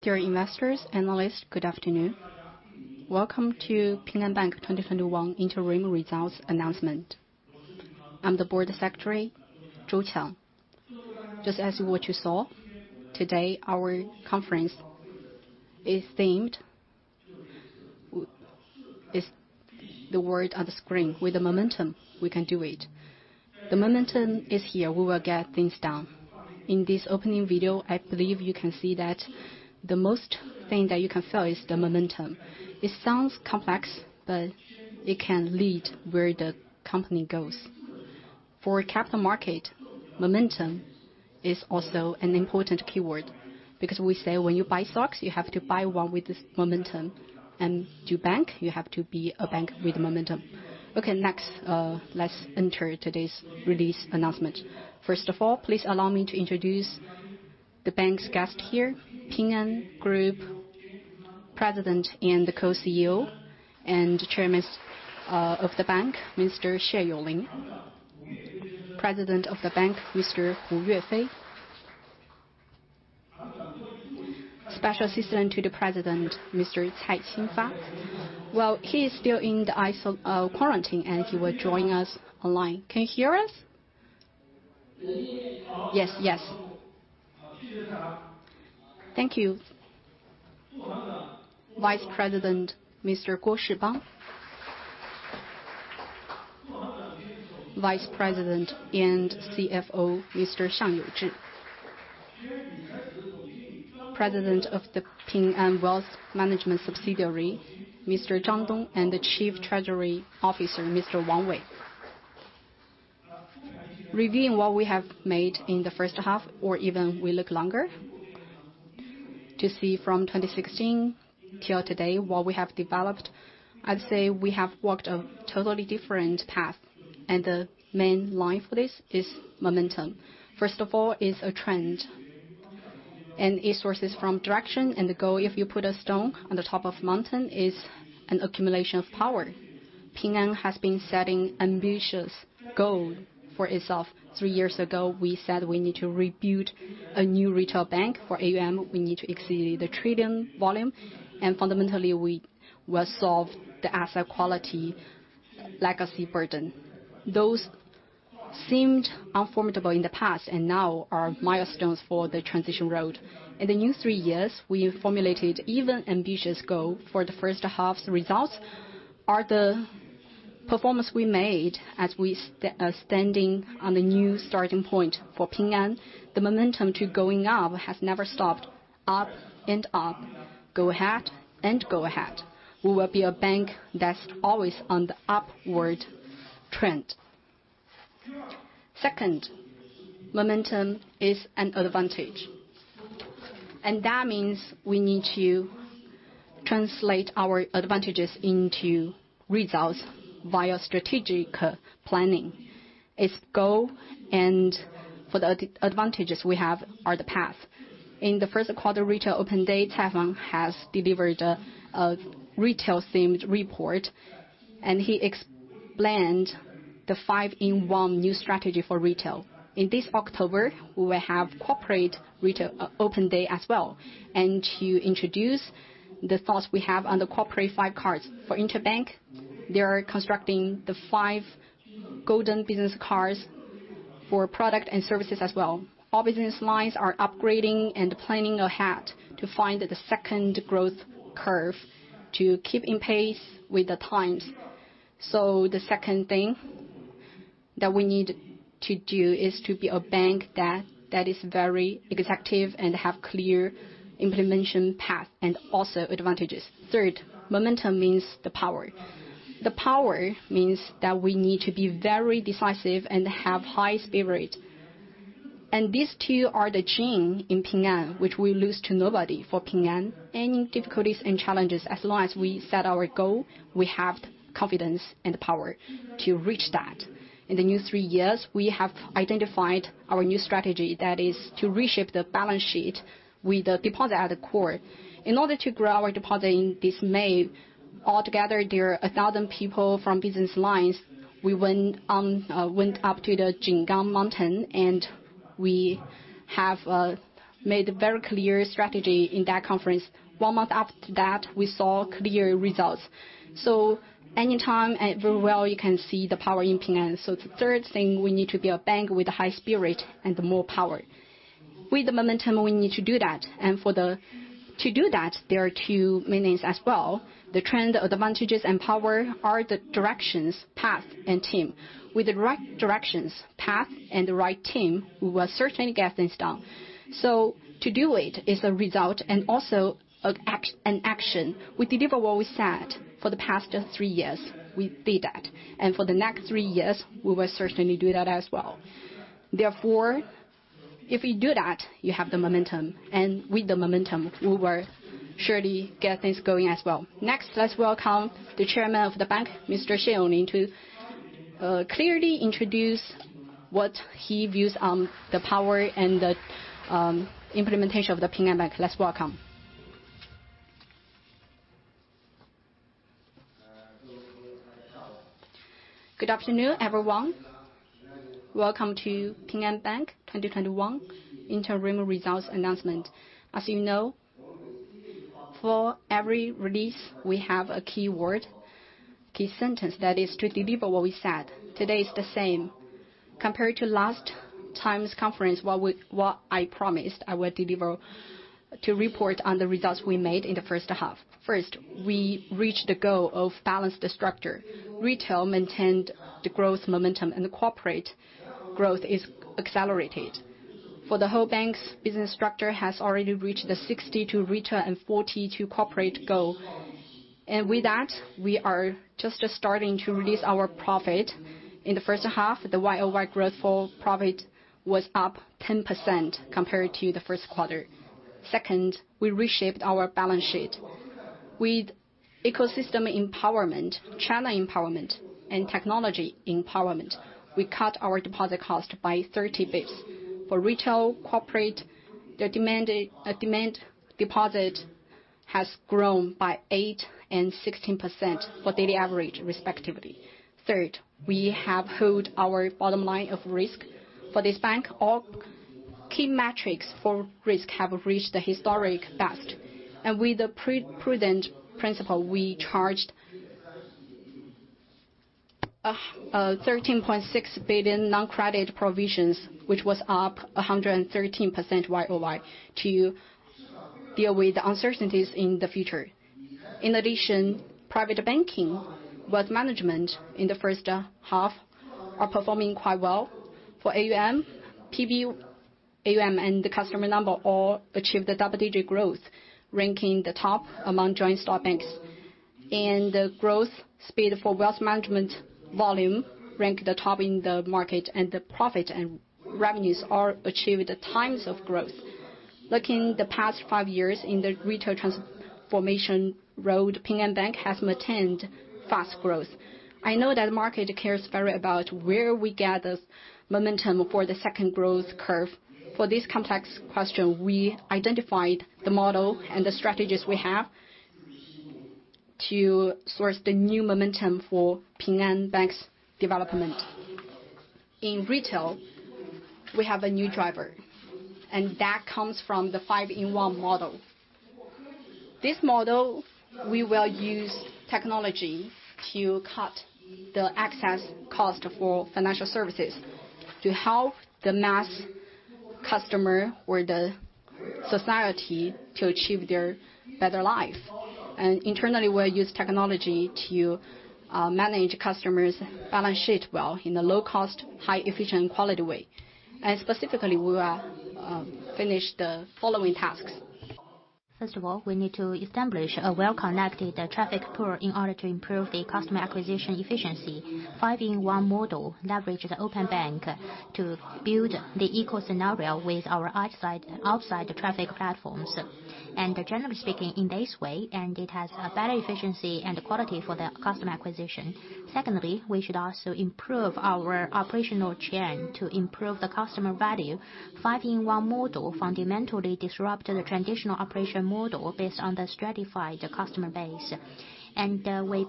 Dear investors, analysts, good afternoon. Welcome to Ping An Bank 2021 interim results announcement. I'm the board secretary, Zhu Qiang. Just as what you saw, today, our conference is themed the word on the screen, "With momentum, we can do it." The momentum is here. We will get things done. In this opening video, I believe you can see that the most thing that you can feel is the momentum. It sounds complex, it can lead where the company goes. For capital market, momentum is also an important keyword we say when you buy stocks, you have to buy one with this momentum. To bank, you have to be a bank with momentum. Okay, next. Let's enter today's release announcement. First of all, please allow me to introduce the bank's guest here, Ping An Group President and Co-CEO and Chairman of the bank, Mr. Xie Yonglin. President of the bank, Mr. Hu Yuefei. Special Assistant to the President, Mr. Cai Xinfa. Well, he is still in the quarantine, and he will join us online. Can you hear us? Yes, yes. Thank you. Vice President, Mr. Guo Shibang. Vice President and CFO, Mr. Xiang You Zhi. President of the Ping An Wealth Management subsidiary, Mr. Zhang Dong, and the Chief Treasury Officer, Mr. Wang Wei. Reviewing what we have made in the first half, or even we look longer, to see from 2016 till today, what we have developed, I'd say we have walked a totally different path, and the main line for this is momentum. First of all, it's a trend, and it sources from direction and the goal. If you put a stone on the top of mountain, it's an accumulation of power. Ping An has been setting ambitious goal for itself. Three years ago, we said we need to rebuild a new retail bank. For AUM, we need to exceed the 1 trillion volume. Fundamentally, we will solve the asset quality legacy burden. Those seemed unformidable in the past and now are milestones for the transition road. In the new three years, we formulated even ambitious goal for the first half's results are the performance we made as we are standing on the new starting point. For Ping An, the momentum to going up has never stopped. Up and up. Go ahead and go ahead. We will be a bank that's always on the upward trend. Second, momentum is an advantage, and that means we need to translate our advantages into results via strategic planning. Its goal and for the advantages we have are the path. In the first quarter, retail open day, Cai Xinfa has delivered a retail themed report. He explained the five-in-one new strategy for retail. In this October, we will have corporate retail open day as well, to introduce the thoughts we have on the corporate Five Cards. For interbank, they are constructing the Five Golden Business Cards for product and services as well. All business lines are upgrading and planning ahead to find the second growth curve to keep in pace with the times. The second thing that we need to do is to be a bank that is very executive and have clear implementation path, and also advantages. Third, momentum means the power. The power means that we need to be very decisive and have high spirit. These two are the chain in Ping An, which we lose to nobody. For Ping An, any difficulties and challenges, as long as we set our goal, we have the confidence and the power to reach that. In the new three years, we have identified our new strategy, that is, to reshape the balance sheet with the deposit at the core. In order to grow our deposit in this May, altogether, there are 1,000 people from business lines. We went up to the Jinggang Mountain, and we have made a very clear strategy in that conference. One month after that, we saw clear results. Anytime and very well, you can see the power in Ping An. The third thing, we need to be a bank with a high spirit and more power. With the momentum, we need to do that. To do that, there are 2 meanings as well. The trend, advantages, and power are the directions, path, and team. With the right directions, path, and the right team, we will certainly get things done. To do it is a result and also an action. We deliver what we said for the past three years. We did that. For the next three years, we will certainly do that as well. If you do that, you have the momentum. With the momentum, we will surely get things going as well. Next, let's welcome the Chairman of the bank, Mr. Xie Yonglin, to clearly introduce what he views on the power and the implementation of the Ping An Bank. Let's welcome. Good afternoon, everyone. Welcome to Ping An Bank 2021 interim results announcement. As you know, for every release, we have a key word, key sentence, that is to deliver what we said. Today is the same. Compared to last time's conference, what I promised I would deliver to report on the results we made in the first half. First, we reached the goal of balanced structure. Retail maintained the growth momentum and the corporate growth is accelerated. For the whole bank's business structure has already reached the 60 to retail and 40 to corporate goal. With that, we are just starting to release our profit. In the first half, the YoY growth for profit was up 10% compared to the first quarter. Second, we reshaped our balance sheet. With ecosystem empowerment, channel empowerment, and technology empowerment, we cut our deposit cost by 30 basis points. For retail, corporate, the demand deposit has grown by 8% and 16% for daily average, respectively. Third, we have held our bottom line of risk. For this bank, all key metrics for risk have reached the historic best. With the prudent principle, we charged 13.6 billion non-credit provisions, which was up 113% YoY to deal with the uncertainties in the future. In addition, private banking wealth management in the first half are performing quite well. For AUM, PB AUM, and the customer number all achieved double-digit growth, ranking the top among joint stock banks. The growth speed for wealth management volume ranked the top in the market, and the profit and revenues all achieved the times of growth. Looking the past five years in the retail transformation road, Ping An Bank has maintained fast growth. I know that market cares very about where we gather momentum for the second growth curve. For this complex question, we identified the model and the strategies we have to source the new momentum for Ping An Bank's development. In retail, we have a new driver, that comes from the five-in-one model. This model, we will use technology to cut the access cost for financial services to help the mass customer or the society to achieve their better life. Internally, we'll use technology to manage customers' balance sheet well in a low cost, high efficient, quality way. Specifically, we will finish the following tasks. First of all, we need to establish a well-connected traffic pool in order to improve the customer acquisition efficiency. Five-in-one model leverages open bank to build the eco-scenario with our outside traffic platforms. Generally speaking, in this way, it has a better efficiency and quality for the customer acquisition. Secondly, we should also improve our operational chain to improve the customer value. Five-in-one model fundamentally disrupt the traditional operation model based on the stratified customer base.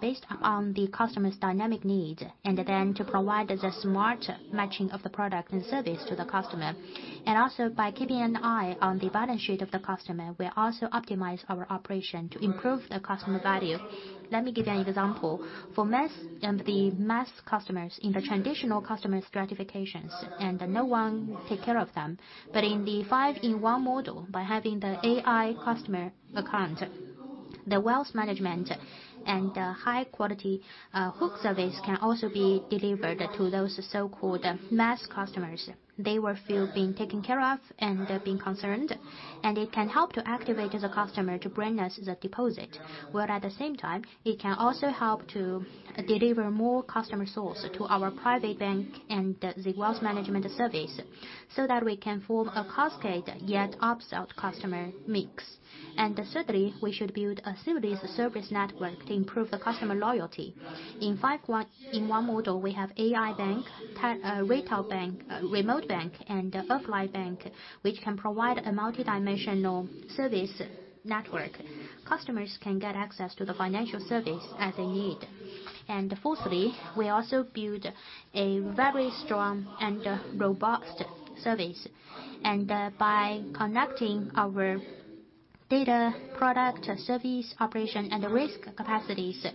Based on the customer's dynamic need, to provide the smart matching of the product and service to the customer. By keeping an eye on the balance sheet of the customer, we also optimize our operation to improve the customer value. Let me give you an example. For the mass customers in the traditional customer stratifications, no one take care of them. In the five-in-one model, by having the AI customer account, the wealth management and high quality hook service can also be delivered to those so-called mass customers. They will feel being taken care of and being concerned, and it can help to activate the customer to bring us the deposit, where at the same time, it can also help to deliver more customer source to our private bank and the wealth management service so that we can form a cascade yet upsell customer mix. Thirdly, we should build a seamless service network to improve the customer loyalty. In five-in-one model, we have AI bank, retail bank, remote bank, and offline bank, which can provide a multidimensional service network. Customers can get access to the financial service as a need. Fourthly, we also build a very strong and robust service. By connecting our data, product, service, operation, and risk capacities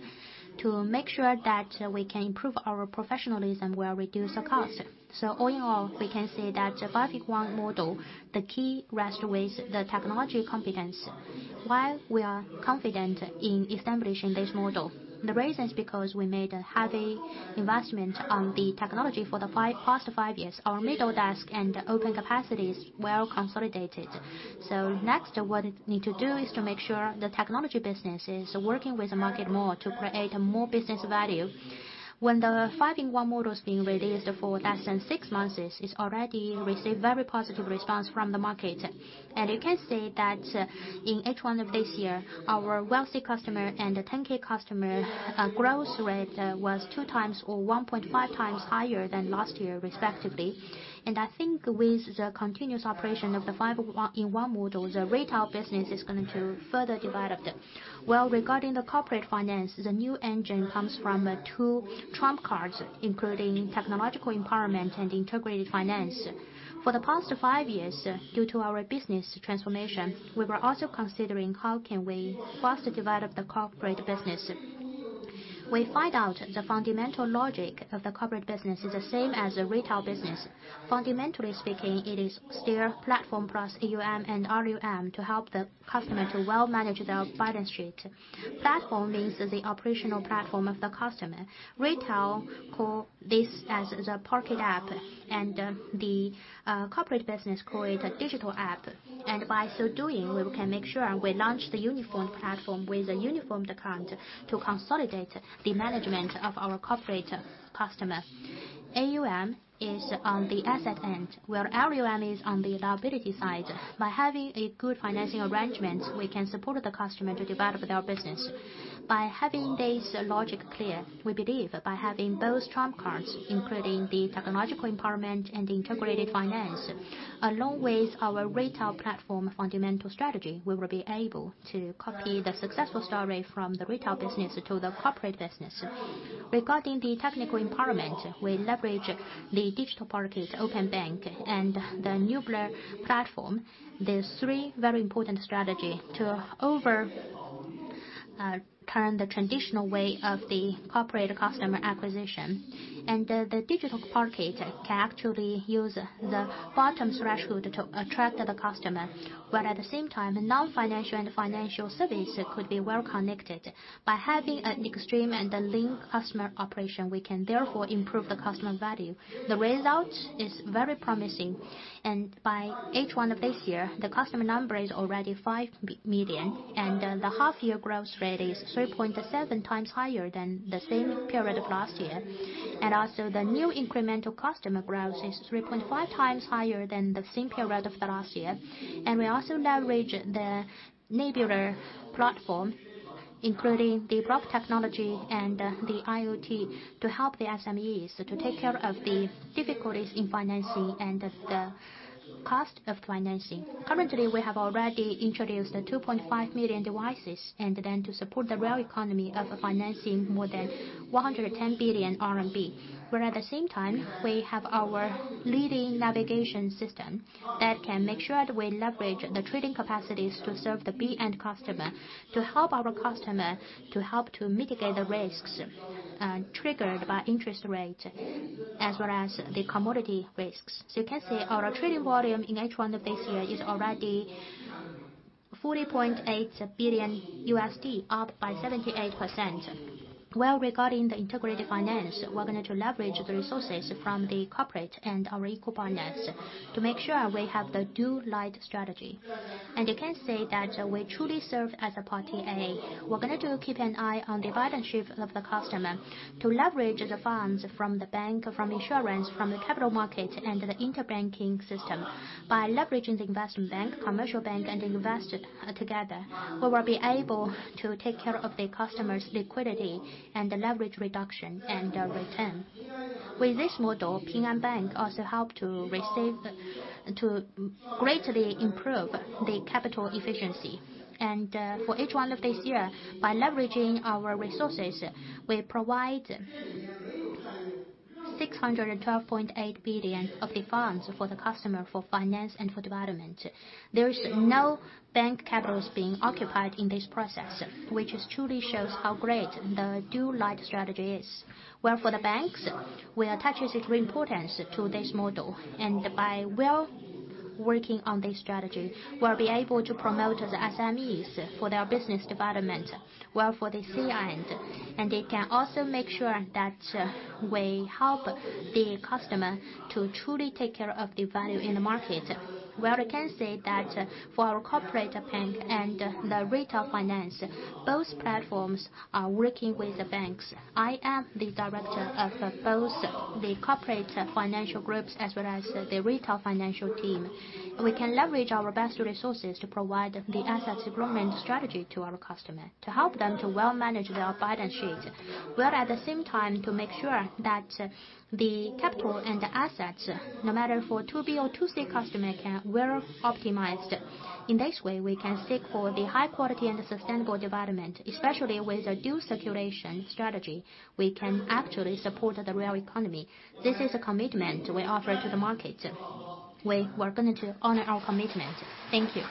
to make sure that we can improve our professionalism will reduce the cost. All in all, we can say that five-in-one model, the key rests with the technology competence. Why we are confident in establishing this model? The reason is because we made a heavy investment on the technology for the past five years. Our middle desk and open capacity is well consolidated. Next, what we need to do is to make sure the technology business is working with the market more to create more business value. When the Five-in-one model is being released for less than six months, it's already received very positive response from the market. You can see that in H1 of this year, our wealthy customer and the 10,000 customer growth rate was 2x or 1.5x higher than last year, respectively. I think with the continuous operation of the five-in-one model, the retail business is going to further develop. Well, regarding the corporate finance, the new engine comes from two trump cards, including technological empowerment and integrated finance. For the past five years, due to our business transformation, we were also considering how can we faster develop the corporate business. We find out the fundamental logic of the corporate business is the same as the retail business. Fundamentally speaking, it is still platform plus AUM and RUM to help the customer to well manage their balance sheet. Platform means the operational platform of the customer. Retail call this as the pocket app, the corporate business call it a digital app. By so doing, we can make sure we launch the uniformed platform with a uniformed account to consolidate the management of our corporate customer. AUM is on the asset end, where RUM is on the liability side. By having a good financing arrangement, we can support the customer to develop their business. By having this logic clear, we believe by having those trump cards, including the technological empowerment and integrated finance, along with our retail platform fundamental strategy, we will be able to copy the successful story from the retail business to the corporate business. Regarding the technical empowerment, we leverage the Digital Pocket, open bank, and the Nebula platform. There's three very important strategy to overturn the traditional way of the corporate customer acquisition. The Digital Pocket can actually use the bottom threshold to attract the customer, where at the same time, non-financial and financial service could be well connected. By having an extreme and a lean customer operation, we can therefore improve the customer value. The result is very promising. By H1 of this year, the customer number is already 5 million, and the half-year growth rate is 3.7x higher than the same period of last year. Also, the new incremental customer growth is 3.5x higher than the same period of the last year. We also leverage the Nebula platform, including the block technology and the IoT, to help the SMEs to take care of the difficulties in financing and the cost of financing. Currently, we have already introduced 2.5 million devices, and then to support the real economy of financing more than 110 billion RMB. Where at the same time, we have our leading navigation system that can make sure that we leverage the trading capacities to serve the B-end customer, to help our customer to mitigate the risks triggered by interest rate as well as the commodity risks. You can see our trading volume in H1 of this year is already $40.8 billion, up by 78%. Well, regarding the integrated finance, we're going to leverage the resources from the corporate and our eco partners to make sure we have the Dual-light strategy. You can see that we truly serve as a party A. We're going to keep an eye on the balance sheet of the customer to leverage the funds from the bank, from insurance, from the capital market, and the interbanking system. By leveraging the investment bank, commercial bank, and investor together, we will be able to take care of the customer's liquidity and leverage reduction and return. With this model, Ping An Bank also help to greatly improve the capital efficiency. For H1 of this year, by leveraging our resources, we provide 612.8 billion of the funds for the customer for finance and for development. There is no bank capital being occupied in this process, which truly shows how great the Dual-light strategy is. Well, for the banks, we attach great importance to this model, and by well working on this strategy, we'll be able to promote the SMEs for their business development well for the C end. They can also make sure that we help the customer to truly take care of the value in the market. Well, we can say that for our corporate bank and the retail finance, both platforms are working with the banks. I am the director of both the corporate financial groups as well as the retail financial team. We can leverage our best resources to provide the asset growth strategy to our customer to help them to well manage their balance sheet, where at the same time to make sure that the capital and the assets, no matter for 2B or 2C customer, can well optimized. In this way, we can seek for the high quality and sustainable development, especially with the dual circulation strategy. We can actually support the real economy. This is a commitment we offer to the market. We are going to honor our commitment. Thank you.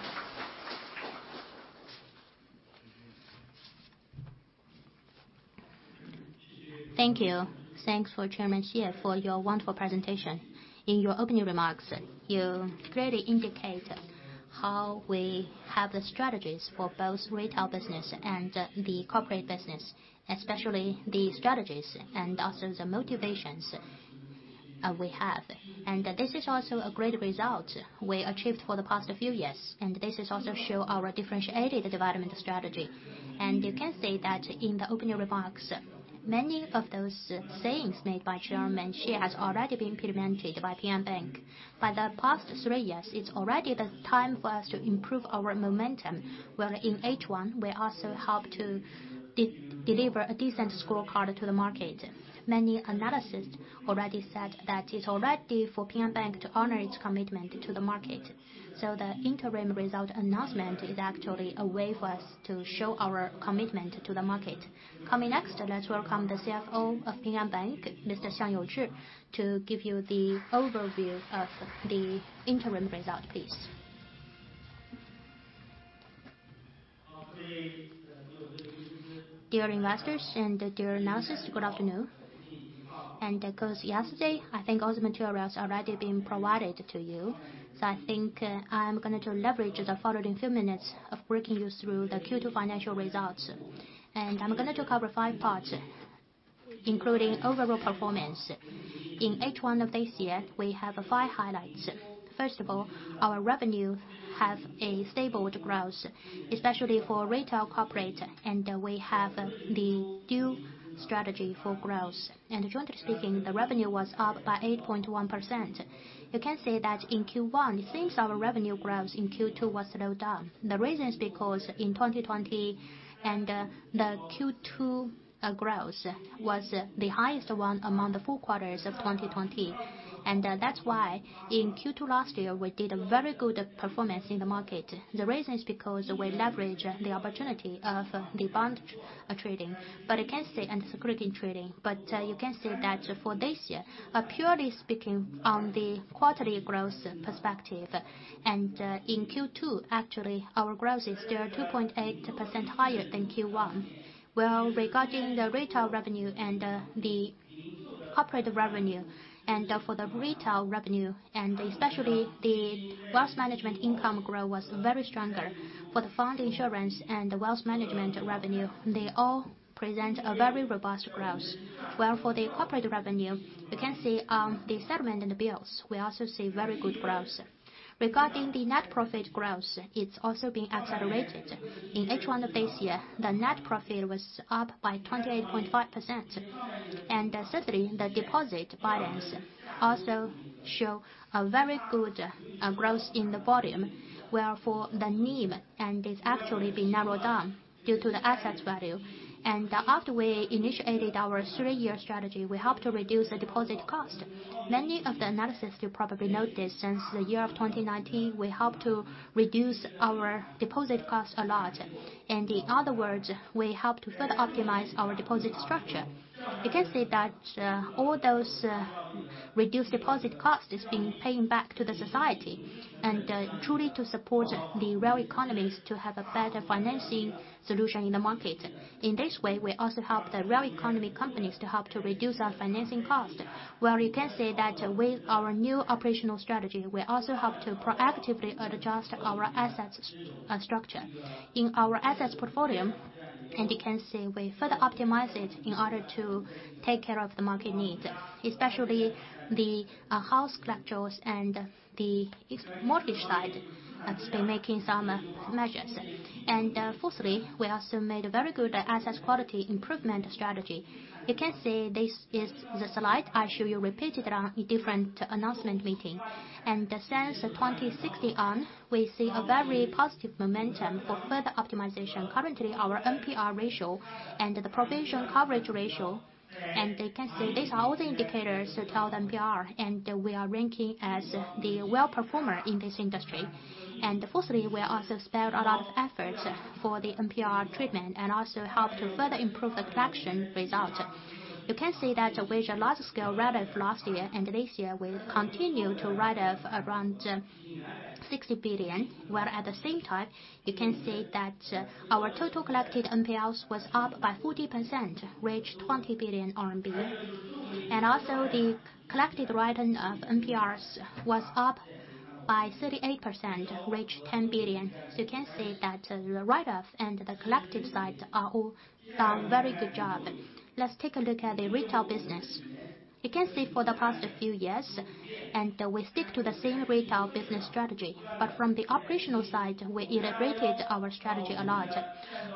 Thank you. Thanks for Chairman Xie for your wonderful presentation. In your opening remarks, you clearly indicate how we have the strategies for both retail business and the corporate business, especially the strategies and also the motivations we have. This is also a great result we achieved for the past few years, this is also show our differentiated development strategy. You can see that in the opening remarks, many of those sayings made by Chairman Xie has already been implemented by Ping An Bank. By the past three years, it's already the time for us to improve our momentum. Well, in H1, we also help to deliver a decent scorecard to the market. Many analysts already said that it's already for Ping An Bank to honor its commitment to the market. The interim result announcement is actually a way for us to show our commitment to the market. Coming next, let's welcome the CFO of Ping An Bank, Mr. Xiang You Zhi, to give you the overview of the interim result, please. Dear investors and dear analysts, good afternoon. Because yesterday, I think all the materials already been provided to you. I think I'm going to leverage the following few minutes of walking you through the Q2 financial results. I'm going to cover five parts, including overall performance. In H1 of this year, we have five highlights. First of all, our revenue has a stable growth, especially for retail corporate, and we have the dual strategy for growth. Jointly speaking, the revenue was up by 8.1%. You can see that in Q1, it seems our revenue growth in Q2 was slowed down. The reason is because in 2020, and the Q2 growth was the highest one among the four quarters of 2020. That's why in Q2 last year, we did a very good performance in the market. The reason is because we leverage the opportunity of the bond trading, security trading. You can see that for this year, purely speaking on the quarterly growth perspective, and in Q2, actually, our growth is still 2.8% higher than Q1. Well, regarding the retail revenue and the corporate revenue, and for the retail revenue, and especially the wealth management income growth was very stronger. For the fund insurance and the wealth management revenue, they all present a very robust growth. While for the corporate revenue, you can see the settlement and bills, we also see very good growth. Regarding the net profit growth, it's also been accelerated. In H1 of this year, the net profit was up by 28.5%. Thirdly, the deposit balance also show a very good growth in the volume, where for the NIM, and it's actually been narrowed down due to the assets value. After we initiated our three-year strategy, we hope to reduce the deposit cost. Many of the analysts, you probably note this, since the year of 2019, we hope to reduce our deposit cost a lot. In other words, we hope to further optimize our deposit structure. You can see that all those reduced deposit cost is being paid back to the society, and truly to support the real economies to have a better financing solution in the market. In this way, we also help the real economy companies to help to reduce their financing cost. Well, you can say that with our new operational strategy, we also have to proactively adjust our assets structure. In our assets portfolio, you can see we further optimize it in order to take care of the market needs, especially the house structures and the mortgage side has been making some measures. Fourthly, we also made a very good asset quality improvement strategy. You can see this is the slide I show you repeated on a different announcement meeting. Since 2016 on, we see a very positive momentum for further optimization. Currently, our NPL ratio and the provision coverage ratio, you can see these are all the indicators to tell the NPL, we are ranking as the well-performer in this industry. Fourthly, we also spared a lot of effort for the NPL treatment, also helped to further improve the collection result. You can see that we've a large scale write-off last year. This year we've continued to write off around 60 billion, while at the same time, you can see that our total collected NPLs was up by 40%, reached 20 billion RMB. Also, the collected write-down of NPLs was up by 38%, reached 10 billion. You can see that the write-off and the collection side are all done very good job. Let's take a look at the retail business. You can see for the past few years, we stick to the same retail business strategy. From the operational side, we integrated our strategy a lot.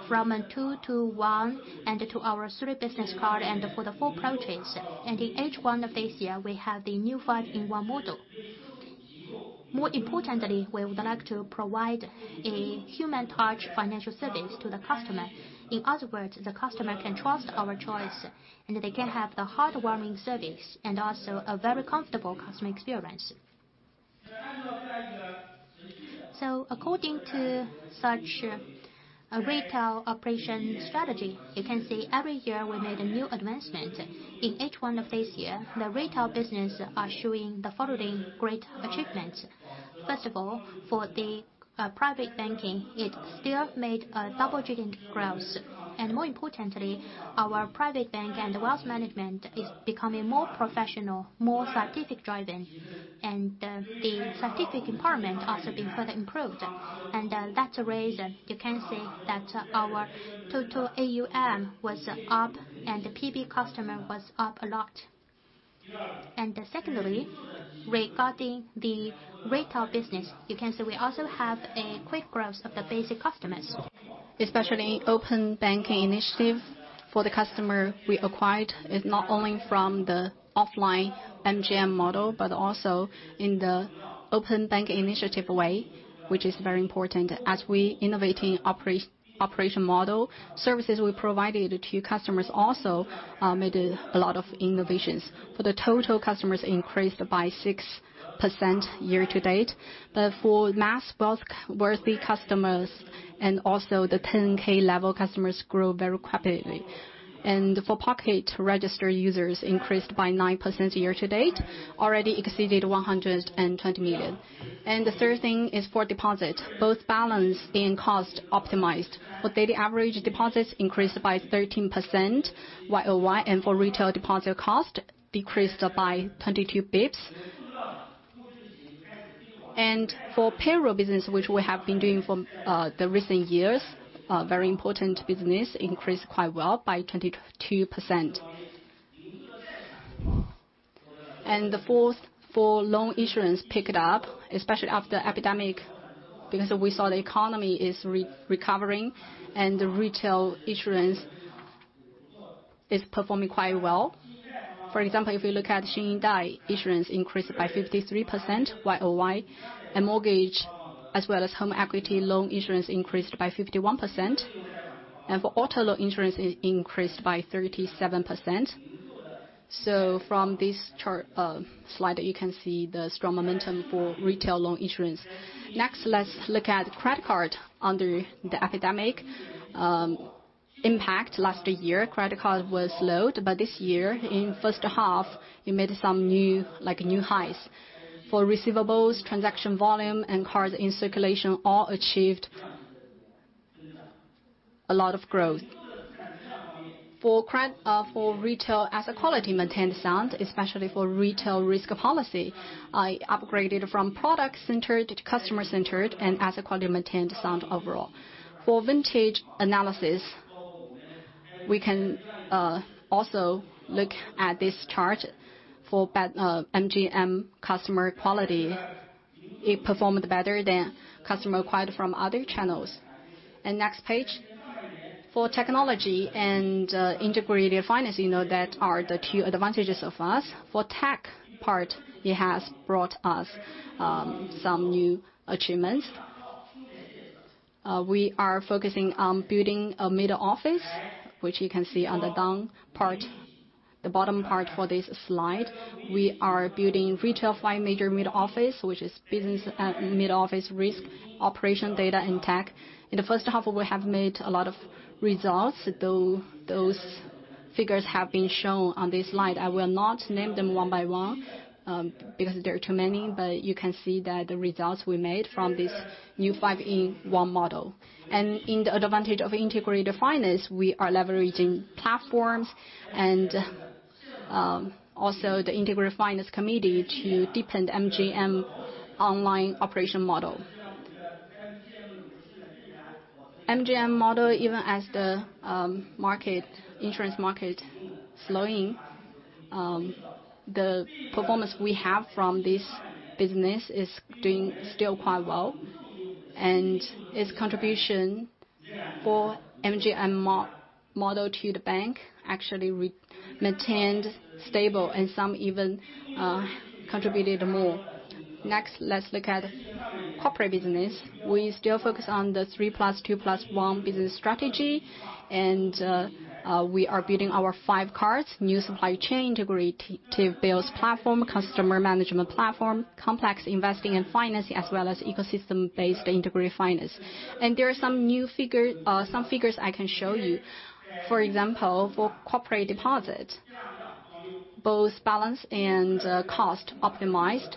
From two to one, to our three business card, for the four approaches. In H1 of this year, we have the new five-in-one model. More importantly, we would like to provide a human touch financial service to the customer. In other words, the customer can trust our choice, and they can have the heartwarming service, and also a very comfortable customer experience. According to such a retail operation strategy, you can see every year we made a new advancement. In H1 of this year, the retail business are showing the following great achievements. First of all, for the private banking, it still made a double-digit growth. More importantly, our private bank and wealth management is becoming more professional, more scientific driven. The scientific empowerment also been further improved. That's the reason you can see that our total AUM was up and the PB customer was up a lot. Secondly, regarding the retail business, you can see we also have a quick growth of the basic customers. Especially Open Bank initiative for the customer we acquired is not only from the offline MGM model, but also in the Open Bank initiative way, which is very important as we innovate operation model. Services we provided to customers also made a lot of innovations. For the total customers increased by 6% year-to-date. For mass wealthy customers and also the 10,000 level customers grow very rapidly. For Pocket registered users increased by 9% year to date, already exceeded 120 million. The third thing is for deposits, both balance and cost optimized. For daily average deposits increased by 13% year-over-year, and for retail deposit cost decreased by 22 basis points. For payroll business, which we have been doing for the recent years, very important business increased quite well by 22%. The fourth, for loan insurance picked up, especially after epidemic, because we saw the economy is recovering and the retail insurance is performing quite well. For example, if you look at Xin Yi Dai insurance increased by 53% year-over-year, and mortgage as well as home equity loan insurance increased by 51%. For auto loan insurance increased by 37%. From this slide, you can see the strong momentum for retail loan insurance. Next, let's look at credit card. Under the epidemic impact last year, credit card was slowed. This year in first half, we made some new highs. For receivables, transaction volume, and cards in circulation all achieved a lot of growth. For retail, asset quality maintained sound, especially for retail risk policy, upgraded from product-centered to customer-centered and asset quality maintained sound overall. For vintage analysis, we can also look at this chart for MGM customer quality. It performed better than customer acquired from other channels. Next page. For technology and integrated finance, you know that are the two advantages of us. For tech part, it has brought us some new achievements. We are focusing on building a middle office, which you can see on the bottom part for this slide. We are building retail five major middle office, which is business middle office, risk, operation, data, and tech. In the first half, we have made a lot of results, though those figures have been shown on this slide. I will not name them one by one, because there are too many, but you can see that the results we made from this new five-in-one model. In the advantage of integrated finance, we are leveraging platforms and also the integrated finance committee to deepen MGM online operation model. MGM model, even as the insurance market slowing, the performance we have from this business is doing still quite well. Its contribution for MGM model to the bank actually maintained stable and some even contributed more. Next, let's look at corporate business. We still focus on the three plus two plus one business strategy, and we are building our five cards, new supply chain, integrated bills platform, customer management platform, complex investing and financing as well as ecosystem-based integrated finance. There are some figures I can show you. For example, for corporate deposit, both balance and cost optimized.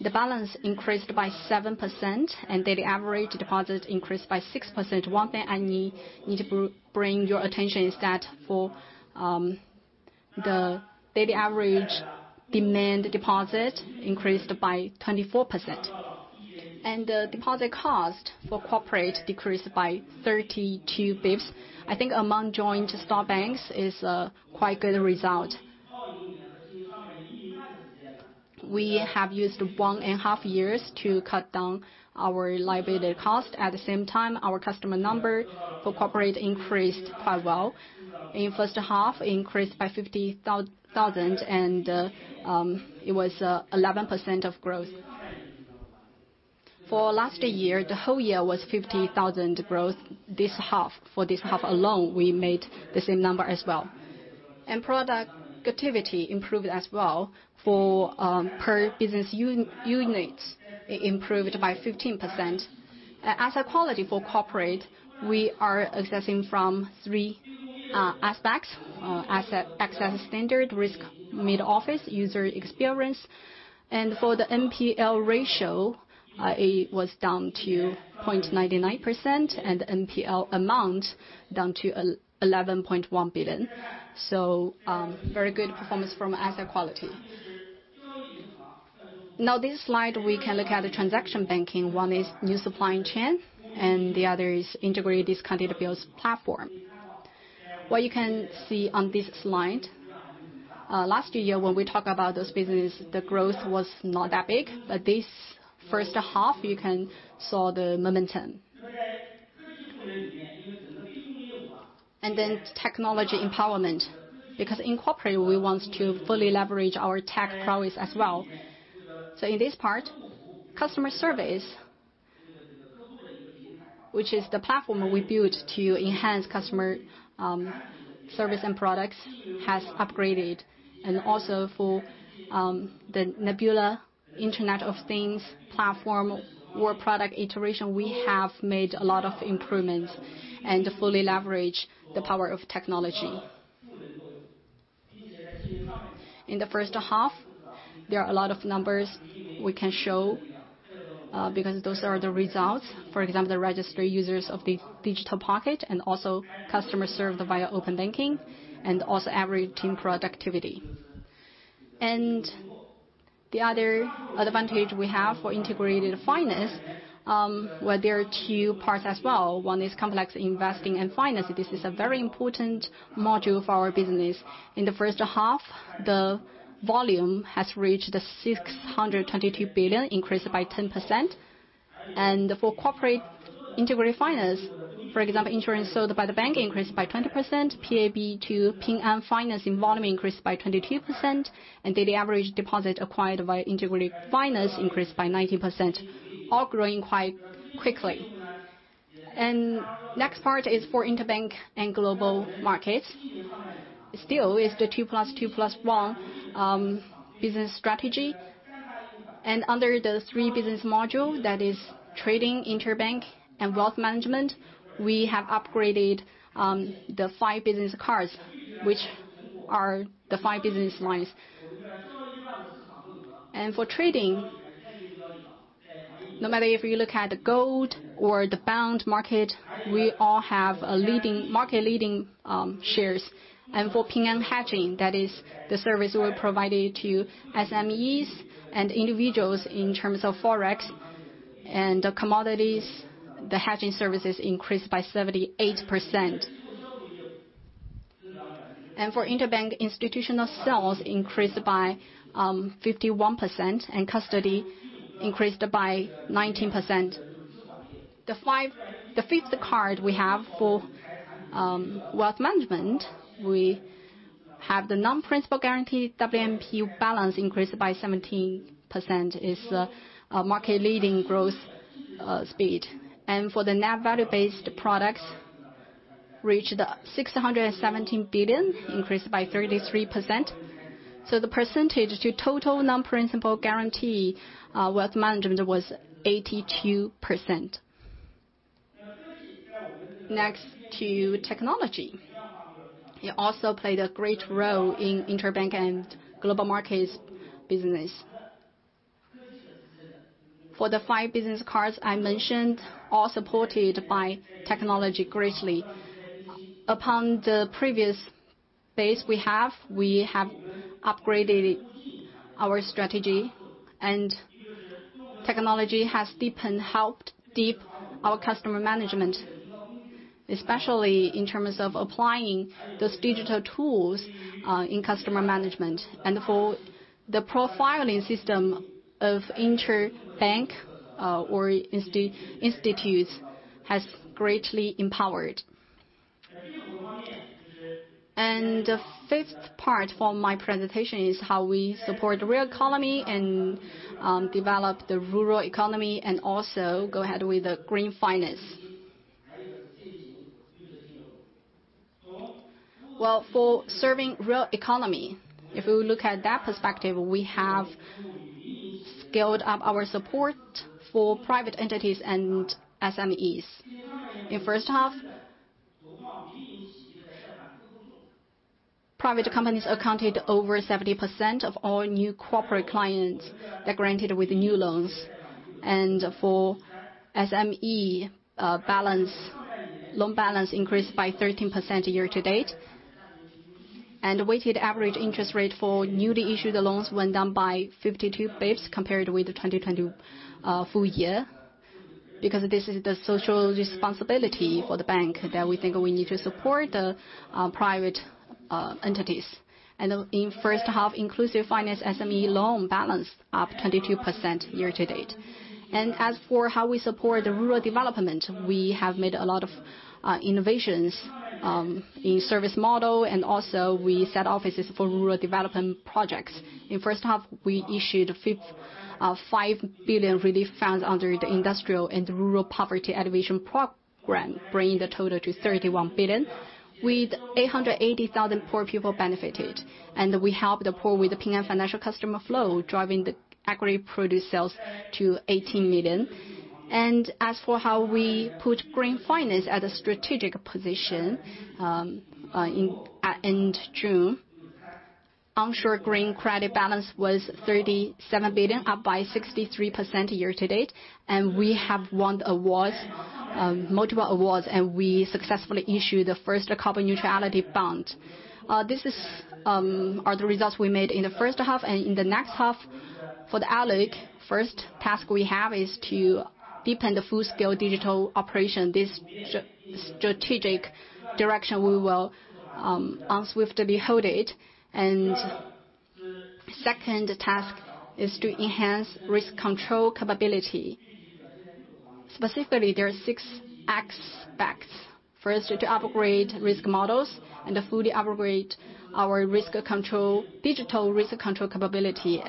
The balance increased by 7% and daily average deposit increased by 6%. One thing I need to bring your attention is that for the daily average demand deposit increased by 24%. The deposit cost for corporate decreased by 32 basis points. I think among joint stock banks is a quite good result. We have used one and a half years to cut down our liability cost. At the same time, our customer number for corporate increased quite well. In first half, increased by 50,000 and it was 11% of growth. For last year, the whole year was 50,000 growth. This half, for this half alone, we made the same number as well. Productivity improved as well. For per business units, it improved by 15%. Asset quality for corporate, we are assessing from three aspects. Asset excess standard, risk mid-office, user experience. For the NPL ratio, it was down to 0.99% and NPL amount down to 11.1 billion. Very good performance from asset quality. This slide, we can look at the transaction banking. One is new supply chain, and the other is integrated discounted bills platform. What you can see on this slide, last year, when we talk about those businesses, the growth was not that big, but this first half you can see the momentum. Technology empowerment, because in corporate, we want to fully leverage our tech prowess as well. In this part, customer service, which is the platform we built to enhance customer service and products, has upgraded. Also for the Nebula Internet of Things platform or product iteration, we have made a lot of improvements and fully leverage the power of technology. In the first half, there are a lot of numbers we can show, because those are the results. For example, the registered users of the Digital Pocket, and also customers served via Open Banking, and also average team productivity. The other advantage we have for integrated finance, where there are two parts as well. One is complex investing and finance. This is a very important module for our business. In the first half, the volume has reached 622 billion, increased by 10%. For corporate integrated finance, for example, insurance sold by the bank increased by 20%, PAB to Ping An financing volume increased by 22%, and daily average deposit acquired via integrated finance increased by 19%, all growing quite quickly. Next part is for interbank and global markets. Still is the two plus two plus one business strategy. Under the three business module, that is trading, interbank, and wealth management, we have upgraded the five business cards, which are the five business lines. For trading, no matter if you look at the gold or the bond market, we all have market-leading shares. For Ping An hedging, that is the service we provided to SMEs and individuals in terms of forex and commodities, the hedging services increased by 78%. For interbank institutional sales increased by 51%, and custody increased by 19%. The fifth card we have for wealth management, we have the non-principal guaranteed WMP balance increased by 17%, is a market-leading growth speed. For the net value-based products, reached 617 billion, increased by 33%. The percentage to total non-principal guarantee wealth management was 82%. Next to technology. It also played a great role in interbank and global markets business. For the five business cards I mentioned, all supported by technology greatly. Upon the previous base we have, we have upgraded our strategy, technology has deepened, helped deepen our customer management, especially in terms of applying those digital tools in customer management. For the profiling system of interbank or institutes has greatly empowered. The fifth part for my presentation is how we support real economy and develop the rural economy and also go ahead with the green finance. Well, for serving real economy, if we look at that perspective, we have scaled up our support for private entities and SMEs. In first half, private companies accounted over 70% of all new corporate clients that granted with new loans. For SME loan balance increased by 13% year to date. Weighted average interest rate for newly issued loans went down by 52 basis points compared with the 2020 full year, because this is the social responsibility for the bank that we think we need to support the private entities. In first half, inclusive finance SME loan balance up 22% year to date. As for how we support the rural development, we have made a lot of innovations in service model, and also we set offices for rural development projects. In first half, we issued 5 billion relief funds under the Industrialization and Rural Poverty Alleviation Program, bringing the total to 31 billion, with 880,000 poor people benefited. We help the poor with the Ping An financial customer flow, driving the agri-produce sales to 18 million. As for how we put green finance at a strategic position, at end June, onshore green credit balance was 37 billion, up by 63% year to date. We have won multiple awards. We successfully issued the first Carbon Neutrality Bond. These are the results we made in the first half. In the next half, for the ALCO, first task we have is to deepen the full-scale digital operation. This strategic direction, we will unswiftly hold it. Second task is to enhance risk control capability. Specifically, there are six aspects. First, to upgrade risk models and fully upgrade our digital risk control capability,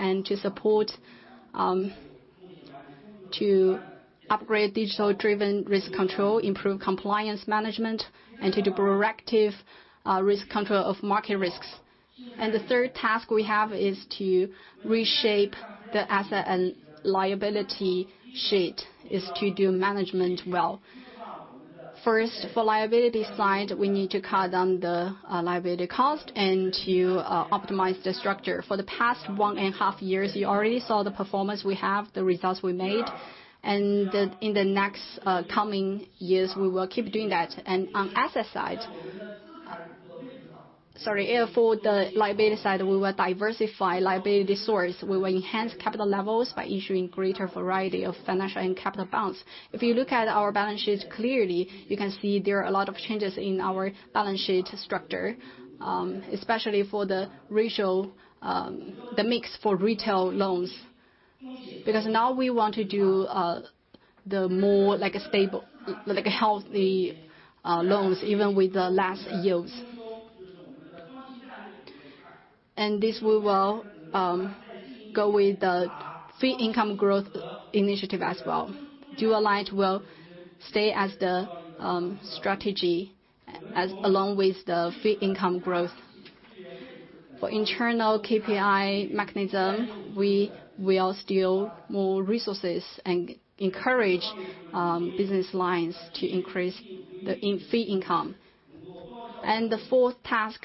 to upgrade digital-driven risk control, improve compliance management, to do proactive risk control of market risks. The third task we have is to reshape the asset and liability sheet, is to do management well. First, for liability side, we need to cut down the liability cost to optimize the structure. For the past one and a half years, you already saw the performance we have, the results we made. In the next coming years, we will keep doing that. On asset side. Sorry, for the liability side, we will diversify liability source. We will enhance capital levels by issuing greater variety of financial and capital products. If you look at our balance sheet clearly, you can see there are a lot of changes in our balance sheet structure, especially for the mix for retail loans. Now we want to do the more healthy loans, even with the less yields. This will well go with the fee income growth initiative as well. Dual light will stay as the strategy, along with the fee income growth. For internal KPI mechanism, we will steal more resources and encourage business lines to increase the fee income. The fourth task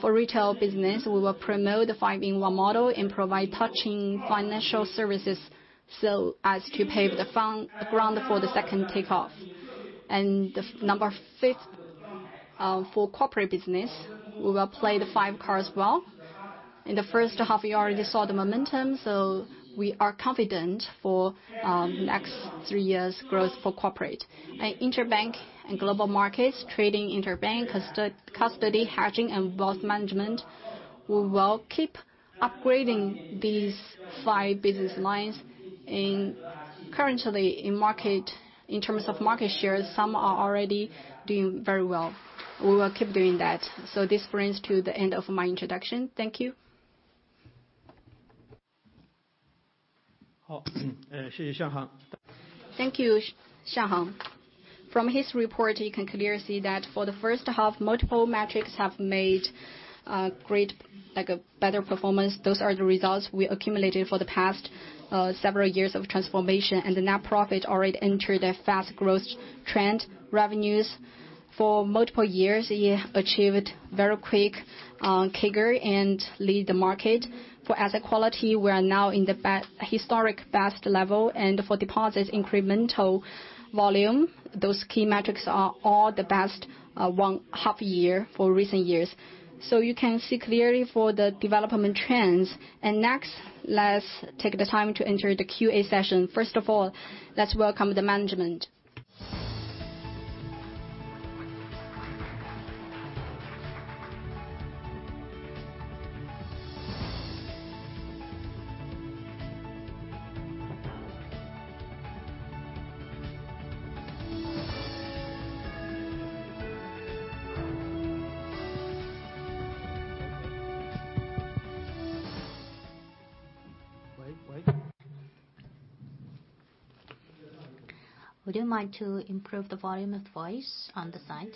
for retail business, we will promote the five-in-one model and provide touching financial services so as to pave the ground for the second takeoff. The number fifth, for corporate business, we will play the five card as well. In the first half, you already saw the momentum. We are confident for next three years growth for corporate. Interbank and global markets, trading interbank, custody, hedging, and wealth management. We will keep upgrading these five business lines. Currently, in terms of market shares, some are already doing very well. We will keep doing that. This brings to the end of my introduction. Thank you. Thank you, Xiang You Zhi. From his report, you can clearly see that for the first half, multiple metrics have made better performance. Those are the results we accumulated for the past several years of transformation. The net profit already entered a fast growth trend. Revenues for multiple years, we achieved very quick CAGR and lead the market. For asset quality, we are now in the historic best level. For deposits incremental volume, those key metrics are all the best one half year for recent years. You can see clearly for the development trends. Next, let's take the time to enter the QA session. First of all, let's welcome the management. Would you mind to improve the volume of voice on the side?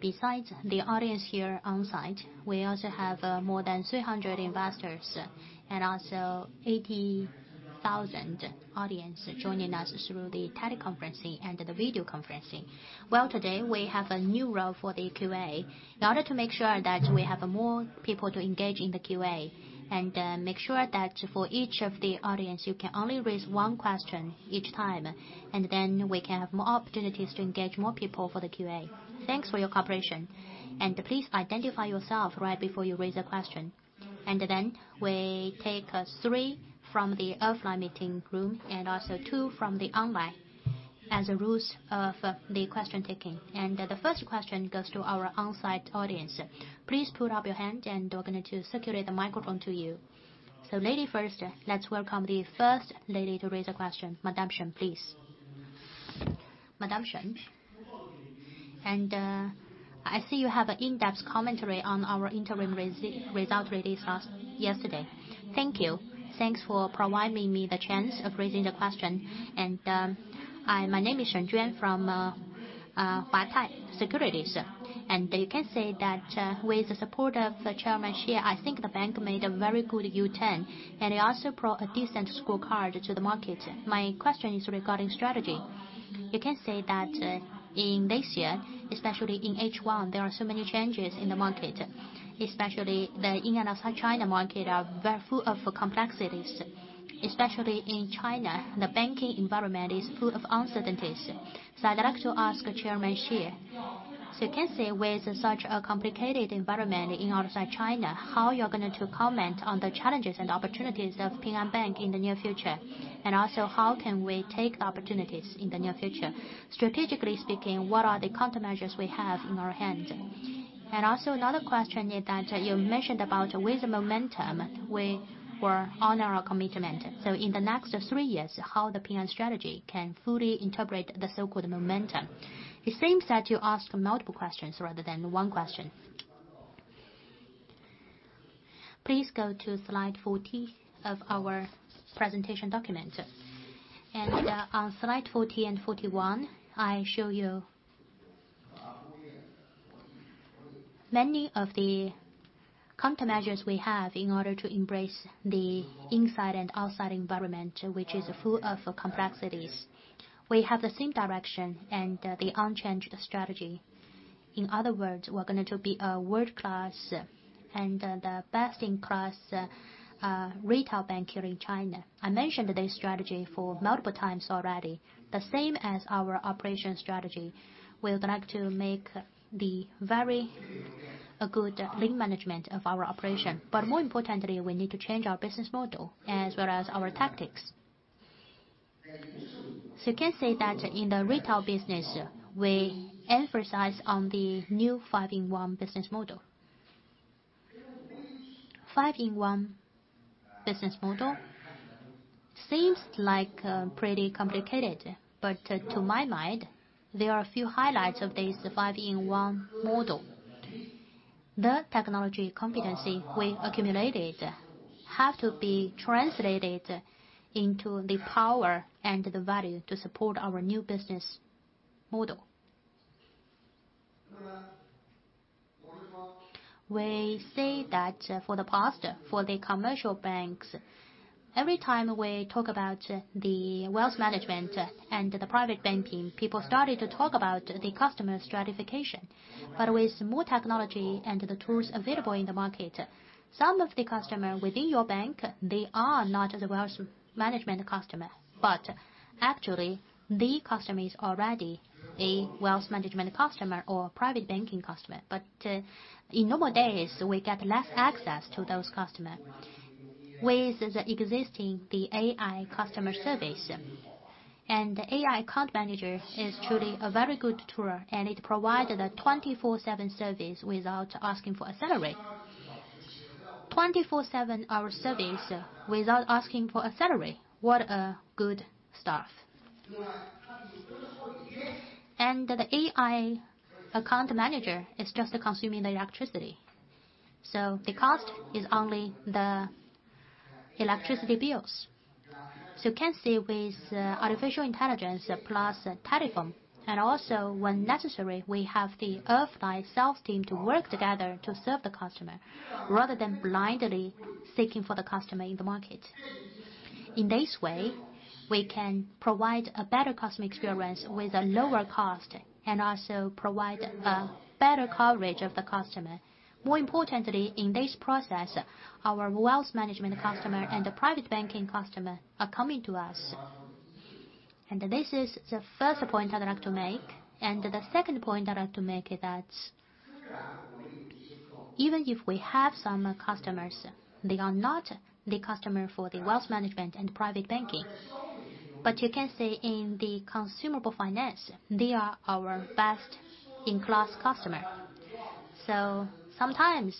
Besides the audience here on-site, we also have more than 300 investors and also 80,000 audience joining us through the teleconferencing and the video conferencing. Well, today we have a new role for the QA. In order to make sure that we have more people to engage in the QA and make sure that for each of the audience, you can only raise one question each time, and then we can have more opportunities to engage more people for the QA. Thanks for your cooperation. Please identify yourself right before you raise a question. Then we take three from the offline meeting room and also two from the online as the rules of the question taking. The first question goes to our on-site audience. Please put up your hand and we're going to circulate the microphone to you. Lady first. Let's welcome the first lady to raise a question. Madam Shen, please. I see you have an in-depth commentary on our interim result release yesterday. Thank you. Thanks for providing me the chance of raising the question. My name is Shen Juan from Huatai Securities. You can say that with the support of Chairman Xie, I think the bank made a very good U-turn, and it also brought a decent scorecard to the market. My question is regarding strategy. You can say that in this year, especially in H1, there are so many changes in the market, especially the in and outside China market are very full of complexities, especially in China, the banking environment is full of uncertainties. I'd like to ask Chairman Xie. You can say with such a complicated environment in outside China, how you're going to comment on the challenges and opportunities of Ping An Bank in the near future? How can we take the opportunities in the near future? Strategically speaking, what are the countermeasures we have in our hand? Another question is that you mentioned about with the momentum, we were on our commitment. In the next three years, how the Ping An strategy can fully interpret the so-called momentum? It seems that you ask multiple questions rather than 1 question. Please go to slide 40 of our presentation document. On slide 40 and 41, Many of the countermeasures we have in order to embrace the inside and outside environment, which is full of complexities. We have the same direction and the unchanged strategy. In other words, we're going to be a world-class and the best-in-class retail banker in China. I mentioned this strategy for multiple times already. The same as our operation strategy, we would like to make the very good link management of our operation. More importantly, we need to change our business model as well as our tactics. You can say that in the retail business, we emphasize on the new five-in-one business model. Five-in-one business model seems pretty complicated, but to my mind, there are a few highlights of this five-in-one model. The technology competency we accumulated have to be translated into the power and the value to support our new business model. We say that for the past, for the commercial banks, every time we talk about the wealth management and the private banking, people started to talk about the customer stratification. With more technology and the tools available in the market, some of the customer within your bank, they are not the wealth management customer, but actually the customer is already a wealth management customer or private banking customer. In normal days, we get less access to those customer. With the existing AI customer service, and AI account manager is truly a very good tool, and it provides a 24/7 service without asking for a salary. 24/7 hour service without asking for a salary. What a good staff. The AI account manager is just consuming the electricity. The cost is only the electricity bills. You can see with artificial intelligence plus telephone, and also when necessary, we have the elite sales team to work together to serve the customer rather than blindly seeking for the customer in the market. In this way, we can provide a better customer experience with a lower cost and also provide a better coverage of the customer. More importantly, in this process, our wealth management customer and the private banking customer are coming to us. This is the first point I'd like to make. The second point I'd like to make is that even if we have some customers, they are not the customer for the wealth management and private banking. You can say in the consumable finance, they are our best-in-class customer. Sometimes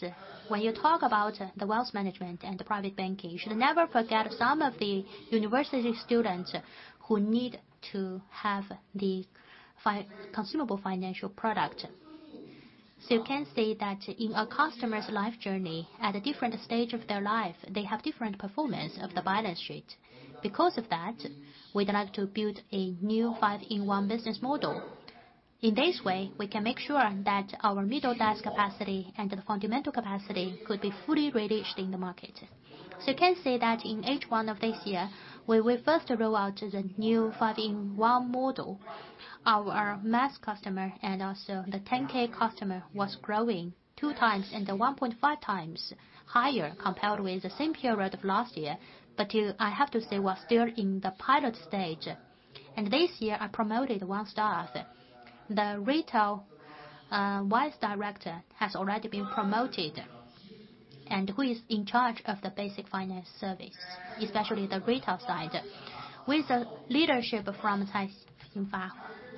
when you talk about the wealth management and the private banking, you should never forget some of the university students who need to have the consumable financial product. You can say that in a customer's life journey, at a different stage of their life, they have different performance of the balance sheet. We'd like to build a new five-in-one business model. In this way, we can make sure that our middle desk capacity and the fundamental capacity could be fully released in the market. In H1 of this year, when we first roll out the new five-in-one model, our mass customer and also the 10,000 customer was growing 2x and the 1.5x higher compared with the same period of last year. We're still in the pilot stage. This year, I promoted one staff. The retail vice director has already been promoted, and who is in charge of the basic finance service, especially the retail side. With the leadership from Cai Fangfang,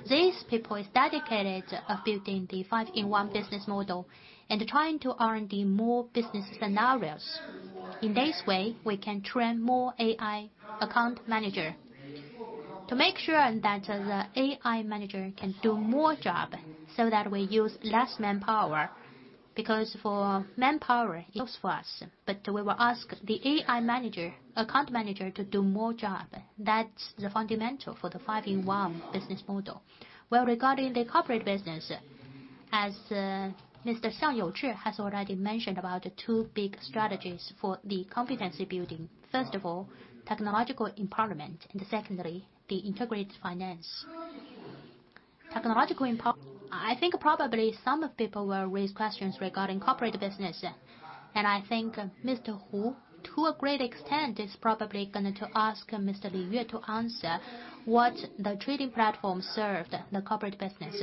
these people is dedicated of building the five-in-one business model and trying to earn the more business scenarios. In this way, we can train more AI account manager to make sure that the AI manager can do more job so that we use less manpower, because for manpower, it works for us. We will ask the AI manager, account manager, to do more job. That's the fundamental for the five-in-one business model. Well, regarding the corporate business, as Mr. Xiang You Zhi has already mentioned about the 2 big strategies for the competency building. First of all, technological empowerment, and secondly, the integrated finance. Technological empowerment. I think probably some of people will raise questions regarding corporate business. I think Mr. Hu, to a great extent, is probably going to ask Mr. Li Yue to answer what the trading platform served the corporate business.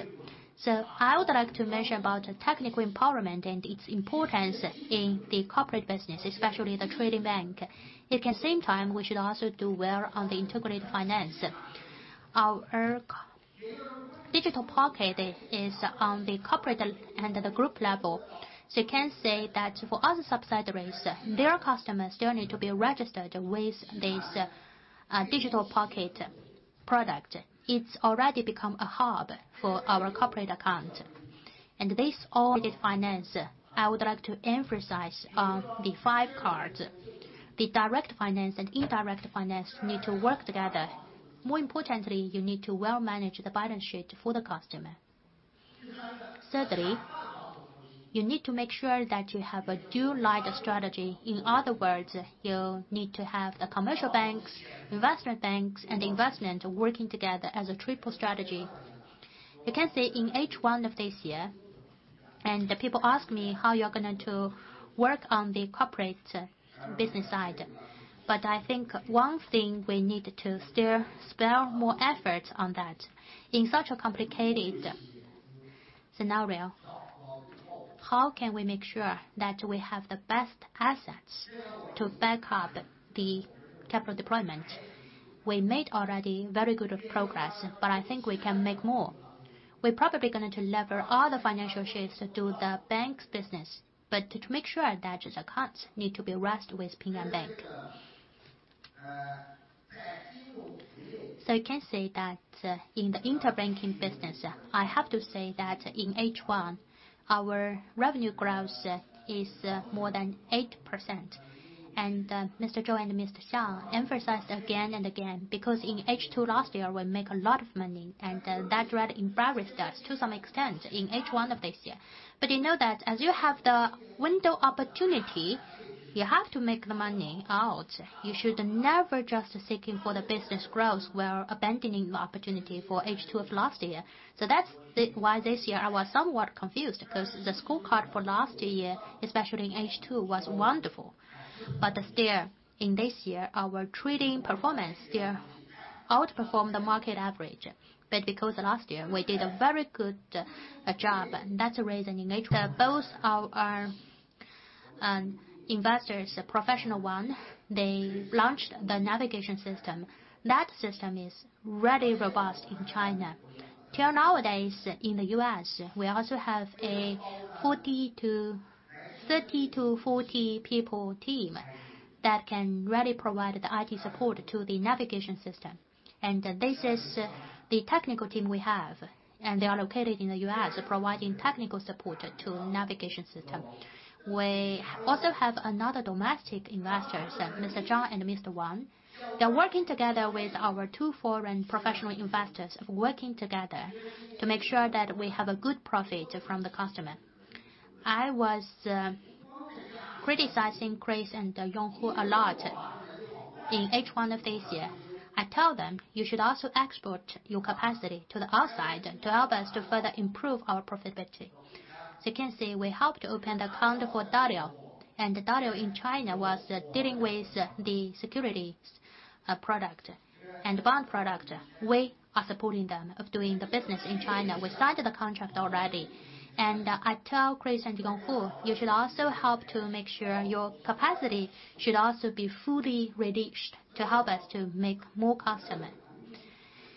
I would like to mention about technological empowerment and its importance in the corporate business, especially the trading bank. At the same time, we should also do well on the integrated finance. Our Digital Pocket is on the corporate and the group level. You can say that for other subsidiaries, their customers still need to be registered with this Digital Pocket product. It's already become a hub for our corporate account. This all is finance. I would like to emphasize on the five cards. The direct finance and indirect finance need to work together. More importantly, you need to well manage the balance sheet for the customer. Thirdly, you need to make sure that you have a Dual-light strategy. In other words, you need to have the commercial banks, investment banks, and investment working together as a triple strategy. You can see in H1 of this year, the people ask me how you're going to work on the corporate business side. I think one thing we need to still spare more efforts on that. In such a complicated scenario, how can we make sure that we have the best assets to back up the capital deployment? We made already very good progress, but I think we can make more. We're probably going to lever all the financial sheets to do the bank's business, but to make sure that the accounts need to be rest with Ping An Bank. You can see that in the inter-banking business, I have to say that in H1, our revenue growth is more than 8%. Mr. Zhu and Mr. Xiao emphasized again and again, because in H2 last year, we make a lot of money, and that really embarrassed us to some extent in H1 of this year. You know that as you have the window opportunity, you have to make the money out. You should never just seeking for the business growth where abandoning the opportunity for H2 of last year. That's why this year I was somewhat confused because the scorecard for last year, especially in H2, was wonderful. Still, in this year, our trading performance still outperformed the market average. Because last year, we did a very good job, that's the reason in H1. Both our investors, professional one, they launched the navigation system. That system is really robust in China. Till nowadays in the U.S., we also have a 30 to 40 people team that can really provide the IT support to the navigation system. This is the technical team we have, and they are located in the U.S. providing technical support to navigation system. We also have another domestic investors, Mr. Zhang and Mr. Wang. They're working together with our two foreign professional investors, working together to make sure that we have a good profit from the customer. I was criticizing Chris and Yonghu a lot in H1 of this year. I tell them, "You should also export your capacity to the outside to help us to further improve our profitability." You can see, we helped open the account for Dalio, and Dalio in China was dealing with the securities product and bond product. We are supporting them of doing the business in China. We signed the contract already. I tell Chris and Yonghu, "You should also help to make sure your capacity should also be fully leveraged to help us to make more customer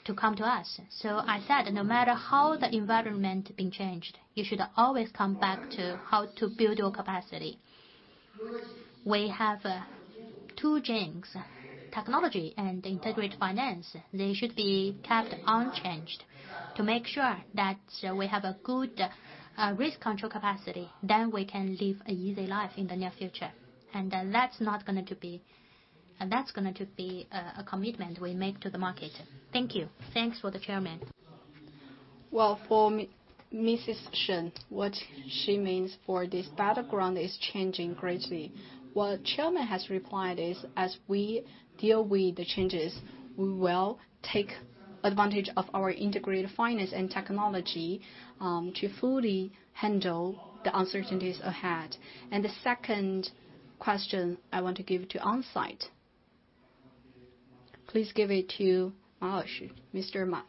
to come to us." I said, "No matter how the environment being changed, you should always come back to how to build your capacity." We have two genes, technology and integrated finance. They should be kept unchanged to make sure that we have a good risk control capacity, then we can live an easy life in the near future. That's going to be a commitment we make to the market. Thank you. Thanks for the Chairman. Well, for Mrs. Shen, what she means for this battleground is changing greatly. What Chairman has replied is, as we deal with the changes, we will take advantage of our integrated finance and technology, to fully handle the uncertainties ahead. The second question I want to give to onsite. Please give it to Ma Xu, Mr. Ma.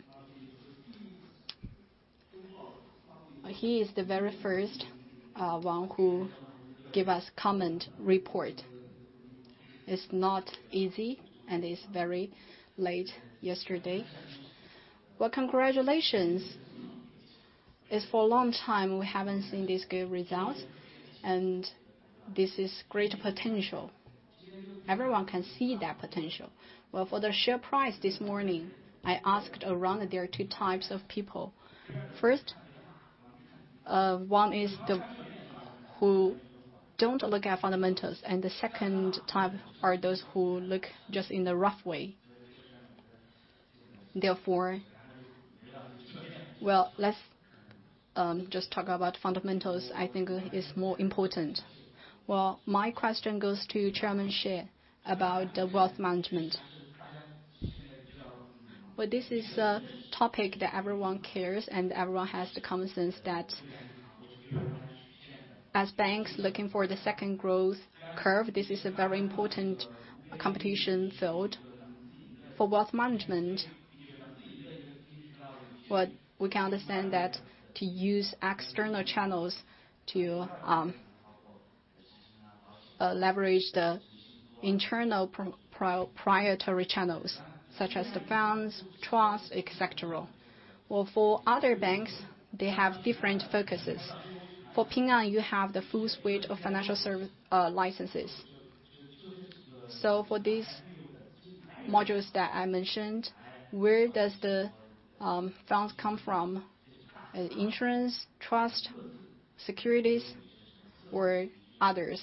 He is the very first one who give us comment report. It's not easy and it's very late yesterday. Well, congratulations. It's for a long time we haven't seen these good results, and this is great potential. Everyone can see that potential. Well, for the share price this morning, I asked around, there are two types of people. First, one is who don't look at fundamentals, and the second type are those who look just in the rough way. Therefore, well, let's just talk about fundamentals, I think is more important. Well, my question goes to Chairman Xie about the wealth management. Well, this is a topic that everyone cares and everyone has the common sense that as banks looking for the second growth curve, this is a very important competition field for wealth management. What we can understand that to use external channels to leverage the internal proprietary channels, such as the funds, trusts, et cetera. Well, for other banks, they have different focuses. For Ping An, you have the full suite of financial service licenses. For these modules that I mentioned, where does the funds come from? Insurance, trust, securities or others?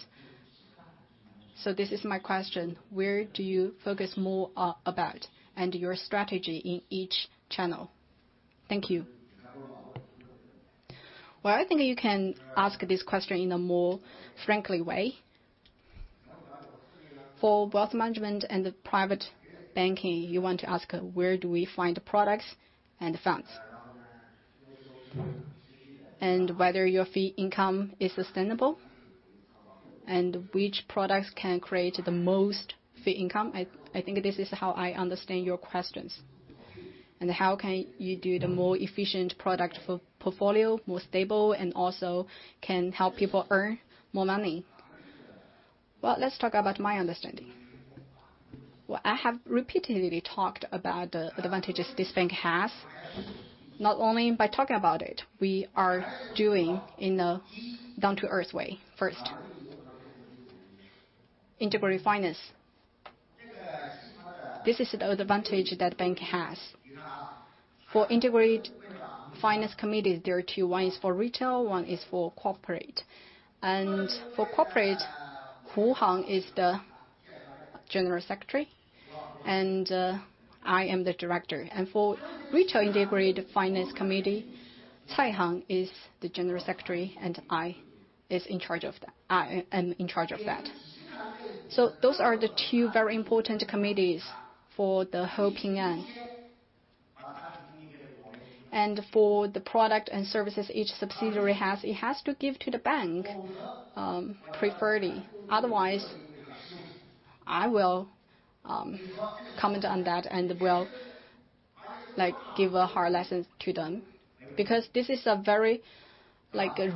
This is my question. Where do you focus more about, and your strategy in each channel? Thank you. Well, I think you can ask this question in a more frankly way. For wealth management and the private banking, you want to ask, where do we find products and funds? Whether your fee income is sustainable, and which products can create the most fee income. I think this is how I understand your questions. How can you do the more efficient product for portfolio, more stable, and also can help people earn more money. Well, let's talk about my understanding. What I have repeatedly talked about the advantages this bank has, not only by talking about it, we are doing in a down-to-earth way. First, integrated finance. This is the advantage that bank has. For integrated finance committees, there are two. One is for retail, one is for corporate. For corporate, Hu Yuefei is the general secretary, and I am the director. For Retail Integrated Finance Committee, Cai Xinfa is the General Secretary, and I am in charge of that. Those are the two very important committees for the whole Ping An. For the product and services each subsidiary has, it has to give to the bank, preferably. Otherwise, I will comment on that and will give a hard lesson to them. Because this is a very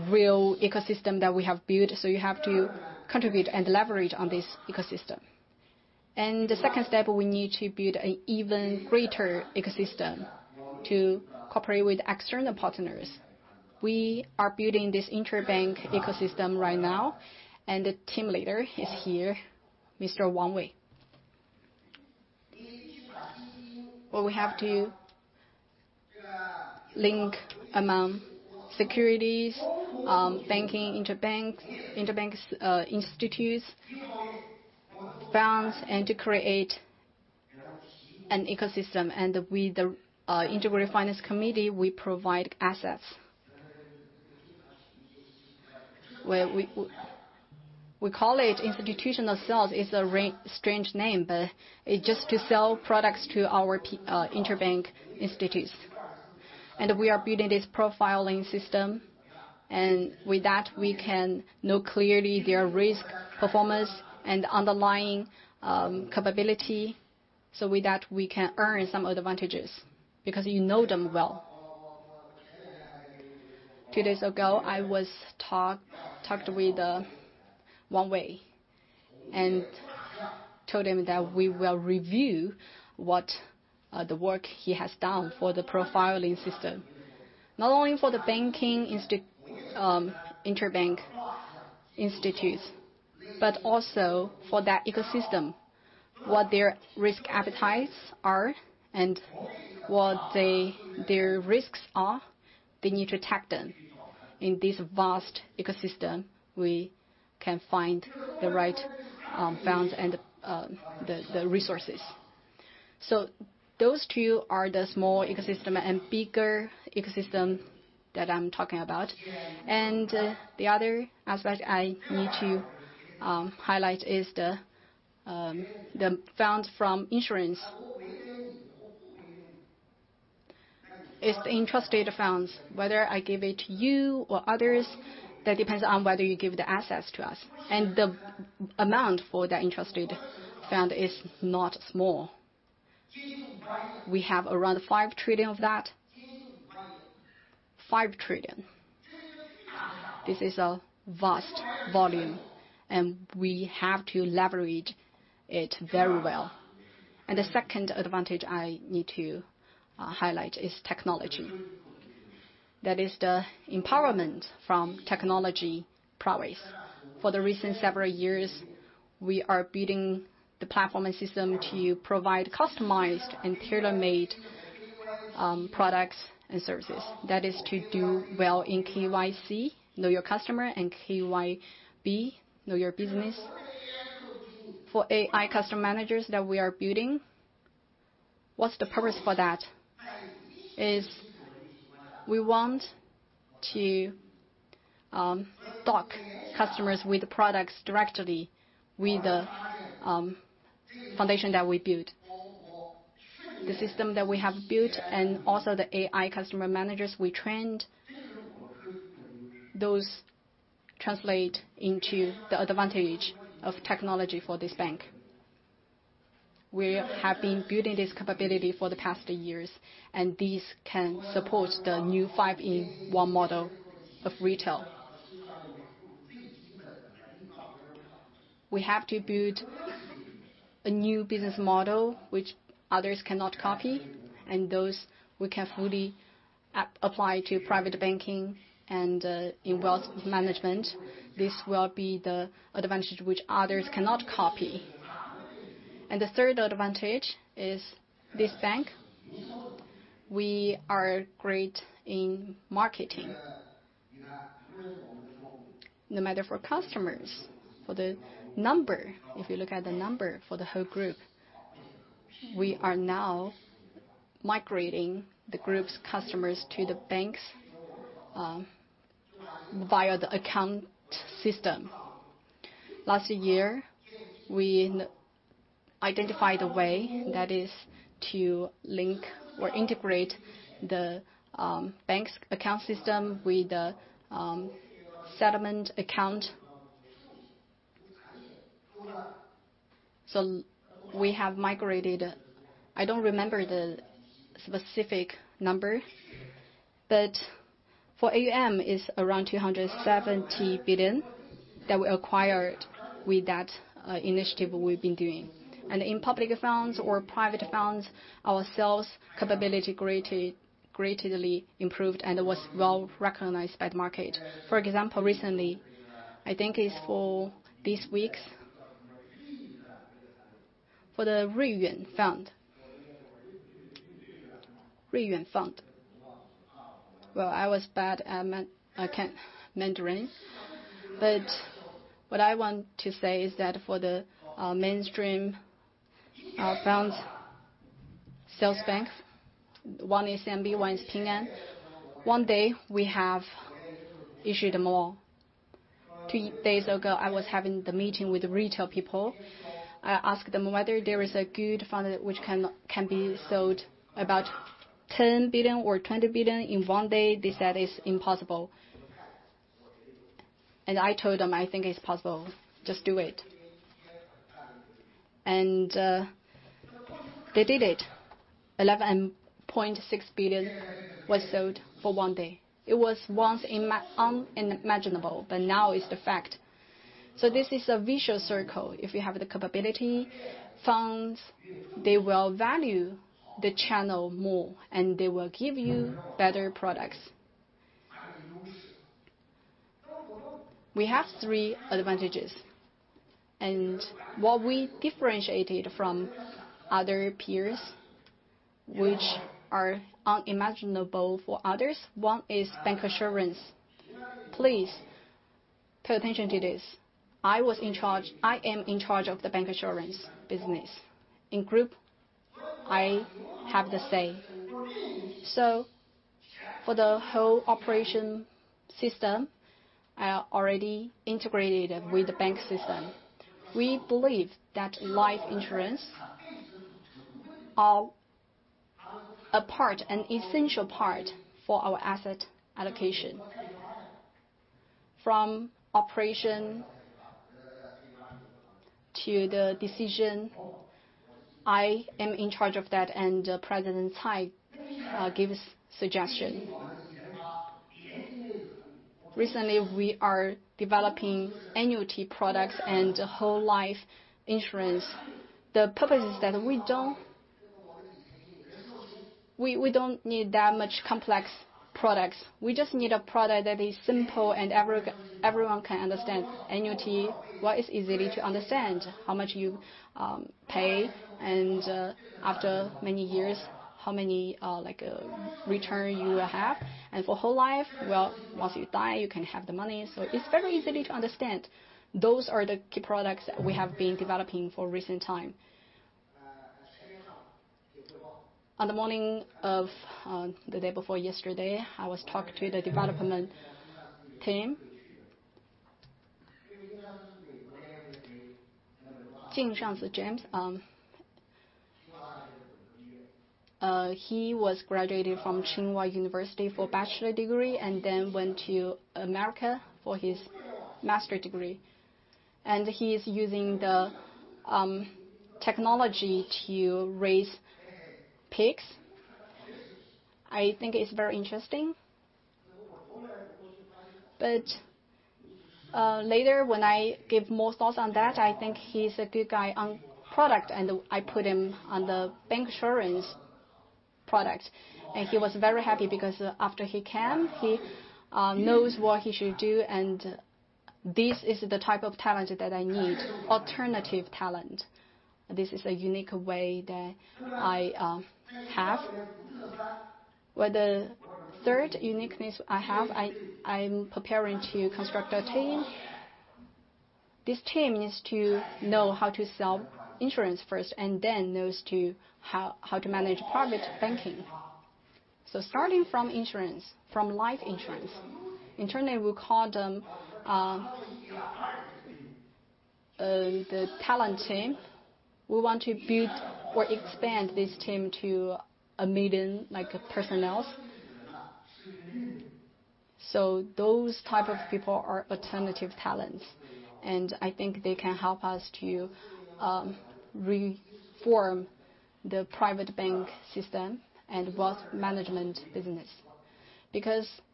real ecosystem that we have built, so you have to contribute and leverage on this ecosystem. The second step, we need to build an even greater ecosystem to cooperate with external partners. We are building this interbank ecosystem right now, and the team leader is here, Mr. Wang Wei. What we have to link among securities, banking, interbank institutes, banks, and to create an ecosystem. With the Integrated Finance Committee, we provide assets. We call it institutional sales. It's a strange name, but it's just to sell products to our interbank institutes. We are building this profiling system. With that, we can know clearly their risk performance and underlying capability. With that, we can earn some advantages because you know them well. Two days ago, I was talked with Wang Wei and told him that we will review what the work he has done for the profiling system. Not only for the banking interbank institutes, but also for that ecosystem, what their risk appetites are and what their risks are, they need to tag them. In this vast ecosystem, we can find the right funds and the resources. Those two are the small ecosystem and bigger ecosystem that I'm talking about. The other aspect I need to highlight is the funds from insurance. It's the entrusted funds. Whether I give it to you or others, that depends on whether you give the assets to us. The amount for the entrusted fund is not small. We have around 5 trillion of that. 5 trillion. This is a vast volume, and we have to leverage it very well. The second advantage I need to highlight is technology. That is the empowerment from technology prowess. For the recent several years, we are building the platform and system to provide customized and tailor-made products and services. That is to do well in KYC, know your customer, and KYB, know your business. For AI customer managers that we are building, what's the purpose for that? Is we want to stock customers with products directly with the foundation that we built. The system that we have built and also the AI customer managers we trained, those translate into the advantage of technology for this bank. We have been building this capability for the past years, and these can support the new five-in-one model of retail. We have to build a new business model which others cannot copy, and those we can fully apply to private banking and in wealth management. This will be the advantage which others cannot copy. The third advantage is this bank. We are great in marketing. No matter for customers, for the number, if you look at the number for the whole group, we are now migrating the group's customers to the banks via the account system. Last year, we identified a way that is to link or integrate the bank's account system with the settlement account. We have migrated, I don't remember the specific number, but for AUM is around 270 billion that we acquired with that initiative we've been doing. In public funds or private funds, our sales capability greatly improved and was well-recognized by the market. For example, recently, I think it's for these weeks, for the Ruiyuan Fund. I was bad at Mandarin, but what I want to say is that for the mainstream funds sales banks, one is CMB, one is Ping An. One day, we have issued more. Two days ago, I was having the meeting with the retail people. I asked them whether there is a good fund which can be sold about 10 billion or 20 billion in one day. They said it's impossible. I told them, "I think it's possible. Just do it." They did it. 11.6 billion was sold for one day. It was once unimaginable, but now it's the fact. This is a visual circle. If you have the capability, funds, they will value the channel more, and they will give you better products. We have three advantages. What we differentiated from other peers, which are unimaginable for others. One is bancassurance. Please, pay attention to this. I am in charge of the bancassurance business. In Group, I have the say. For the whole operation system, I already integrated with the Bank system. We believe that life insurance are a part, an essential part for our asset allocation. From operation to the decision, I am in charge of that, and President Cai gives suggestion. Recently, we are developing annuity products and whole life insurance. The purpose is that we don't need that much complex products. We just need a product that is simple and everyone can understand. Annuity, what is easy to understand? How much you pay, after many years, how many return you have. For whole life, well, once you die, you can have the money. It's very easy to understand. Those are the key products that we have been developing for recent time. On the morning of the day before yesterday, I was talking to the development team. Jing Shangsi, Jing. He was graduated from Tsinghua University for bachelor degree and then went to America for his master degree. He is using the technology to raise pigs. I think it's very interesting. Later, when I give more thoughts on that, I think he's a good guy on product, and I put him on the bancassurance product. He was very happy because after he came, he knows what he should do, and this is the type of talent that I need, alternative talent. This is a unique way that I have. With the third uniqueness I have, I am preparing to construct a team. This team needs to know how to sell insurance first and then knows how to manage private banking. Starting from insurance, from life insurance. Internally, we call them the talent team. We want to build or expand this team to 1 million like personnels. Those type of people are alternative talents, and I think they can help us to reform the private bank system and wealth management business.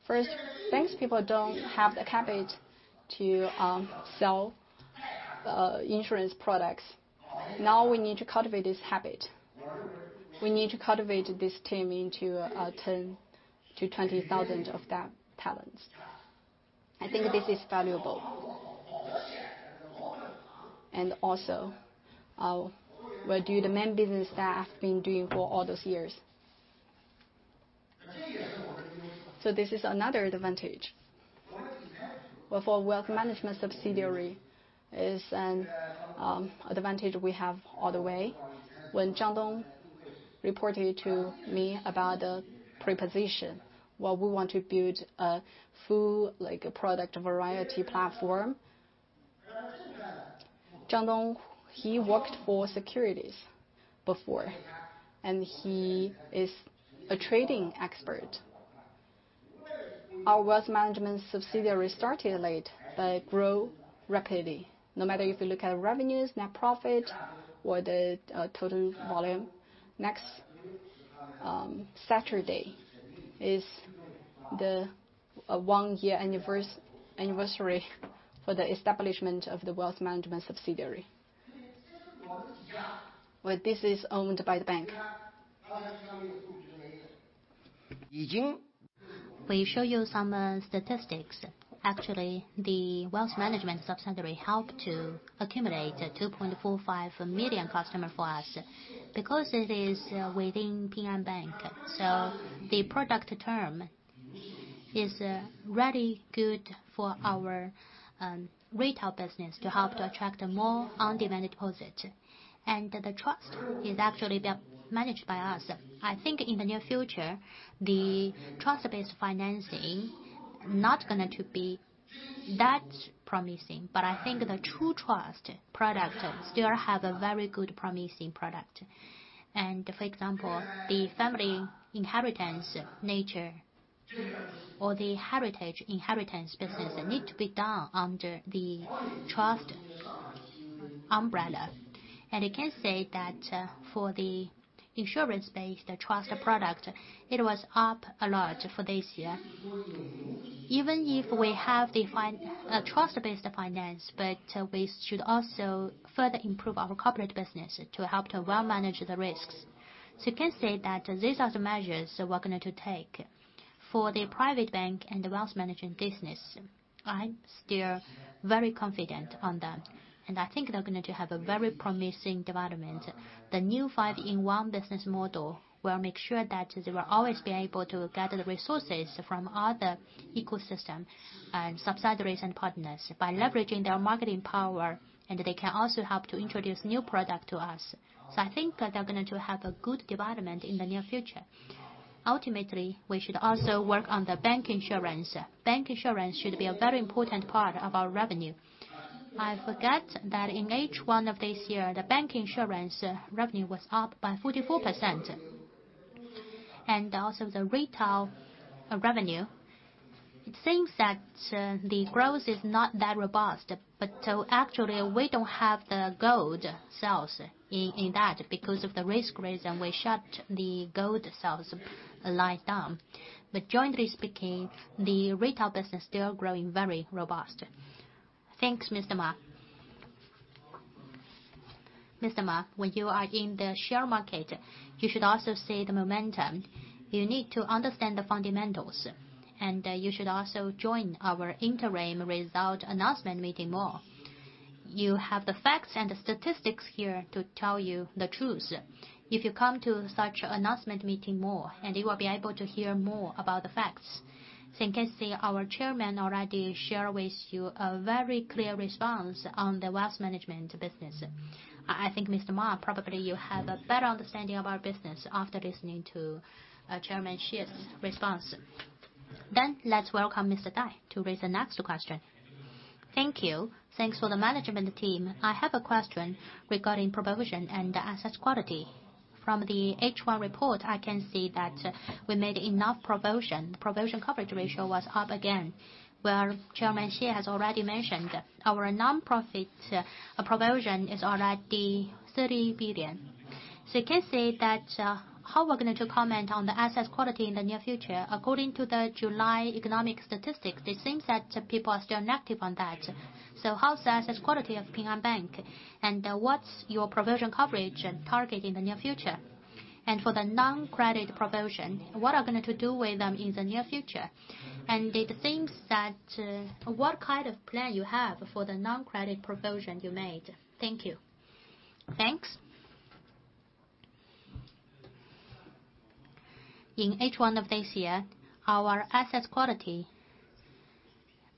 First, banks people don't have the habit to sell insurance products. We need to cultivate this habit. We need to cultivate this team into 10,000-20,000 of that talents. I think this is valuable. Also, we do the main business that I've been doing for all those years. This is another advantage. For wealth management subsidiary is an advantage we have all the way. When Zhang Dong reported to me about the proposition, while we want to build a full product variety platform. Zhang Dong, he worked for securities before, and he is a trading expert. Our wealth management subsidiary started late but grow rapidly, no matter if you look at revenues, net profit or the total volume. Next Saturday is the one-year anniversary for the establishment of the wealth management subsidiary, where this is owned by the bank. We show you some statistics. Actually, the wealth management subsidiary helped to accumulate 2.45 million customer for us because it is within Ping An Bank. The product term is really good for our retail business to help to attract more on-demand deposit. The trust is actually managed by us. I think in the near future, the trust-based financing not going to be that promising, but I think the true trust product still have a very good promising product. For example, the family inheritance nature or the heritage inheritance business need to be done under the trust umbrella. You can say that for the insurance-based trust product, it was up a lot for this year. Even if we have the trust-based finance, but we should also further improve our corporate business to help to well manage the risks. You can say that these are the measures we're going to take. For the private bank and the wealth management business, I'm still very confident on that. I think they're going to have a very promising development. The new five-in-one business model will make sure that they will always be able to gather the resources from other ecosystem and subsidiaries and partners by leveraging their marketing power. They can also help to introduce new product to us. I think they're going to have a good development in the near future. Ultimately, we should also work on the bank insurance. Bank insurance should be a very important part of our revenue. I forget that in H1 of this year, the bank insurance revenue was up by 44%. Also the retail revenue, it seems that the growth is not that robust. Actually, we don't have the gold sales in that. Of the risk reason, we shut the gold sales line down. Jointly speaking, the retail business still growing very robust. Thanks, Mr. Ma. Mr. Ma, when you are in the share market, you should also see the momentum. You need to understand the fundamentals, you should also join our interim result announcement meeting more. You have the facts and the statistics here to tell you the truth. If you come to such announcement meeting more, you will be able to hear more about the facts. You can see our Chairman already shared with you a very clear response on the wealth management business. I think, Mr. Ma, probably you have a better understanding of our business after listening to Chairman Xie's response. Let's welcome Mr. Dai to raise the next question. Thank you. Thanks for the management team. I have a question regarding provision and assets quality. From the H1 report, I can see that we made enough provision. Provision coverage ratio was up again, where Chairman Xie has already mentioned our nonprofit provision is already 30 billion. You can say that how we're going to comment on the assets quality in the near future. According to the July economic statistics, it seems that people are still active on that. How's the assets quality of Ping An Bank? What's your provision coverage and target in the near future? For the non-credit provision, what are you going to do with them in the near future? It seems that what kind of plan you have for the non-credit provision you made? Thank you. Thanks. In H1 of this year, our assets quality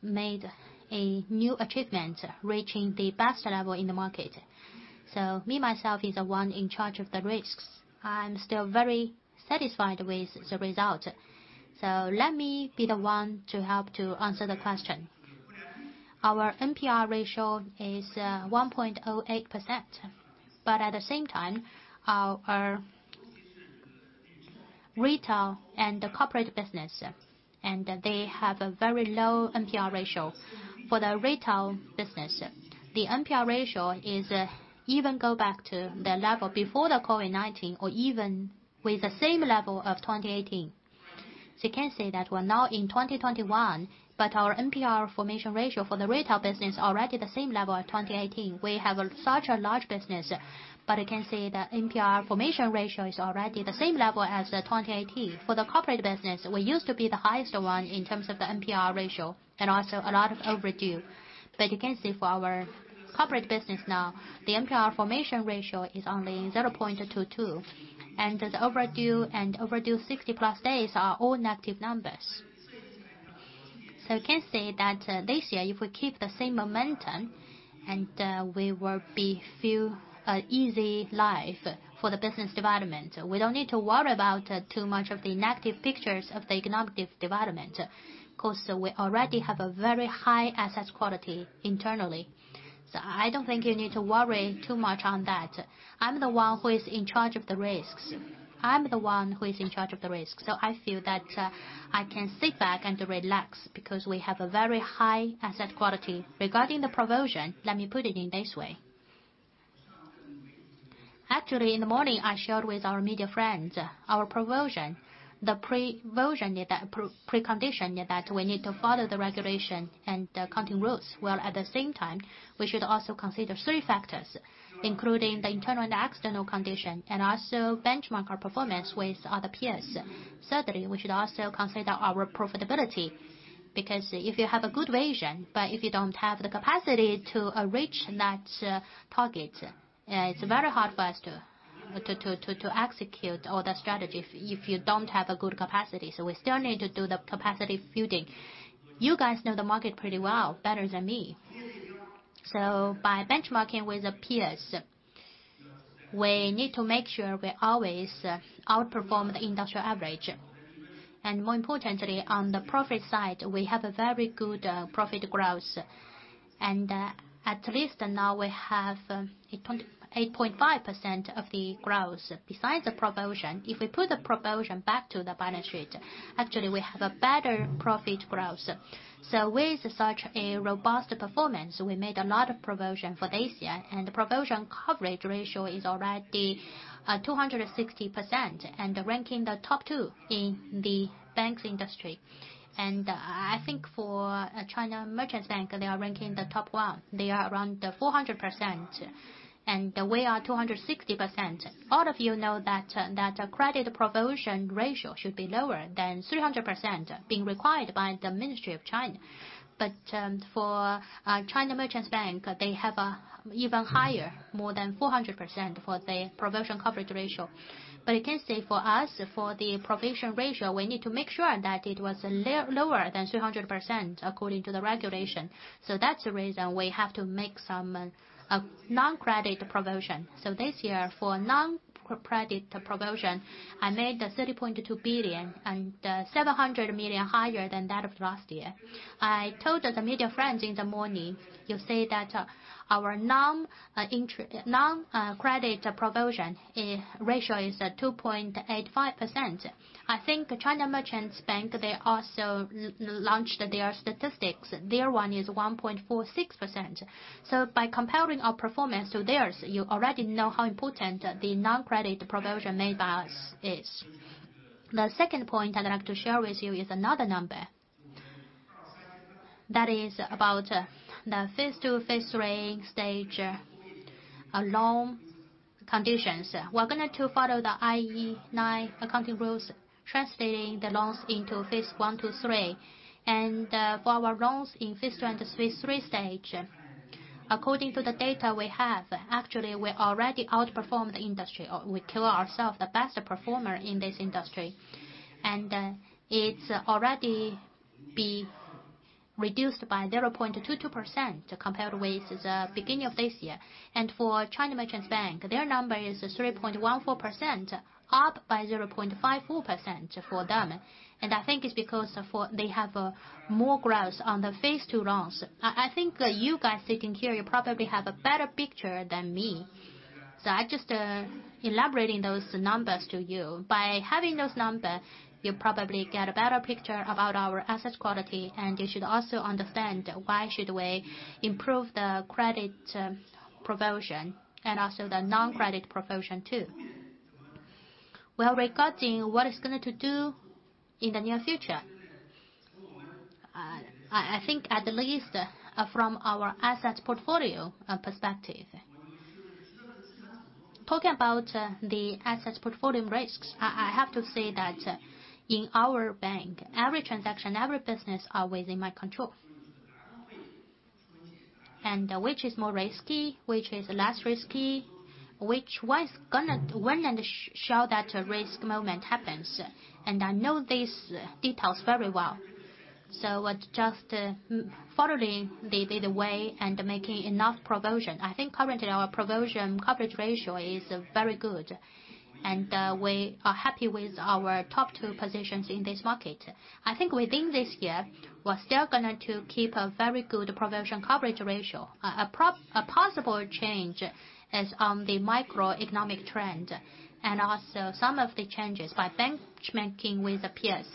made a new achievement, reaching the best level in the market. Me myself is the one in charge of the risks. I'm still very satisfied with the result. Let me be the one to help to answer the question. Our NPL ratio is 1.08%, at the same time, our retail and the corporate business, and they have a very low NPL ratio. For the retail business, the NPL ratio is even go back to the level before the COVID-19 or even with the same level of 2018. You can see that we're now in 2021, our NPL formation ratio for the retail business already the same level as 2018. We have such a large business, you can see the NPL formation ratio is already the same level as 2018. For the corporate business, we used to be the highest one in terms of the NPL ratio and also a lot of overdue. You can see for our corporate business now, the NPL formation ratio is only 0.22%, and the overdue and overdue 60+ days are all negative numbers. You can see that this year, if we keep the same momentum, and we will be feel easy life for the business development. We don't need to worry about too much of the negative pictures of the economic development because we already have a very high asset quality internally. I don't think you need to worry too much on that. I'm the one who is in charge of the risks, so I feel that I can sit back and relax because we have a very high asset quality. Regarding the provision, let me put it in this way. Actually, in the morning, I shared with our media friends our provision. The precondition is that we need to follow the regulation and the accounting rules, while at the same time, we should also consider three factors, including the internal and external condition, and also benchmark our performance with other peers. Thirdly, we should also consider our profitability, because if you have a good vision, but if you don't have the capacity to reach that target, it's very hard for us to execute all the strategy if you don't have a good capacity. We still need to do the capacity building. You guys know the market pretty well, better than me. By benchmarking with the peers, we need to make sure we always outperform the industrial average. More importantly, on the profit side, we have a very good profit growth. At least now we have 8.5% of the growth. Besides the provision, if we put the provision back to the balance sheet, actually, we have a better profit growth. With such a robust performance, we made a lot of provision for this year, and the provision coverage ratio is already 260% and ranking the top two in the banks industry. I think for China Merchants Bank, they are ranking the top one. They are around 400%, and we are 260%. All of you know that credit provision ratio should be lower than 300%, being required by the Ministry of China. For China Merchants Bank, they have even higher, more than 400% for the provision coverage ratio. You can see for us, for the provision ratio, we need to make sure that it was lower than 300%, according to the regulation. That's the reason we have to make some non-credit provision. This year, for non-credit provision, I made 3.2 billion and 700 million higher than that of last year. I told the media friends in the morning, you say that our non-credit provision ratio is at 2.85%. I think China Merchants Bank, they also launched their statistics. Their one is 1.46%. By comparing our performance to theirs, you already know how important the non-credit provision made by us is. The second point I'd like to share with you is another number. That is about the phase II, phase III stage loan conditions. We're going to follow the IFRS 9 accounting rules, translating the loans into phase I to III. For our loans in phase II and phase III stage, according to the data we have, actually, we already outperformed the industry, or we tell ourself the best performer in this industry. It's already be reduced by 0.22% compared with the beginning of this year. For China Merchants Bank, their number is 3.14%, up by 0.54% for them. I think it's because they have more growth on the phase II loans. I think you guys sitting here, you probably have a better picture than me. I'm just elaborating those numbers to you. By having those numbers, you probably get a better picture about our asset quality, and you should also understand why should we improve the credit provision and also the non-credit provision, too. Well, regarding what it's going to do in the near future, I think at least from our asset portfolio perspective. Talking about the asset portfolio risks, I have to say that in our bank, every transaction, every business are within my control. Which is more risky, which is less risky, when the show that risk moment happens. I know these details very well. Just following the way and making enough provision. I think currently our provision coverage ratio is very good, and we are happy with our top two positions in this market. I think within this year, we're still going to keep a very good provision coverage ratio. A possible change is on the microeconomic trend and also some of the changes by benchmarking with the peers.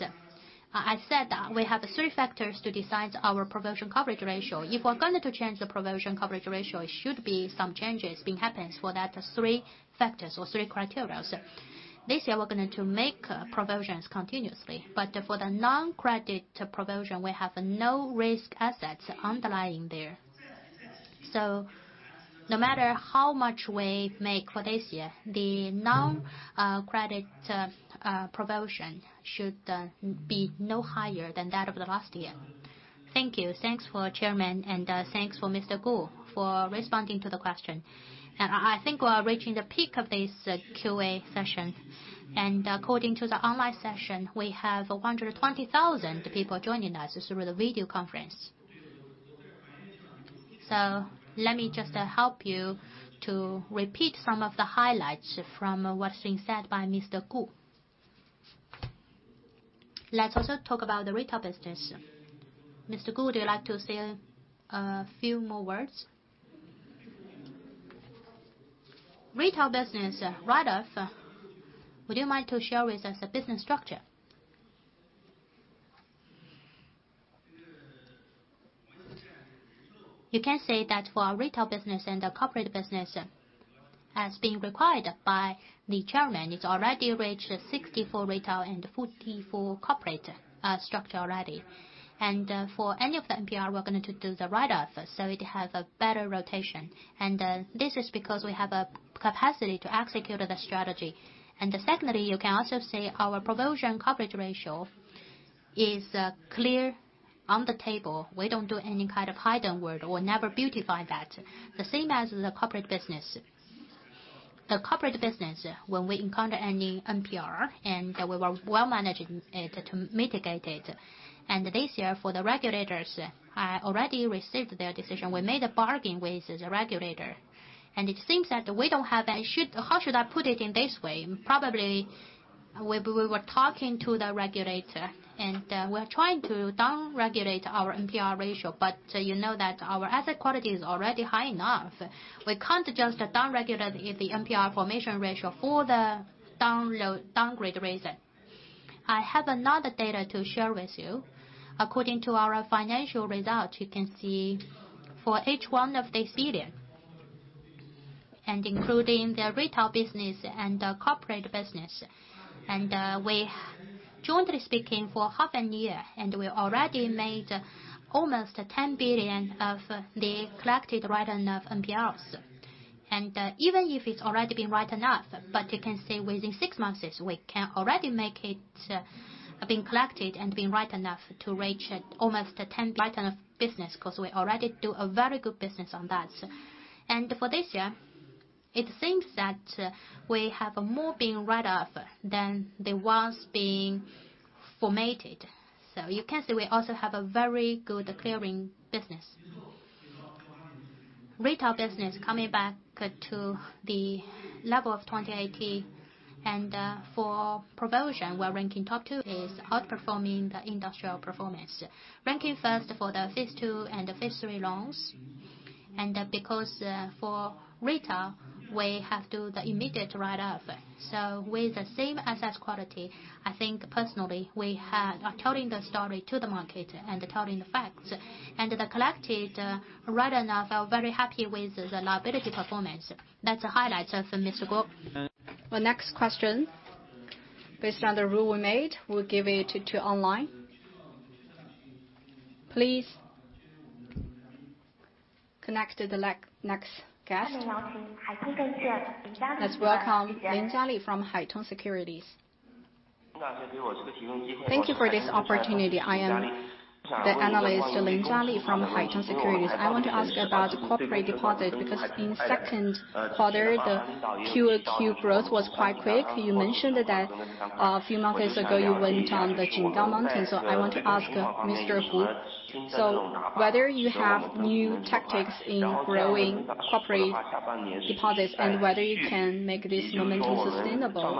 I said we have three factors to decide our provision coverage ratio. If we're going to change the provision coverage ratio, it should be some changes happens for that three factors or three criteria. This year, we're going to make provisions continuously. For the non-credit provision, we have no risk assets underlying there. No matter how much we make for this year, the non-credit provision should be no higher than that of the last year. Thank you. Thanks for Chairman, and thanks for Mr. Guo for responding to the question. I think we are reaching the peak of this QA session. According to the online session, we have 120,000 people joining us through the video conference. Let me just help you to repeat some of the highlights from what's being said by Mr. Guo. Let's also talk about the retail business. Mr. Guo, would you like to say a few more words? Retail business write-off, would you mind to share with us the business structure? You can say that for our retail business and the corporate business, as being required by the Chairman, it's already reached 64 retail and 44 corporate structure already. For any of the NPL, we're going to do the write-off, so it has a better rotation. This is because we have a capacity to execute the strategy. Secondly, you can also see our provision coverage ratio is clear on the table. We don't do any kind of hidden work. We never beautify that. The same as the corporate business. The corporate business, when we encounter any NPL, and we were well managing it to mitigate it. This year, for the regulators, I already received their decision. We made a bargain with the regulator, and it seems that we don't have. How should I put it in this way? Probably, we were talking to the regulator, and we're trying to down-regulate our NPL ratio, but you know that our asset quality is already high enough. We can't just down-regulate the NPL formation ratio for the downgrade reason. I have another data to share with you. According to our financial results, you can see for each one of the CD, and including the retail business and the corporate business. We jointly speaking for half an year, and we already made almost 10 billion of the collected write-off NPLs. Even if it's already been write-off, but you can see within six months, we can already make it being collected and being write-off to reach almost 10 billion of business because we already do a very good business on that. For this year, it seems that we have more being write-off than the ones being formatted. You can see we also have a very good clearing business. Retail business coming back to the level of 2018, and for provision, we're ranking top two is outperforming the industrial performance. Ranking first for the phase II and the phase III loans. Because for retail, we have to do the immediate write-off. With the same asset quality, I think personally, we are telling the story to the market and telling the facts. The collected write-off are very happy with the liability performance. That's the highlights of Mr. Guo. The next question, based on the rule we made, we give it to online. Please connect to the next guest. Let's welcome Lin Jiali from Haitong Securities. Thank you for this opportunity. I am the analyst Lin Jiali from Haitong Securities. I want to ask about corporate deposit, because in second quarter, the QoQ growth was quite quick. You mentioned that a few months ago you went on the Jinggang Mountain. I want to ask Mr. Guo whether you have new tactics in growing corporate deposits and whether you can make this momentum sustainable?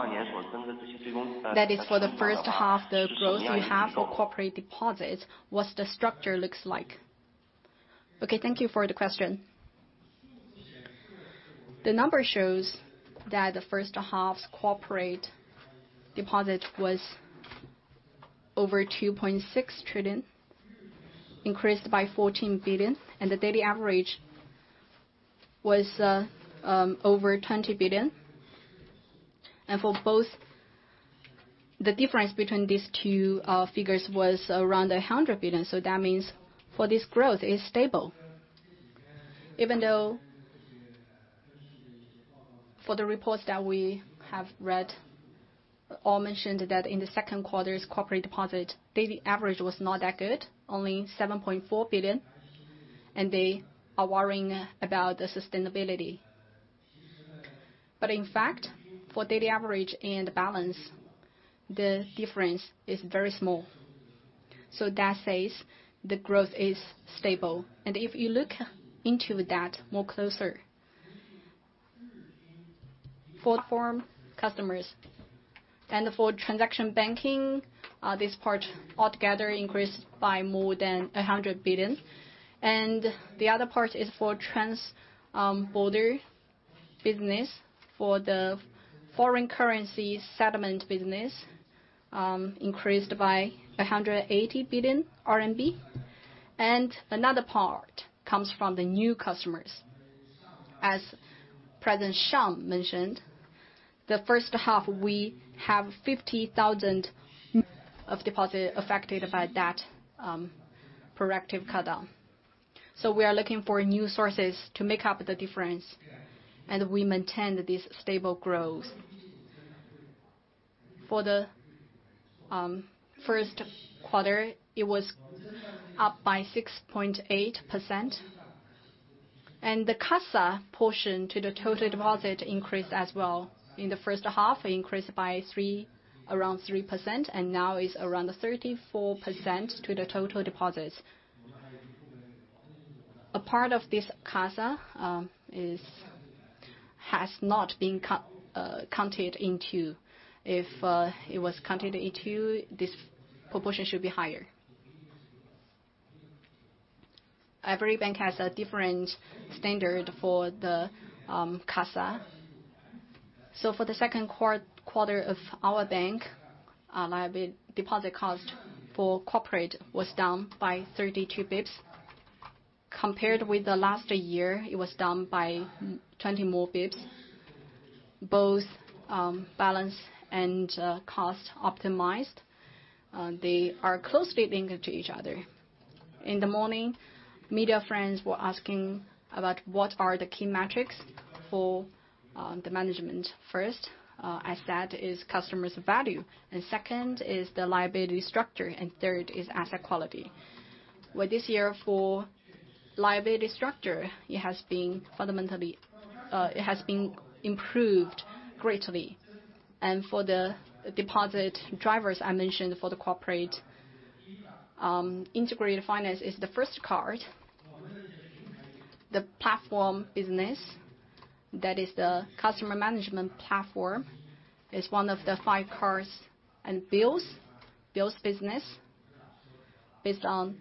That is for the first half the growth you have for corporate deposits, what's the structure looks like? Okay, thank you for the question. The number shows that the first half's corporate deposit was over 2.6 trillion, increased by 14 billion, and the daily average was over 20 billion. For both, the difference between these two figures was around 100 billion. That means for this growth, it is stable. For the reports that we have read all mentioned that in the second quarter's corporate deposit, daily average was not that good, only 7.4 billion. They are worrying about the sustainability. In fact, for daily average and balance, the difference is very small. That says the growth is stable. If you look into that more closer, for firm customers and for transaction banking, this part altogether increased by more than 100 billion. The other part is for transborder business, for the foreign currency settlement business, increased by 180 billion RMB. Another part comes from the new customers. As President Zhang mentioned, the first half, we have 50,000 of deposit affected by that proactive cut down. We are looking for new sources to make up the difference. We maintain this stable growth. For the first quarter, it was up by 6.8%, and the CASA portion to the total deposit increased as well. In the first half, it increased by around 3%, and now is around 34% to the total deposits. A part of this CASA has not been counted into. If it was counted into, this proportion should be higher. Every bank has a different standard for the CASA. For the second quarter of our bank, our deposit cost for corporate was down by 32 basis points. Compared with the last year, it was down by 20 more basis points. Both balance and cost optimized. They are closely linked to each other. In the morning, media friends were asking about what are the key metrics for the management. First, I said is customers value, and second is the liability structure, and third is asset quality. With this year for liability structure, it has been improved greatly. For the deposit drivers, I mentioned for the corporate, integrated finance is the first card. The platform business, that is the customer management platform, is one of the five cards and bills business. Based on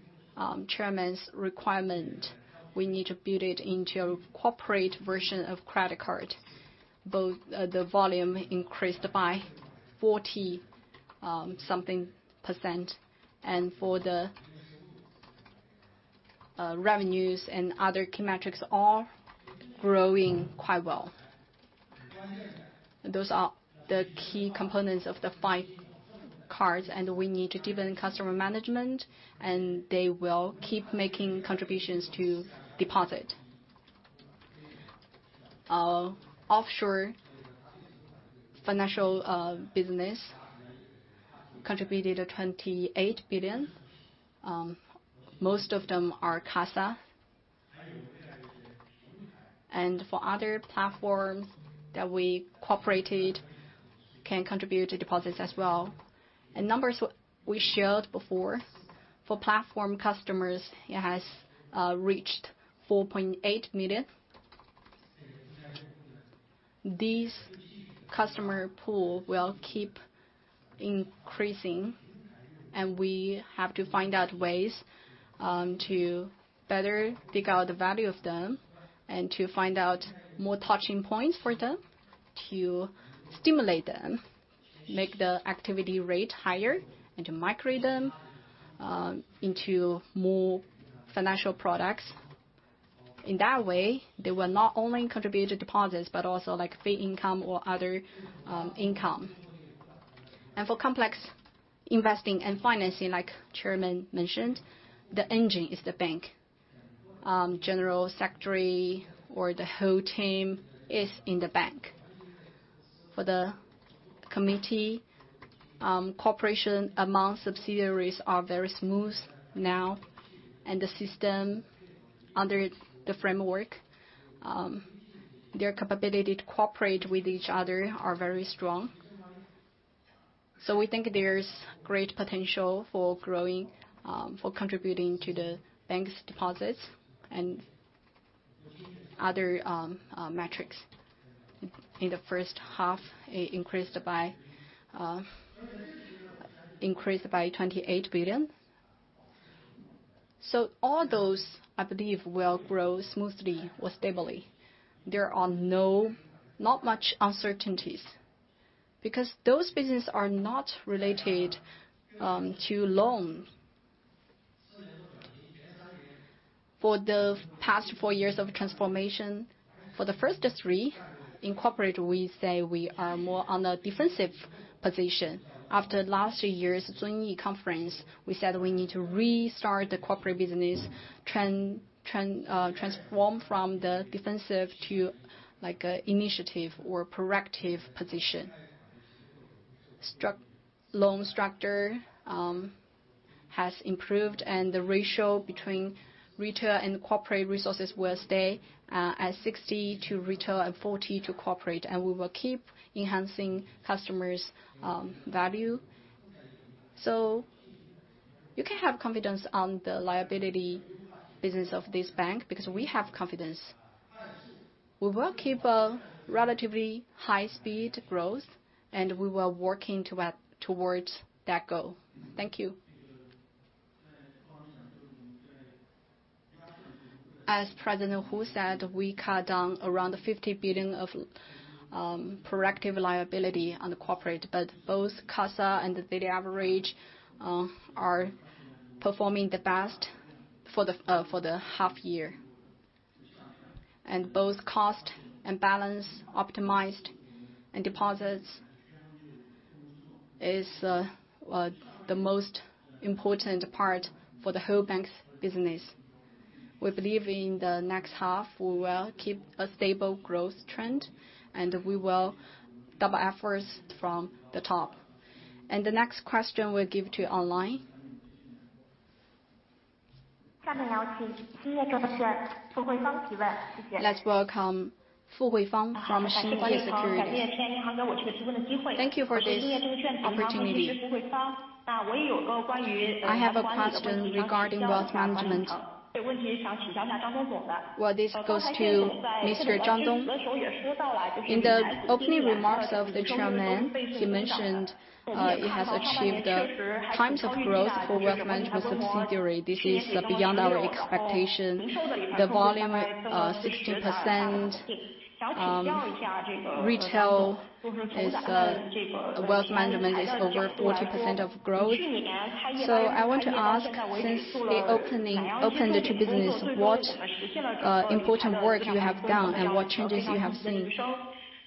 Chairman's requirement, we need to build it into a corporate version of credit card. Both the volume increased by 40% something, for the revenues and other key metrics are growing quite well. Those are the key components of the five cards, we need to deepen customer management, they will keep making contributions to deposit. Our offshore financial business contributed to 28 billion. Most of them are CASA. For other platforms that we cooperated can contribute to deposits as well. Numbers we showed before, for platform customers, it has reached 4.8 million. This customer pool will keep increasing. We have to find out ways to better dig out the value of them, to find out more touching points for them to stimulate them, make the activity rate higher, and to migrate them into more financial products. In that way, they will not only contribute to deposits, but also like fee income or other income. For complex investing and financing like Chairman mentioned, the engine is the bank. General secretary or the whole team is in the bank. For the committee, cooperation among subsidiaries are very smooth now. The system under the framework, their capability to cooperate with each other are very strong. We think there's great potential for growing, for contributing to the bank's deposits and other metrics. In the first half, it increased by 28 billion. All those, I believe, will grow smoothly or stably. There are not much uncertainties, because those business are not related to loan. For the past four years of transformation, for the first three, in corporate, we say we are more on a defensive position. After last year's Zunyi Conference, we said we need to restart the corporate business, transform from the defensive to an initiative or proactive position. The ratio between retail and corporate resources will stay at 60 to retail and 40 to corporate, and we will keep enhancing customers' value. You can have confidence on the liability business of this bank because we have confidence. We will keep a relatively high speed of growth, and we are working towards that goal. Thank you. As President Hu said, we cut down around 50 billion of proactive liability on the corporate, both CASA and the daily average are performing the best for the half year. Both cost and balance optimized, deposits is the most important part for the whole bank's business. We believe in the next half, we will keep a stable growth trend, we will double efforts from the top. The next question, we give to online. Let's welcome Fu Huifang from Xingye Securities. Thank you for this opportunity. I have a question regarding wealth management. Well, this goes to Mr. Zhang Dong. In the opening remarks of the Chairman, he mentioned it has achieved times of growth for wealth management subsidiary. This is beyond our expectation. The volume, 60%. Retail wealth management is over 40% of growth. I want to ask, since it opened the business, what important work you have done and what changes you have seen?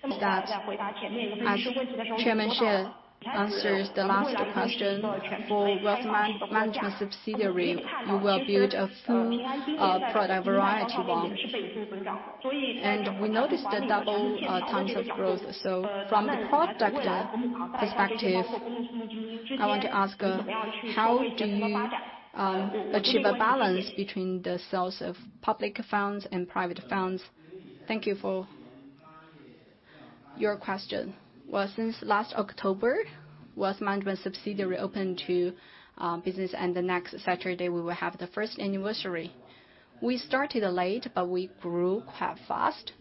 As Chairman Xie answers the last question, for wealth management subsidiary, you will build a full product variety bond. We noticed the double times of growth. From the product perspective, I want to ask, how do you achieve a balance between the sales of public funds and private funds? Thank you for your question. Since last October, wealth management subsidiary opened to business, and next Saturday, we will have the first anniversary. We started late, but we grew quite fast.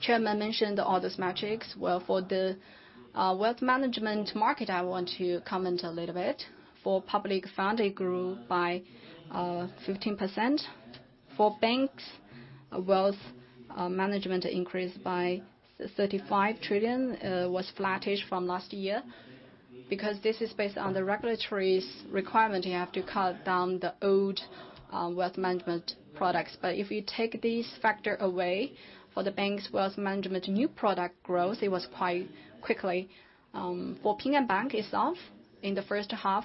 Chairman mentioned all those metrics. For the wealth management market, I want to comment a little bit. For public fund, it grew by 15%. For banks, wealth management increased by 35 trillion, was flattish from last year. This is based on the regulatory's requirement, you have to cut down the old wealth management products. If you take this factor away, for the bank's wealth management new product growth, it was quite quickly. For Ping An Bank itself, in the first half,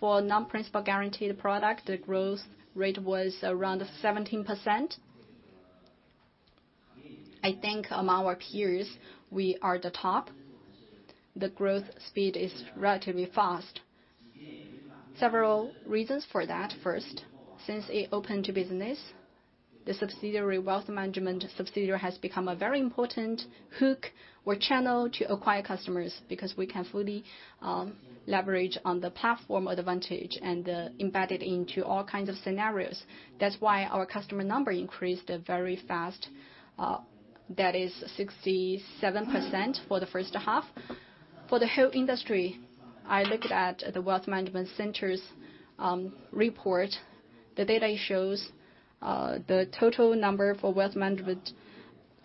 for non-principal guaranteed product, the growth rate was around 17%. I think among our peers, we are the top. The growth speed is relatively fast. Several reasons for that. First, since it opened to business, the wealth management subsidiary has become a very important hook or channel to acquire customers because we can fully leverage on the platform advantage and embed it into all kinds of scenarios. That's why our customer number increased very fast. That is 67% for the first half. For the whole industry, I looked at the wealth management center's report. The data shows the total number for wealth management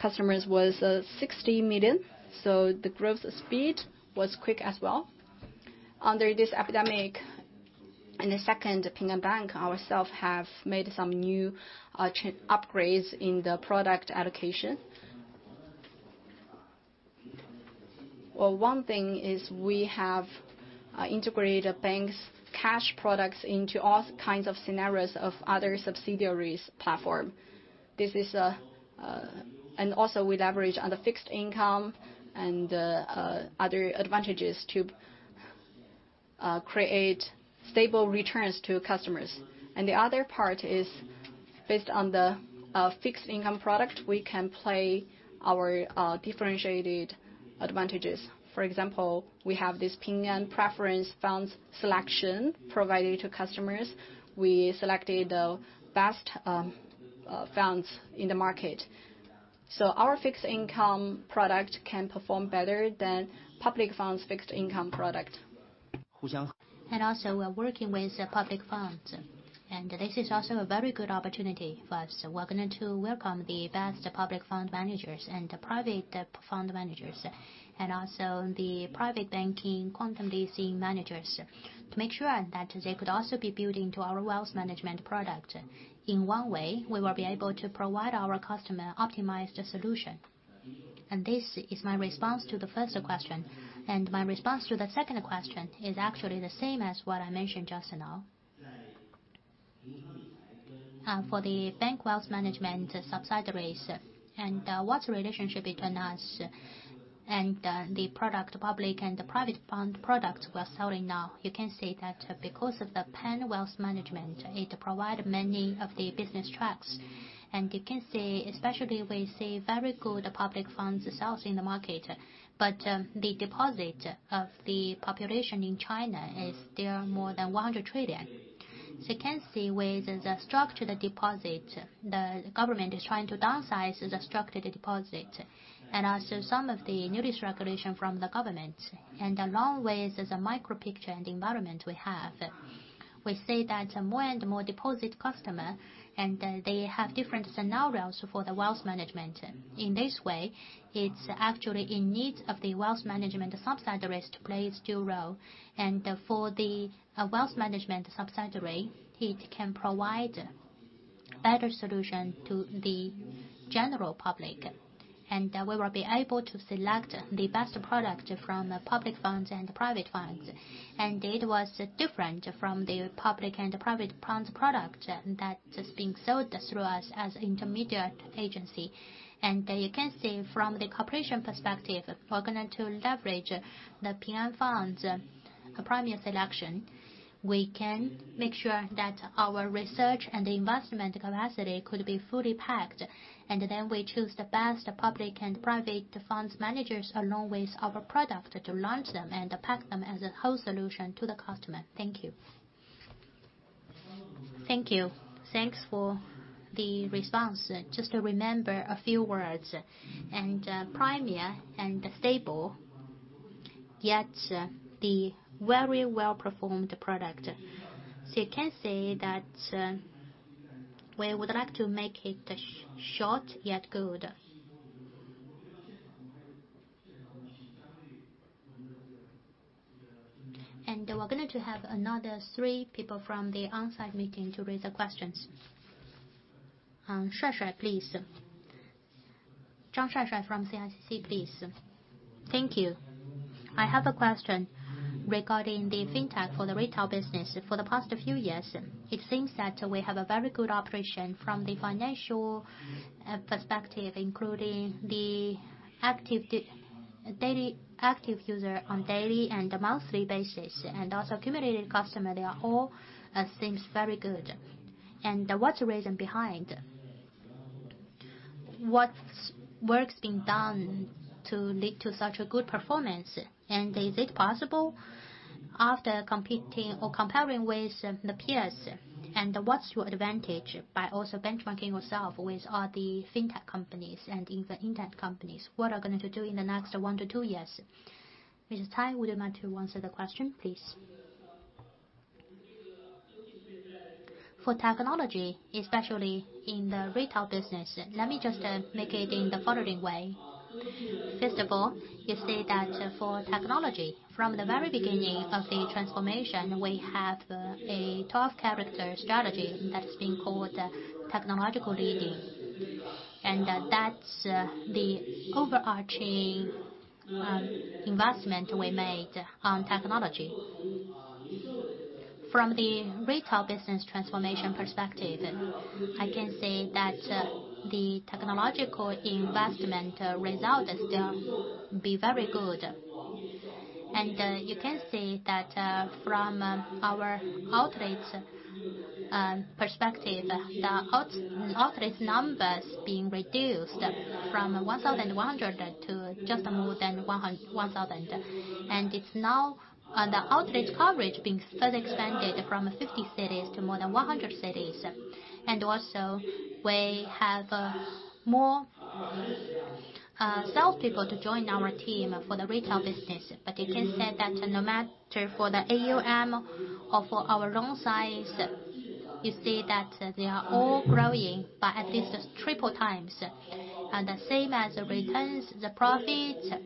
customers was 60 million, so the growth speed was quick as well. Under this epidemic, and the second, Ping An Bank ourselves have made some new upgrades in the product allocation. One thing is we have integrated banks' cash products into all kinds of scenarios of other subsidiaries platform. Also we leverage on the fixed income and other advantages to create stable returns to customers. The other part is based on the fixed-income product, we can play our differentiated advantages. For example, we have this Ping An Preferred Fund Selection provided to customers. We selected the best funds in the market. Our fixed income product can perform better than public funds' fixed-income product. We are working with public funds. This is also a very good opportunity for us. We're going to welcome the best public fund managers and private fund managers, and also the private banking quantum DC managers to make sure that they could also be building to our wealth management product. In one way, we will be able to provide our customer optimized solution. This is my response to the first question. My response to the second question is actually the same as what I mentioned just now. For the bank wealth management subsidiaries, and what relationship between us and the product, public and private fund product we are selling now, you can see that because of the Ping An Wealth Management, it provide many of the business tracks. You can see, especially we see very good public fund sales in the market. The deposit of the population in China is still more than 100 trillion. You can see with the structured deposit, the government is trying to downsize the structured deposit, and also some of the new regulation from the government. Along with the micro picture and environment we have, we see that more and more deposit customers, and they have different scenarios for the wealth management. In this way, it's actually in need of the wealth management subsidiary to play its due role. For the wealth management subsidiary, it can provide better solution to the general public, and we will be able to select the best product from public funds and private funds. It was different from the public and private funds product that is being sold through us as intermediate agency. You can see from the cooperation perspective, we're going to leverage the Ping An Preferred Fund Selection. We can make sure that our research and investment capacity could be fully packed, and then we choose the best public and private funds managers along with our product to launch them and pack them as a whole solution to the customer. Thank you. Thanks for the response. Just to remember a few words. Premier and stable, yet the very well-performed product. You can say that we would like to make it short yet good. We're going to have another three people from the on-site meeting to raise questions. Zhang Shuaishuai, please. Zhang Shuaishuai from CICC, please. Thank you. I have a question regarding the fintech for the retail business. For the past few years, it seems that we have a very good operation from the financial perspective, including the daily active user on daily and monthly basis, and also accumulated customer. They are all, it seems very good. What's the reason behind? What work's being done to lead to such a good performance? Is it possible after competing or comparing with the peers? What's your advantage by also benchmarking yourself with all the fintech companies and even internet companies? What are you going to do in the next one to two years? Ms. Cai, would you mind to answer the question, please? For technology, especially in the retail business, let me just make it in the following way. First of all, you see that for technology, from the very beginning of the transformation, we have a 12-character strategy that's being called technological leading, and that's the overarching investment we made on technology. From the retail business transformation perspective, I can say that the technological investment result still be very good. You can see that from our outreach perspective, the outreach numbers being reduced from 1,100 to just more than 1,000. It's now the outreach coverage being further extended from 50 cities to more than 100 cities. Also we have more salespeople to join our team for the retail business. You can say that no matter for the AUM or for our loan size, you see that they are all growing by at least triple times. The same as returns, the profit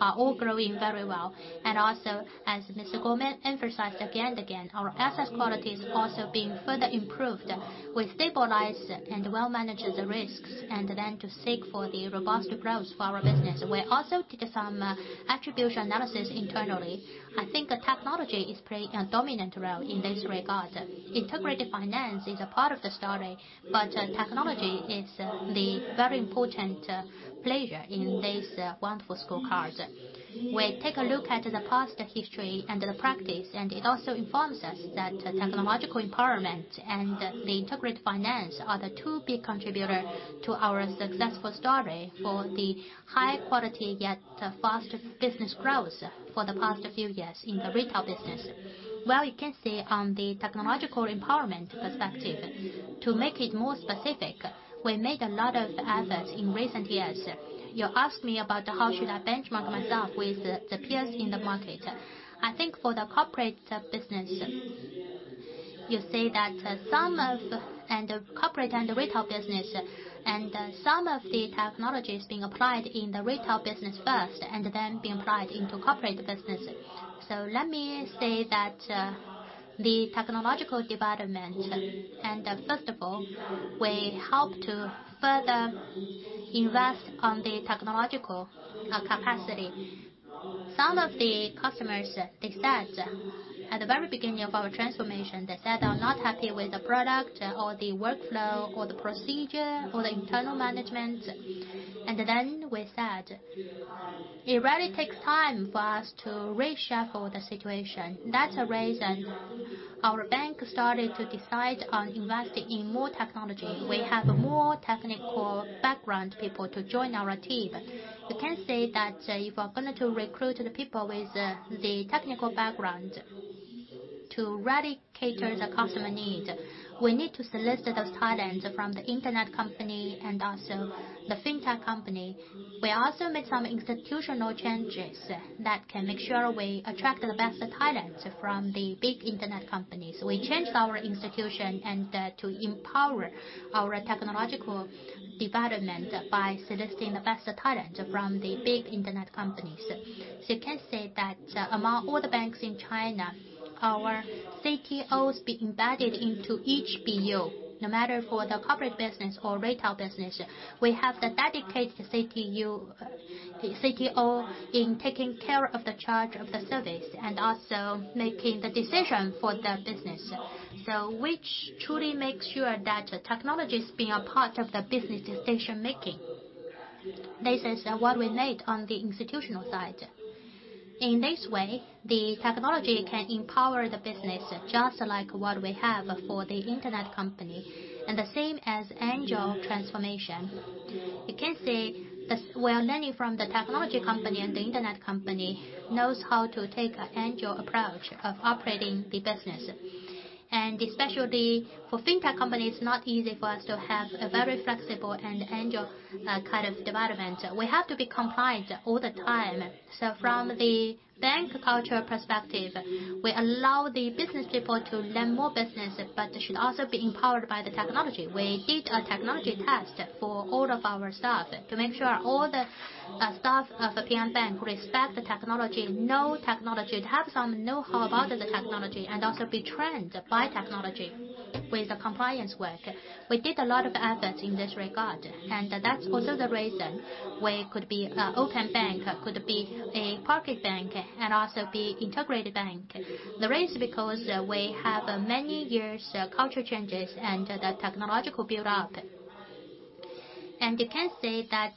are all growing very well. As Mr. Guo emphasized again and again, our assets quality is also being further improved. We stabilize and well manage the risks and then to seek for the robust growth for our business. We also did some attribution analysis internally. I think technology is playing a dominant role in this regard. Integrated finance is a part of the story, but technology is the very important player in this wonderful scorecards. We take a look at the past history and the practice, and it also informs us that technological empowerment and the integrated finance are the two big contributor to our successful story for the high quality yet fast business growth for the past few years in the retail business. Well, you can see on the technological empowerment perspective. To make it more specific, we made a lot of efforts in recent years. You asked me about how should I benchmark myself with the peers in the market. I think for the corporate business, you see that some of And corporate and retail business, and some of the technologies being applied in the retail business first and then being applied into corporate businesses. Let me say that the technological development, and first of all, we help to further invest on the technological capacity. Some of the customers, they said at the very beginning of our transformation, they said are not happy with the product or the workflow or the procedure or the internal management. We said, it really takes time for us to reshuffle the situation. That's the reason our bank started to decide on investing in more technology. We have more technical background people to join our team. You can say that if we are going to recruit the people with the technical background to really cater the customer need. We need to solicit those talents from the internet company and also the fintech company. We also made some institutional changes that can make sure we attract the best talents from the big internet companies. We changed our institution and to empower our technological development by soliciting the best talent from the big internet companies. You can say that among all the banks in China, our CTOs be embedded into each BU, no matter for the corporate business or retail business. We have the dedicated CTO in taking care of the charge of the service, and also making the decision for the business. Which truly makes sure that technology is being a part of the business decision-making. This is what we made on the institutional side. In this way, the technology can empower the business, just like what we have for the internet company. The same as agile transformation. You can say, we are learning from the technology company, and the internet company knows how to take a agile approach of operating the business. Especially for fintech companies, it's not easy for us to have a very flexible and agile kind of development. We have to be compliant all the time. From the bank culture perspective, we allow the business people to learn more business but should also be empowered by the technology. We did a technology test for all of our staff to make sure all the staff of Ping An Bank respect the technology, know technology, to have some know-how about the technology, and also be trained by technology with the compliance work. We did a lot of efforts in this regard. That's also the reason we could be, Open Bank, could be a Pocket Bank and also be integrated bank. The reason because we have many years culture changes and the technological build-up. You can say that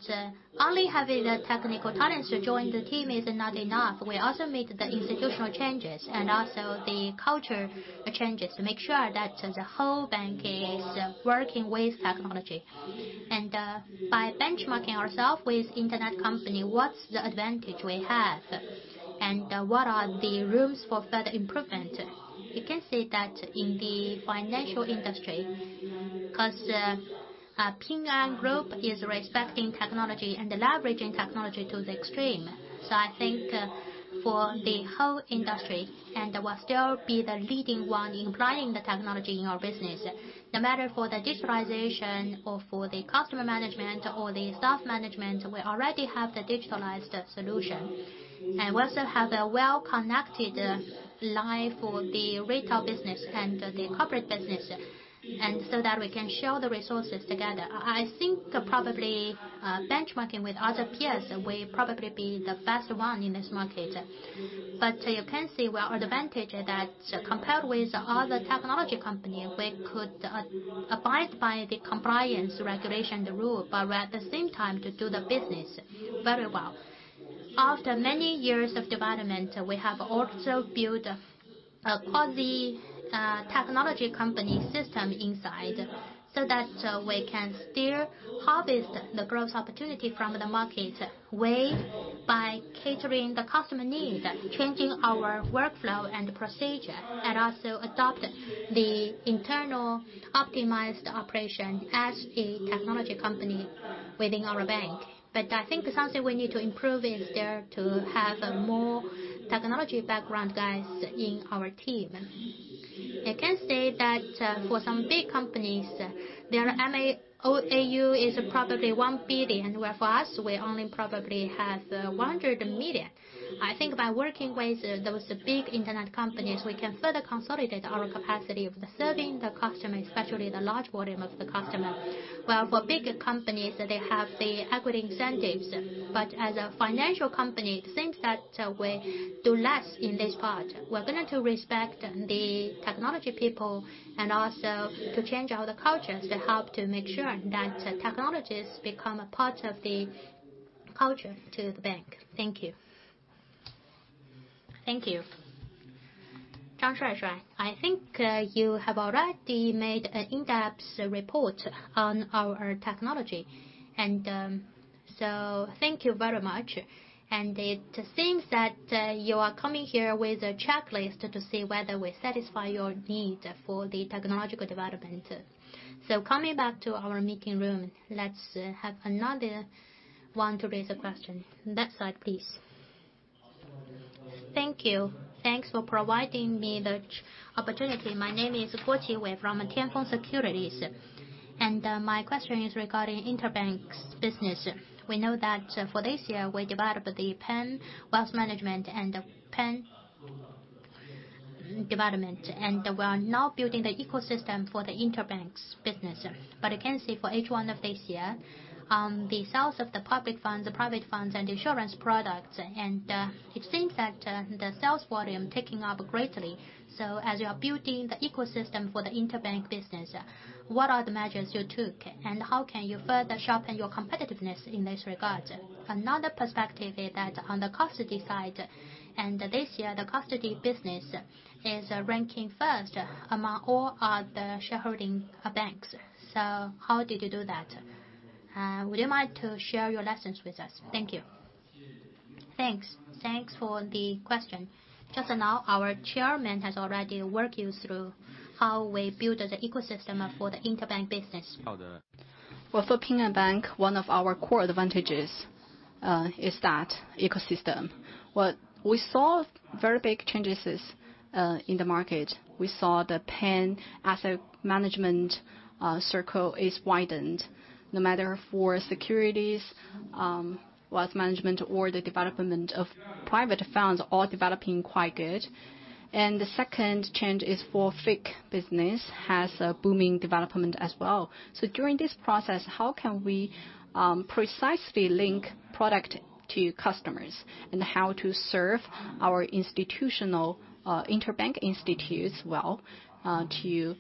only having the technical talents to join the team is not enough. We also made the institutional changes and also the culture changes to make sure that the whole bank is working with technology. By benchmarking ourself with internet company, what's the advantage we have? What are the rooms for further improvement? You can say that in the financial industry, because, Ping An Group is respecting technology and leveraging technology to the extreme. I think for the whole industry, and we'll still be the leading one in applying the technology in our business. No matter for the digitalization or for the customer management or the staff management, we already have the digitalized solution. We also have a well-connected line for the retail business and the corporate business, so that we can share the resources together. I think probably, benchmarking with other peers, we will probably be the best one in this market. You can see our advantage that compared with other technology company, we could abide by the compliance regulation, the rule, but at the same time to do the business very well. After many years of development, we have also built a quasi-technology company system inside, so that we can still harvest the growth opportunity from the market ways by catering the customer needs, changing our workflow and procedure, and also adopt the internal optimized operation as a technology company within our bank. I think something we need to improve is there to have a more technology background guys in our team. I can say that, for some big companies, their MAU is probably 1 billion, where for us, we only probably have, 100 million. I think by working with those big internet companies, we can further consolidate our capacity of serving the customer, especially the large volume of the customer. For bigger companies, they have the equity incentives. As a financial company, it seems that we do less in this part. We are going to respect the technology people and also to change all the cultures to help to make sure that technologies become a part of the culture to the bank. Thank you. Thank you. Zhang Shuaishuai, I think you have already made an in-depth report on our technology. Thank you very much. It seems that you are coming here with a checklist to see whether we satisfy your need for the technological development. Coming back to our meeting room, let's have another one to raise a question. That side, please. Thank you. Thanks for providing me the opportunity. My name is Bo Chi, we're from Tianfeng Securities. My question is regarding interbank business. We know that for this year, we developed the Ping An Wealth Management and Ping An Development, and we are now building the ecosystem for the interbank business. I can see for H1 of this year, the sales of the public funds, private funds and insurance products, and, it seems that the sales volume taking up greatly. As you are building the ecosystem for the interbank business, what are the measures you took, and how can you further sharpen your competitiveness in this regard? Another perspective is that on the custody side, this year, the custody business is ranking first among all other shareholding banks. How did you do that? Would you mind to share your lessons with us? Thank you. Thanks for the question. Just now, our Chairman has already walked you through how we build the ecosystem for the interbank business. For Ping An Bank, one of our core advantages is that ecosystem. What we saw very big changes in the market. We saw the pan-asset management circle is widened no matter for securities, wealth management or the development of private firms, all developing quite good. The second change is for FIC business, has a booming development as well. During this process, how can we precisely link product to customers and how to serve our institutional interbank institutes well, to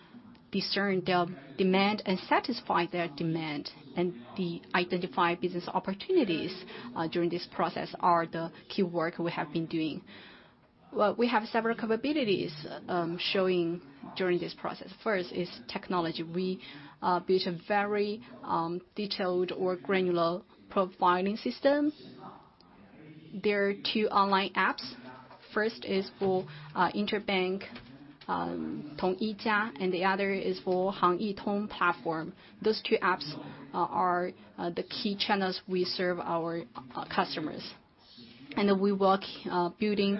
discern their demand and satisfy their demand, and the identified business opportunities during this process are the key work we have been doing. We have several capabilities showing during this process. First is technology. We built a very detailed or granular profiling system. There are two online apps. First is for interbank, Tong Yijia, and the other is for Hang-E-Tong platform. Those two apps are the key channels we serve our customers. We work building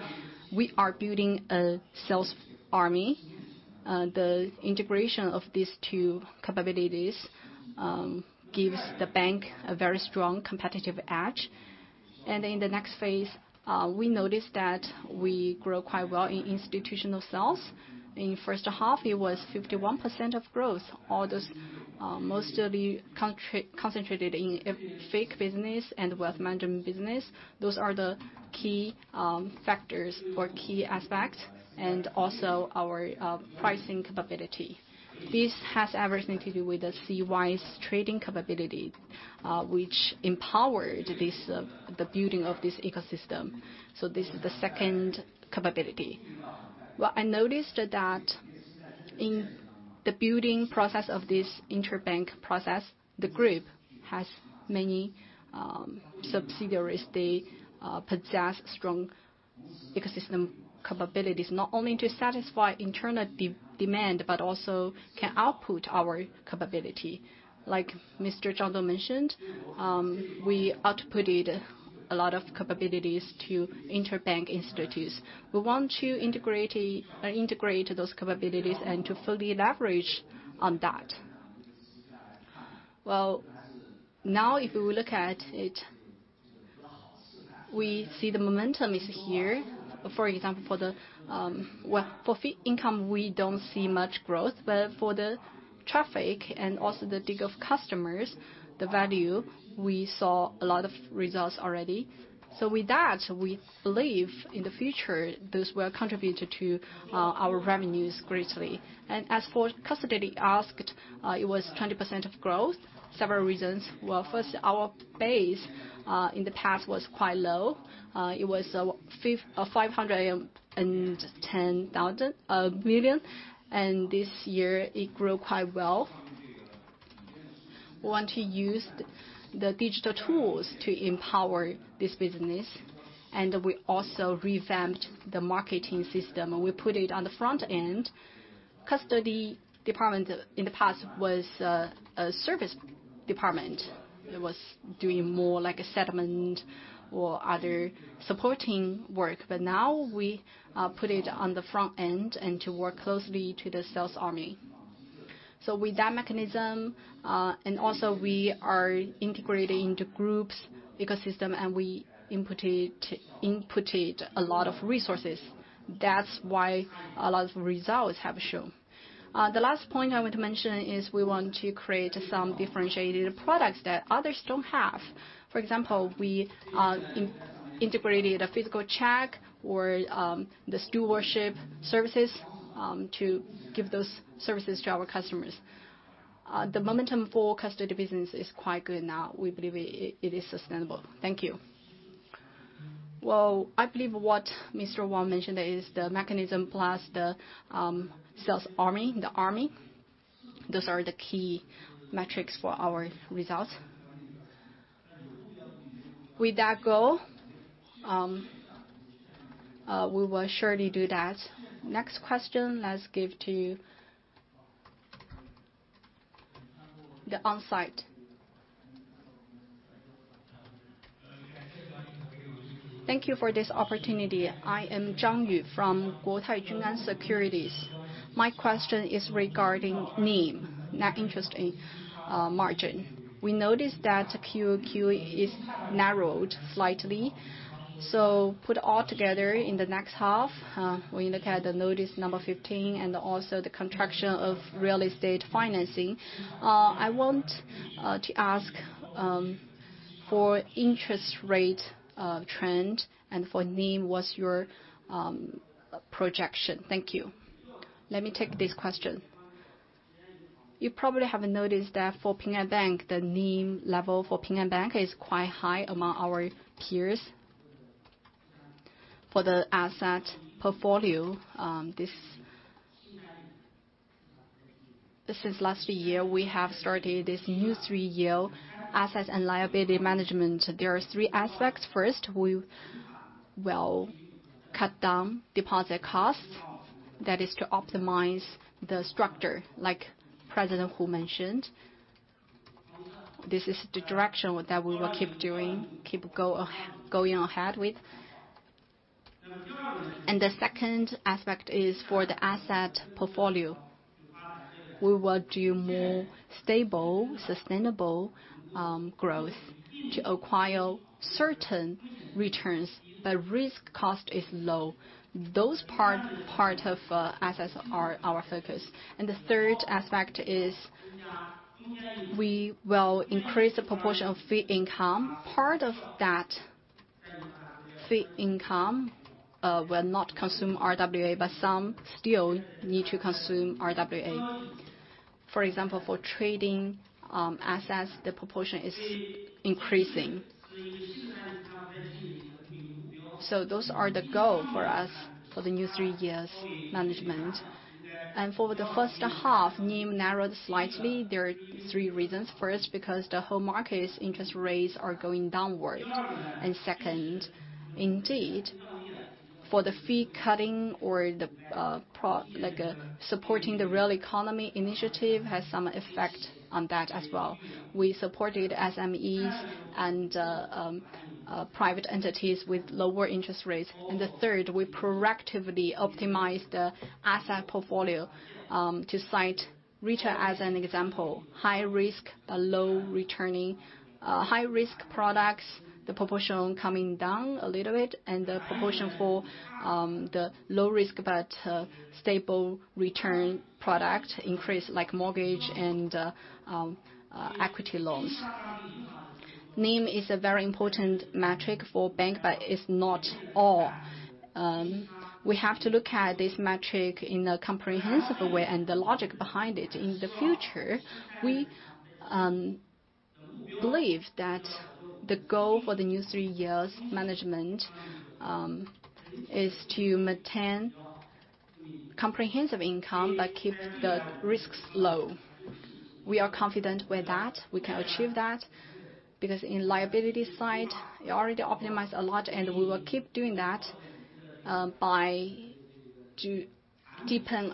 a sales army. The integration of these two capabilities gives the bank a very strong competitive edge. In the next phase, we noticed that we grew quite well in institutional sales. In first half, it was 51% of growth. All those mostly concentrated in FIC business and wealth management business. Those are the key factors or key aspects, and also our pricing capability. This has everything to do with the CY's trading capability, which empowered the building of this ecosystem. This is the second capability. Well, I noticed that in the building process of this interbank process, the group has many subsidiaries. They possess strong ecosystem capabilities, not only to satisfy internal demand, but also can output our capability. Like Mr. Zhang mentioned, we outputted a lot of capabilities to interbank institutes. We want to integrate those capabilities and to fully leverage on that. Well, now if we look at it, we see the momentum is here. For example, for fee income, we don't see much growth, but for the traffic and also the dig of customers, the value, we saw a lot of results already. With that, we believe in the future, those will contribute to our revenues greatly. As for custody AUM, it was 20% of growth. Several reasons were, first, our base in the past was quite low. It was 510 million. This year it grew quite well. We want to use the digital tools to empower this business, and we also revamped the marketing system, and we put it on the front end. Custody department in the past was a service department. It was doing more like a settlement or other supporting work. Now we put it on the front end and to work closely with the sales army. With that mechanism, and also we are integrating the group's ecosystem, and we inputted a lot of resources. That's why a lot of results have shown. The last point I want to mention is we want to create some differentiated products that others don't have. For example, we integrated a physical check or the stewardship services to give those services to our customers. The momentum for custody business is quite good now. We believe it is sustainable. Thank you. I believe what Mr. Wang mentioned is the mechanism plus the sales army. Those are the key metrics for our results. With that goal, we will surely do that. Next question, let's give to the on-site. Thank you for this opportunity. I am Zhang Yu from Guotai Junan Securities. My question is regarding NIM, net interest margin. We noticed that QOQ is narrowed slightly. Put all together in the next half, when you look at the Notice 15 and also the contraction of real estate financing, I want to ask for interest rate trend and for NIM, what's your projection? Thank you. Let me take this question. You probably have noticed that for Ping An Bank, the NIM level for Ping An Bank is quite high among our peers. For the asset portfolio, since last year, we have started this new three-year asset and liability management. There are three aspects. First, we will cut down deposit costs. That is to optimize the structure, like President Hu mentioned. This is the direction that we will keep going ahead with. The second aspect is for the asset portfolio. We will do more stable, sustainable growth to acquire certain returns, but risk cost is low. Those part of assets are our focus. The third aspect is we will increase the proportion of fee income. Part of that fee income will not consume RWA, but some still need to consume RWA. For example, for trading assets, the proportion is increasing. Those are the goal for us for the new three years management. For the first half, NIM narrowed slightly. There are three reasons. First, because the whole market's interest rates are going downward. Second, indeed, for the fee cutting or supporting the real economy initiative has some effect on that as well. We supported SMEs and private entities with lower interest rates. The third, we proactively optimized the asset portfolio. To cite RITA as an example, high risk, but low returning. High-risk products, the proportion coming down a little bit, and the proportion for the low risk but stable return product increase, like mortgage and equity loans. NIM is a very important metric for bank, but it's not all. We have to look at this metric in a comprehensive way and the logic behind it. In the future, we believe that the goal for the new three years management, is to maintain comprehensive income but keep the risks low. We are confident with that. We can achieve that, because in liability side, we already optimized a lot and we will keep doing that by deepening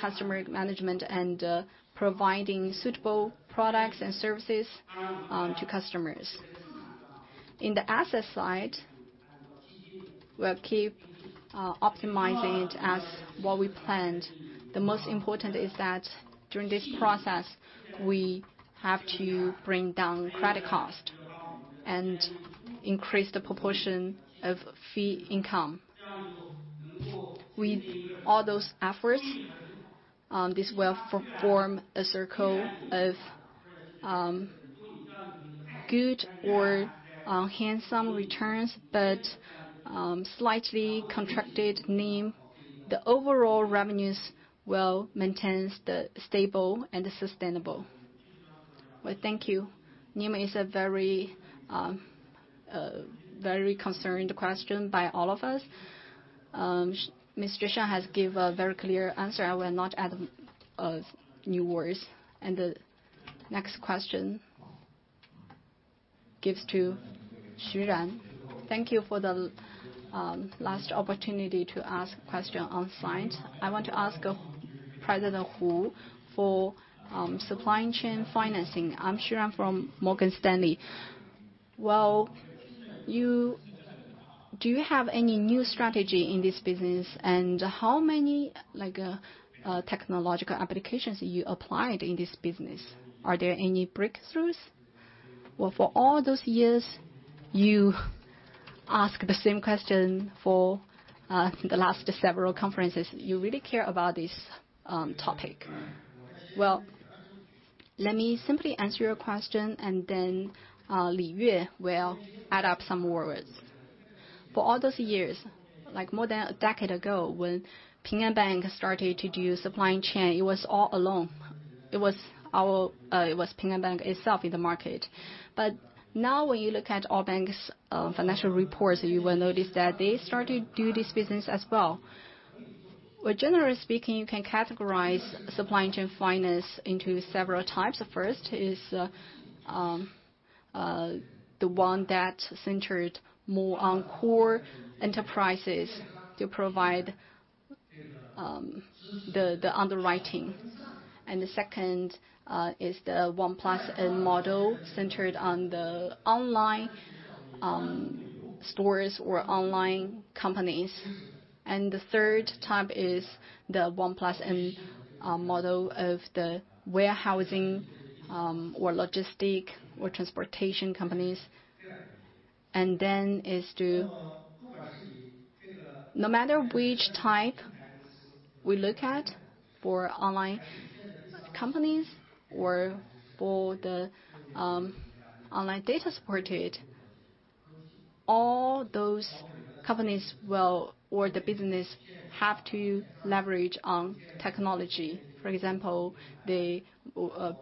customer management and providing suitable products and services to customers. In the asset side, we'll keep optimizing it as what we planned. The most important is that during this process, we have to bring down credit cost and increase the proportion of fee income. With all those efforts, this will form a circle of good or handsome returns, but slightly contracted NIM. The overall revenues will maintain stable and sustainable. Well, thank you. NIM is a very concerning question by all of us. Mr. Xiang Has given a very clear answer. I will not add new words. The next question gives to Xu Ran. Thank you for the last opportunity to ask question on site. I want to ask President Hu for supply chain financing. I am Xu Ran from Morgan Stanley. Do you have any new strategy in this business? How many technological applications you applied in this business? Are there any breakthroughs? Well, for all those years, you ask the same question for the last several conferences. You really care about this topic. Right. Well, let me simply answer your question. Li Yue will add up some more words. For all those years, more than a decade ago, when Ping An Bank started to do supply chain, it was all alone. It was Ping An Bank itself in the market. Now when you look at all banks' financial reports, you will notice that they started to do this business as well. Well, generally speaking, you can categorize supply chain finance into several types. First is the one that centered more on core enterprises to provide the underwriting. The second is the 1 + N model centered on the online stores or online companies. The third type is the 1 + N model of the warehousing or logistic or transportation companies. No matter which type we look at for online companies or for the online data supported, all those companies or the business have to leverage on technology. For example, they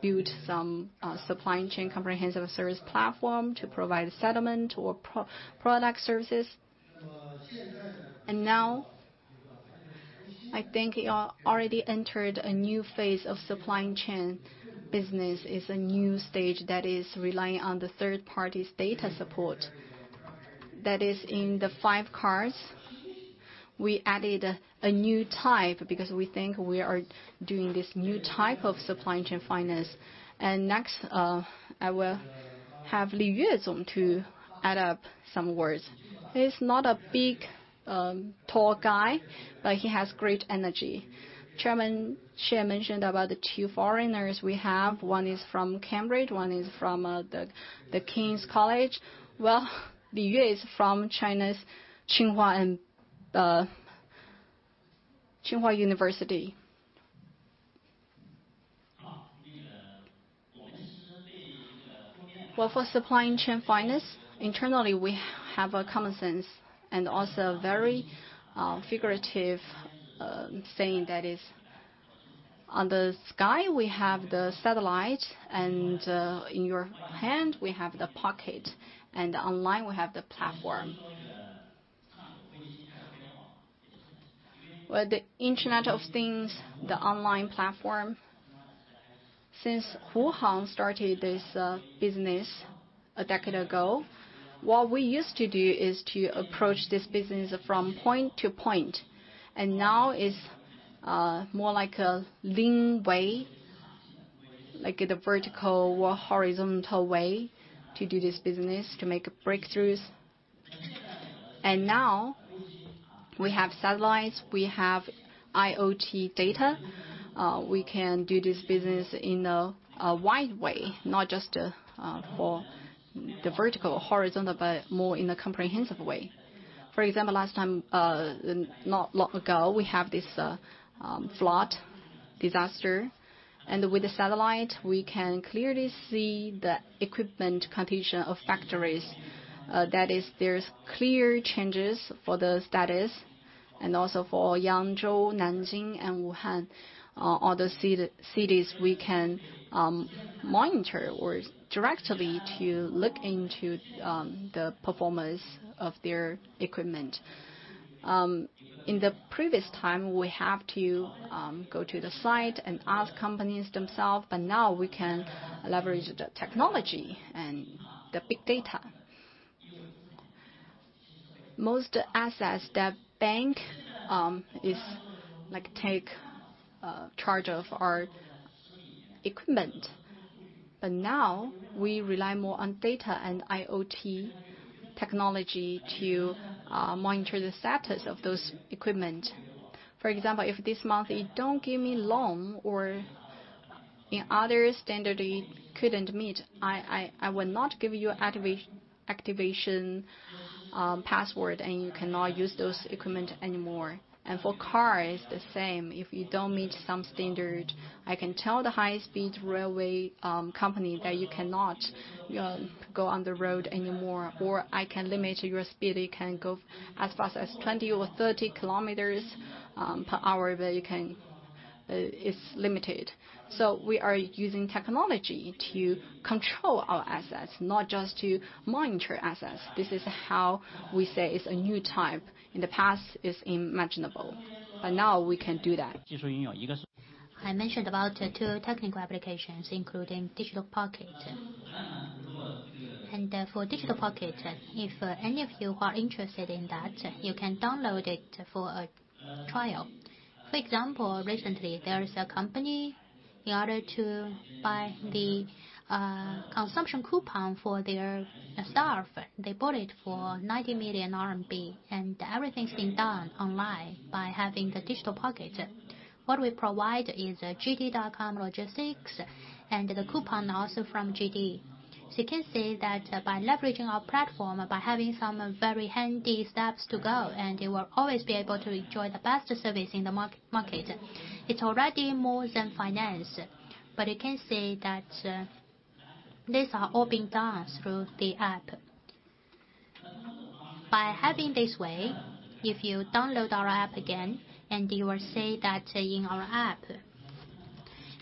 build some supply chain comprehensive service platform to provide settlement or product services. Now, I think we already entered a new phase of supply chain business. It's a new stage that is relying on the third party's data support. That is, in the five cards, we added a new type because we think we are doing this new type of supply chain finance. Next, I will have Li Yue to add up some words. He is not a big, tall guy, but he has great energy. Chairman Xie mentioned about the two foreigners we have. One is from Cambridge, one is from the King's College. Well, Li Yue is from China's Tsinghua University. Well, for supply chain finance, internally, we have a common sense and also a very figurative saying that is, on the sky, we have the satellite, and in your hand, we have the pocket, and online, we have the platform. The Internet of Things, the online platform. Since Wuhan started this business 10 years ago, what we used to do is to approach this business from point to point, and now it's more like a lean way, like the vertical or horizontal way to do this business, to make breakthroughs. Now we have satellites, we have IoT data. We can do this business in a wide way, not just for the vertical or horizontal, but more in a comprehensive way. For example, not long ago, we have this flood disaster, and with the satellite, we can clearly see the equipment condition of factories. There's clear changes for the status and also for Yangzhou, Nanjing, and Wuhan. Other cities we can monitor or directly to look into the performance of their equipment. In the previous time, we have to go to the site and ask companies themselves, now we can leverage the technology and the big data. Most assets that bank take charge of are equipment. Now we rely more on data and IoT technology to monitor the status of those equipment. For example, if this month you don't give me loan or in other standard you couldn't meet, I will not give you activation password, you cannot use those equipment anymore. For car, it's the same. If you don't meet some standard, I can tell the high-speed railway company that you cannot go on the road anymore, or I can limit your speed. You can go as fast as 20 or 30 km per hour, but it's limited. We are using technology to control our assets, not just to monitor assets. This is how we say it's a new type. In the past, it's unimaginable, but now we can do that. I mentioned about two technical applications, including Digital Pocket. For Digital Pocket, if any of you are interested in that, you can download it for a trial. For example, recently, there is a company in order to buy the consumption coupon for their staff. They bought it for 90 million RMB, everything's been done online by having the Digital Pocket. What we provide is JD.com logistics and the coupon also from JD. You can see that by leveraging our platform, by having some very handy steps to go, and you will always be able to enjoy the best service in the market. It's already more than finance. You can see that these are all being done through the app. By having this way, if you download our app again, you will see that in our app,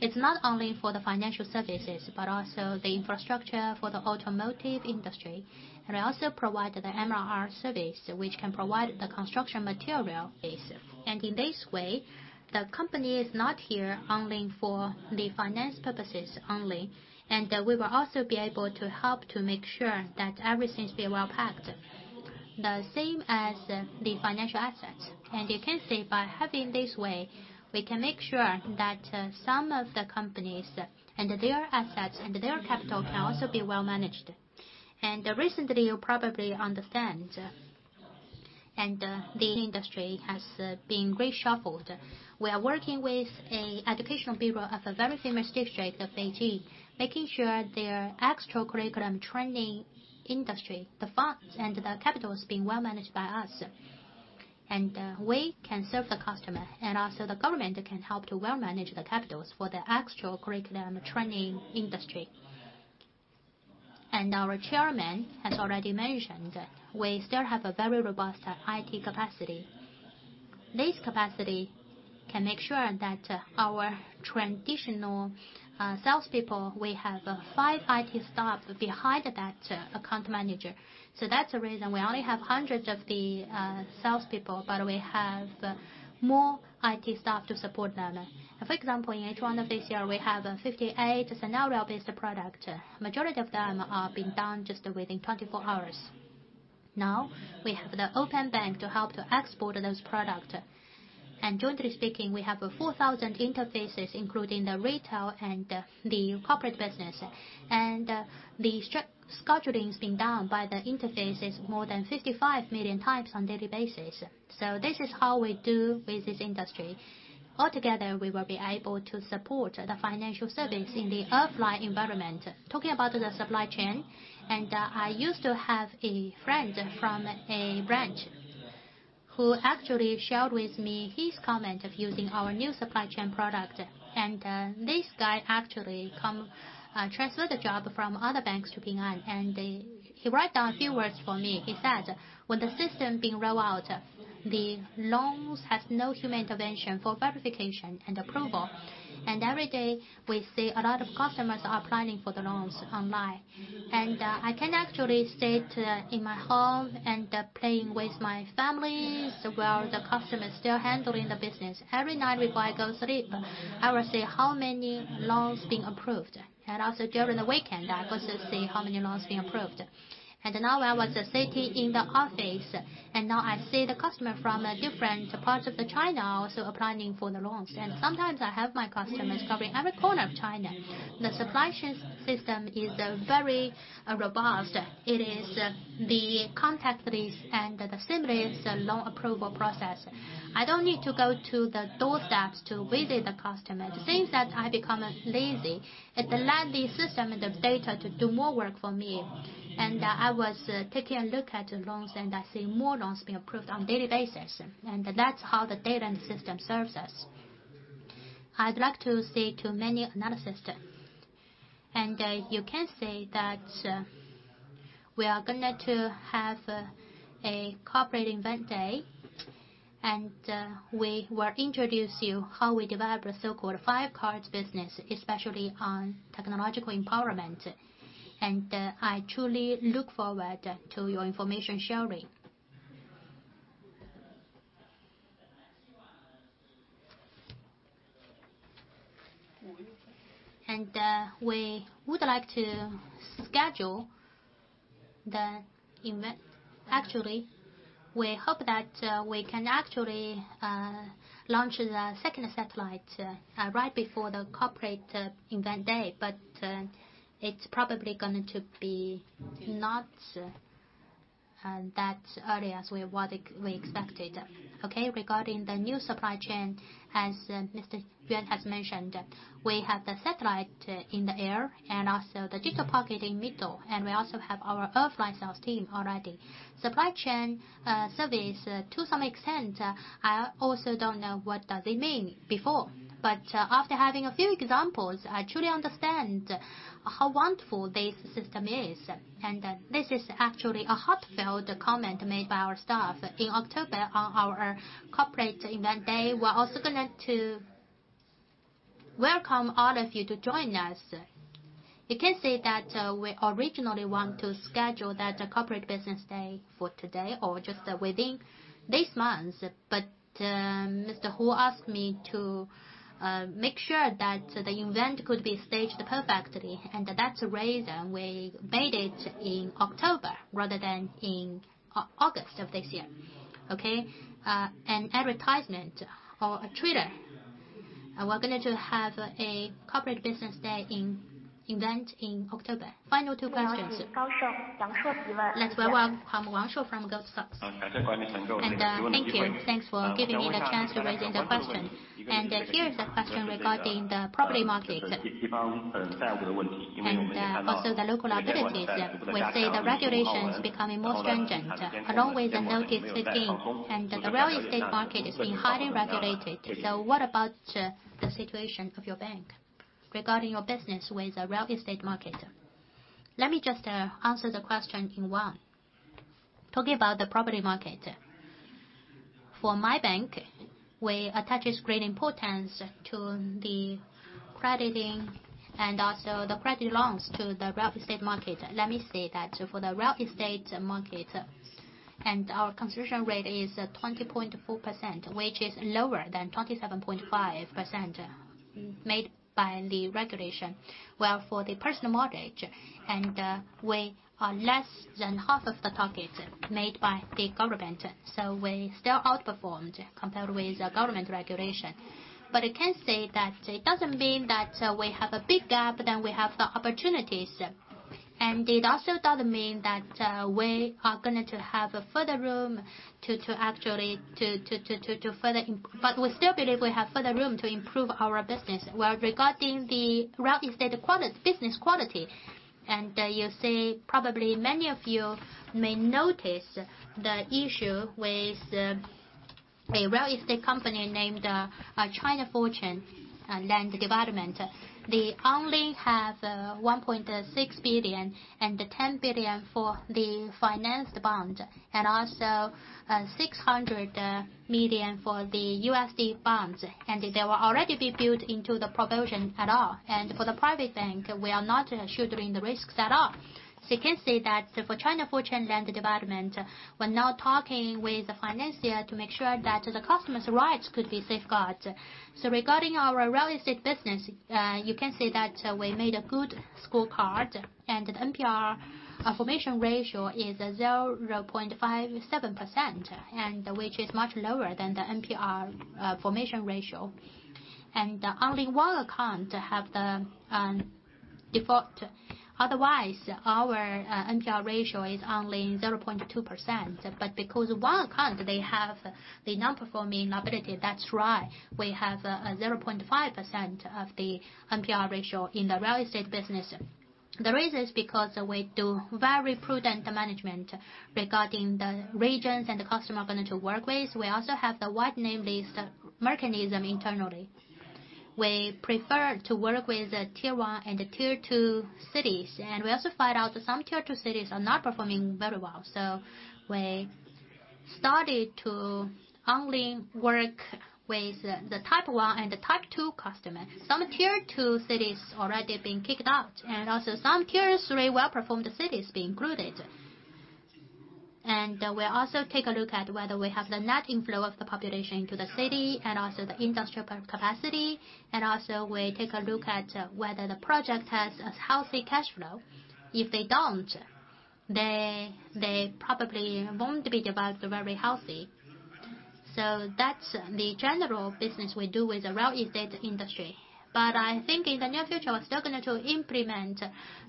it's not only for the financial services, but also the infrastructure for the automotive industry. We also provide the MRO service, which can provide the construction material basic. In this way, the company is not here only for the finance purposes only. We will also be able to help to make sure that everything's been well packed, the same as the financial assets. You can see by having this way, we can make sure that some of the companies and their assets and their capital can also be well managed. Recently, you probably understand, and the industry has been reshuffled. We are working with educational people of a very famous district of Beijing, making sure their extracurricular training industry, the funds and the capital is being well managed by us. We can serve the customer, and also the government can help to well manage the capitals for the extracurricular training industry. Our Chairman has already mentioned, we still have a very robust IT capacity. This capacity can make sure that our traditional salespeople, we have five IT staff behind that account manager. That's the reason we only have hundreds of the salespeople, but we have more IT staff to support them. For example, in H1 of this year, we have 58 scenario-based product. Majority of them are being done just within 24 hours. Now, we have the open bank to help to export those product. Jointly speaking, we have 4,000 interfaces, including the retail and the corporate business. The structuring is being done by the interfaces more than 55 million times on daily basis. This is how we do with this industry. Altogether, we will be able to support the financial service in the offline environment. Talking about the supply chain, I used to have a friend from a branch, who actually shared with me his comment of using our new supply chain product. This guy actually transferred the job from other banks to Ping An, and he write down a few words for me. He said, "When the system being roll out, the loans has no human intervention for verification and approval. Every day, we see a lot of customers are applying for the loans online. I can actually stay in my home and playing with my families while the customer is still handling the business. Every night before I go sleep, I will see how many loans being approved. Also during the weekend, I also see how many loans being approved. Now I was sitting in the office, and now I see the customer from different parts of the China also applying for the loans. Sometimes I have my customers covering every corner of China." The supply chain system is very robust. It is the contactless and the simplest loan approval process. I don't need to go to the doorsteps to visit the customer. It seems that I become lazy. It let the system and the data to do more work for me. I was taking a look at loans, and I see more loans being approved on daily basis. That's how the data and system serves us. I'd like to say to many another system. You can see that we are going to have a corporate event day, and we will introduce you how we develop a so-called five-in-one business, especially on technological empowerment. I truly look forward to your information sharing. We would like to schedule the event. Actually, we hope that we can actually launch the second satellite right before the corporate event day. It's probably going to be not that early as we expected. Okay, regarding the new supply chain, as Li Yue has mentioned, we have the satellite in the air and also the Digital Pocket in middle, and we also have our offline sales team already. Supply chain service, to some extent, I also don't know what does it mean before. After having a few examples, I truly understand how wonderful this system is. This is actually a heartfelt comment made by our staff. In October, on our corporate event day, we're also going to welcome all of you to join us. You can see that we originally want to schedule that corporate business day for today or just within this month. Mr. Hu asked me to make sure that the event could be staged perfectly, and that's the reason we made it in October rather than in August of this year. Okay. An advertisement or a trailer. We're going to have a corporate business day event in October. Final two questions. Let's welcome Yang Shuo from Goldman Sachs. Thank you. Thanks for giving me the chance to raise the question. Here is the question regarding the property market and also the local abilities. We see the regulations becoming more stringent, along with the Notice 15, and the real estate market is being highly regulated. What about the situation of your bank regarding your business with the real estate market? Let me just answer the question in one. Talking about the property market. For my bank, we attaches great importance to the crediting and also the credit loans to the real estate market. Let me say that for the real estate market, our conversion rate is 20.4%, which is lower than 27.5% made by the regulation. While for the personal mortgage, we are less than half of the targets made by the government. We still outperformed compared with the government regulation. I can say that it doesn't mean that we have a big gap, then we have the opportunities. It also doesn't mean that we are going to have a further room. We still believe we have further room to improve our business. Regarding the real estate business quality, you see probably many of you may notice the issue with a real estate company named China Fortune Land Development. They only have 1.6 billion and 10 billion for the financed bond, and also $600 million for the USD bonds. They will already be built into the provision at all. For the private bank, we are not shouldering the risks at all. You can see that for China Fortune Land Development, we're now talking with the financier to make sure that the customer's rights could be safeguard. Regarding our real estate business, you can see that we made a good scorecard, and the NPL formation ratio is 0.57%, which is much lower than the NPL formation ratio. Only one account have the default. Otherwise, our NPL ratio is only 0.2%, but because one account, they have the non-performing liability. That's why we have 0.5% of the NPL ratio in the real estate business. The reason is because we do very prudent management regarding the regions and the customer we're going to work with. We also have the white name list mechanism internally. We prefer to work with the tier 1 and tier 2 cities, and we also find out that some tier 2 cities are not performing very well. We started to only work with the type 1 and type 2 customer. Some tier 2 cities already been kicked out, and also some tier 3 well-performed cities be included. We also take a look at whether we have the net inflow of the population to the city and also the industrial capacity, and also we take a look at whether the project has a healthy cash flow. If they don't, they probably won't be developed very healthy. That's the general business we do with the real estate industry. I think in the near future, we're still going to implement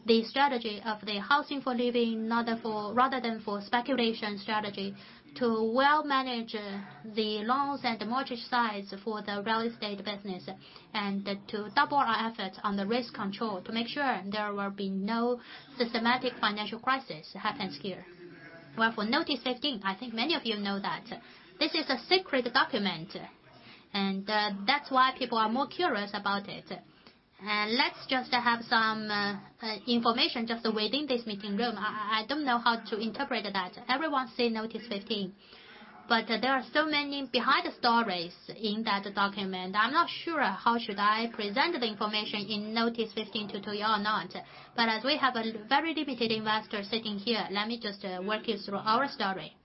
the strategy of the housing for living, rather than for speculation strategy to well manage the loans and the mortgage size for the real estate business, and to double our efforts on the risk control to make sure there will be no systematic financial crisis happens here. Well, for Notice 15, I think many of you know that this is a secret document, and that's why people are more curious about it. Let's just have some information just within this meeting room. I don't know how to interpret that. Everyone say Notice 15. There are so many behind the stories in that document. I'm not sure how should I present the information in Notice 15 to you or not, but as we have a very limited investor sitting here, let me just walk you through our story.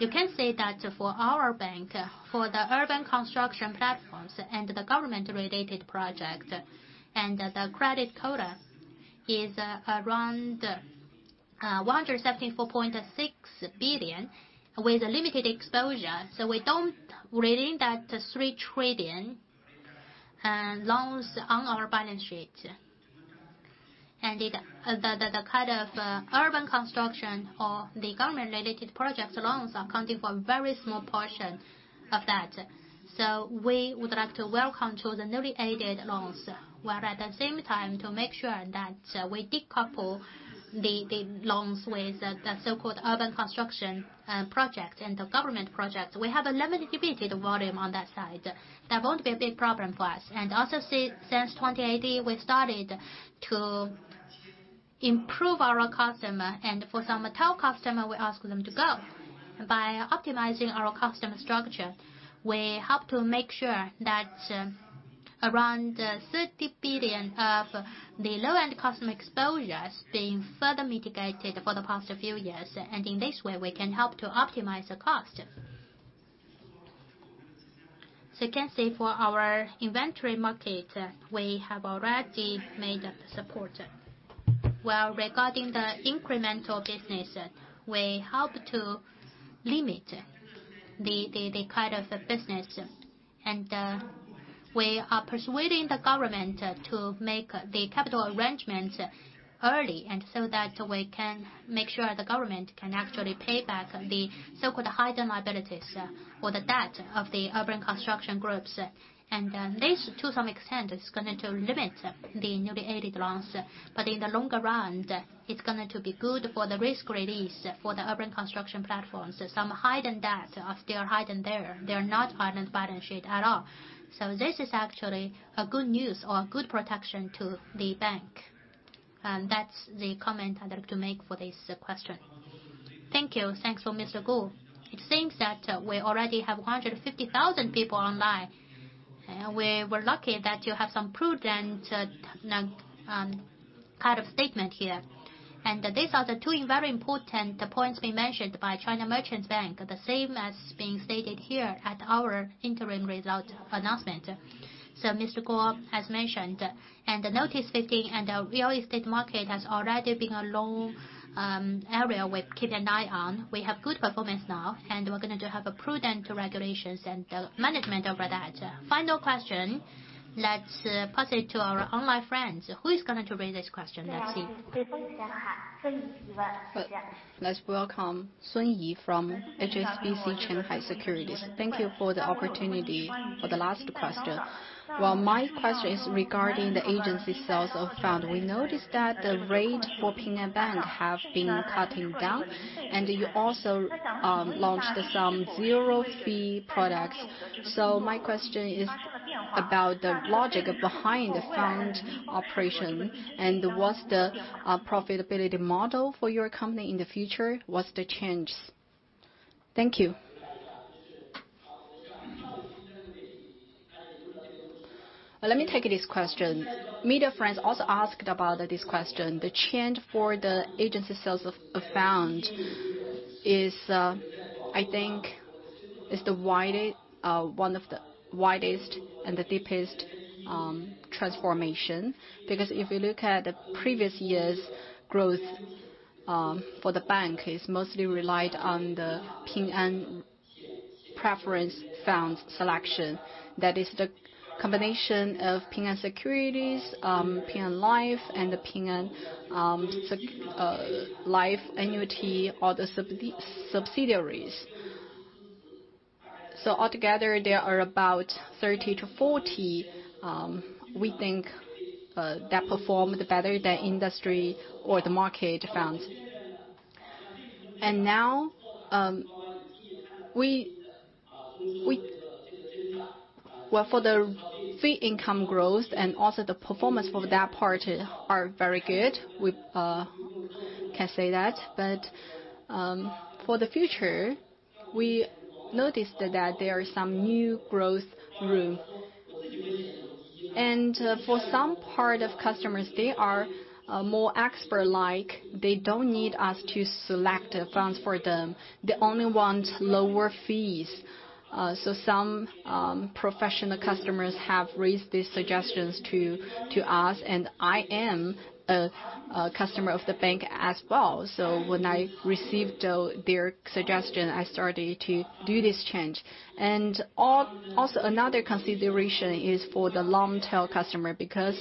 You can see that for our bank, for the urban construction platforms and the government-related project, and the credit quota is around 174.6 billion with a limited exposure. We don't really need that 3 trillion loans on our balance sheet. The kind of urban construction or the government-related projects loans are accounting for a very small portion of that. We would like to welcome to the newly added loans, while at the same time to make sure that we decouple the loans with the so-called urban construction project and the government project. We have a limited volume on that side. That won't be a big problem for us. Since 2018, we started to improve our customer. For some tough customer, we ask them to go. By optimizing our customer structure, we help to make sure that around 30 billion of the low-end customer exposure is being further mitigated for the past few years. In this way, we can help to optimize the cost. You can see for our inventory market, we have already made support. Well, regarding the incremental business, we help to limit the kind of business. We are persuading the government to make the capital arrangement early so that we can make sure the government can actually pay back the so-called hidden liabilities or the debt of the urban construction groups. This, to some extent, is going to limit the newly added loans. In the longer run, it's going to be good for the risk release for the urban construction platforms. Some hidden debt, if they are hidden there, they're not on balance sheet at all. This is actually a good news or a good protection to the bank. That's the comment I'd like to make for this question. Thank you. Thanks for Mr. Guo. It seems that we already have 150,000 people online. We're lucky that you have some prudent kind of statement here. These are the two very important points being mentioned by China Merchants Bank, the same as being stated here at our interim result announcement. Mr. Guo has mentioned, the Notice 15 and the real estate market has already been a long area with keen eye on. We have good performance now, and we're going to have a prudent regulations and management over that. Final question, let's pass it to our online friends. Who is going to raise this question? Let's see. Let's welcome Sun Yi from HSBC Qianhai Securities. Thank you for the opportunity for the last question. Well, my question is regarding the agency sales of fund. We noticed that the rate for Ping An Bank have been cutting down, and you also launched some zero-fee products. My question is about the logic behind the fund operation, and what's the profitability model for your company in the future? What's the change? Thank you. Let me take this question. Media friends also asked about this question. The change for the agency sales of fund, I think is one of the widest and the deepest transformation. If you look at the previous year's growth for the bank, it's mostly relied on the Ping An Preferred Fund Selection. That is the combination of Ping An Securities, Ping An Life, and the Ping An Annuity, all the subsidiaries. Altogether, there are about 30 to 40, we think, that performed better than industry or the market funds. Now, for the fee income growth and also the performance for that part are very good. We can say that. For the future, we noticed that there are some new growth room. For some part of customers, they are more expert-like. They don't need us to select funds for them. They only want lower fees. Some professional customers have raised these suggestions to us, and I am a customer of the bank as well. When I received their suggestion, I started to do this change. Also another consideration is for the long-tail customer, because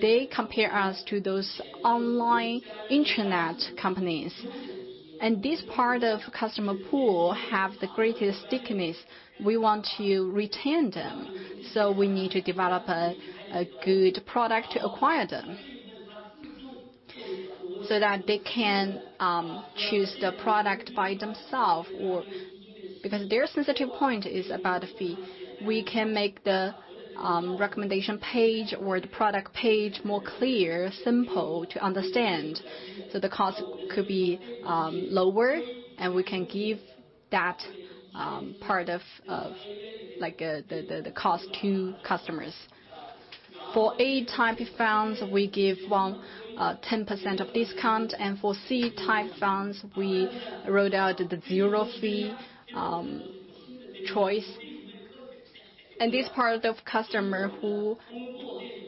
they compare us to those online internet companies. This part of customer pool have the greatest stickiness. We want to retain them, we need to develop a good product to acquire them. That they can choose the product by themself or because their sensitive point is about fee. We can make the recommendation page or the product page more clear, simple to understand. The cost could be lower, and we can give that part of the cost to customers. For A type funds, we give 10% of discount, and for C type funds, we rolled out the zero fee choice. This part of customer who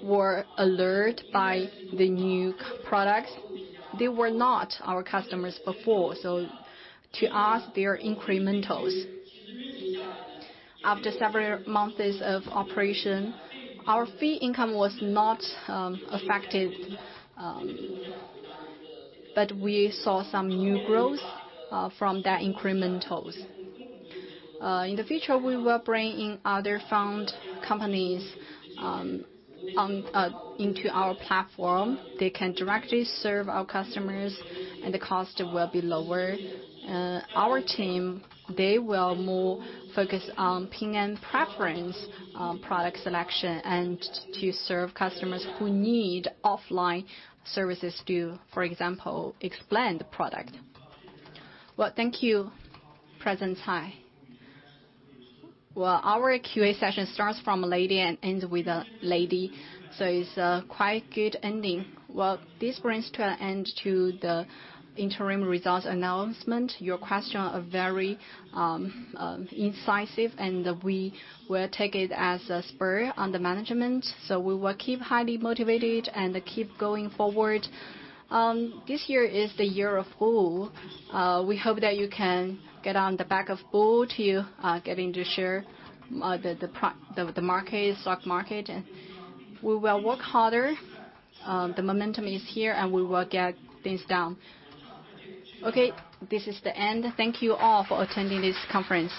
were alert by the new products, they were not our customers before. To us, they are incrementals. After several months of operation, our fee income was not affected, but we saw some new growth from that incrementals. In the future, we will bring in other fund companies into our platform. They can directly serve our customers, and the cost will be lower. Our team, they will more focus on Ping An Preferred Fund Selection and to serve customers who need offline services to, for example, explain the product. Well, thank you, President Hu. Well, our QA session starts from a lady and ends with a lady. It's a quite good ending. Well, this brings to an end to the interim results announcement. Your question are very incisive, and we will take it as a spur on the management. We will keep highly motivated and keep going forward. This year is the Year of Bull. We hope that you can get on the back of bull to get into share the stock market, and we will work harder. The momentum is here, and we will get things done. Okay. This is the end. Thank you all for attending this conference.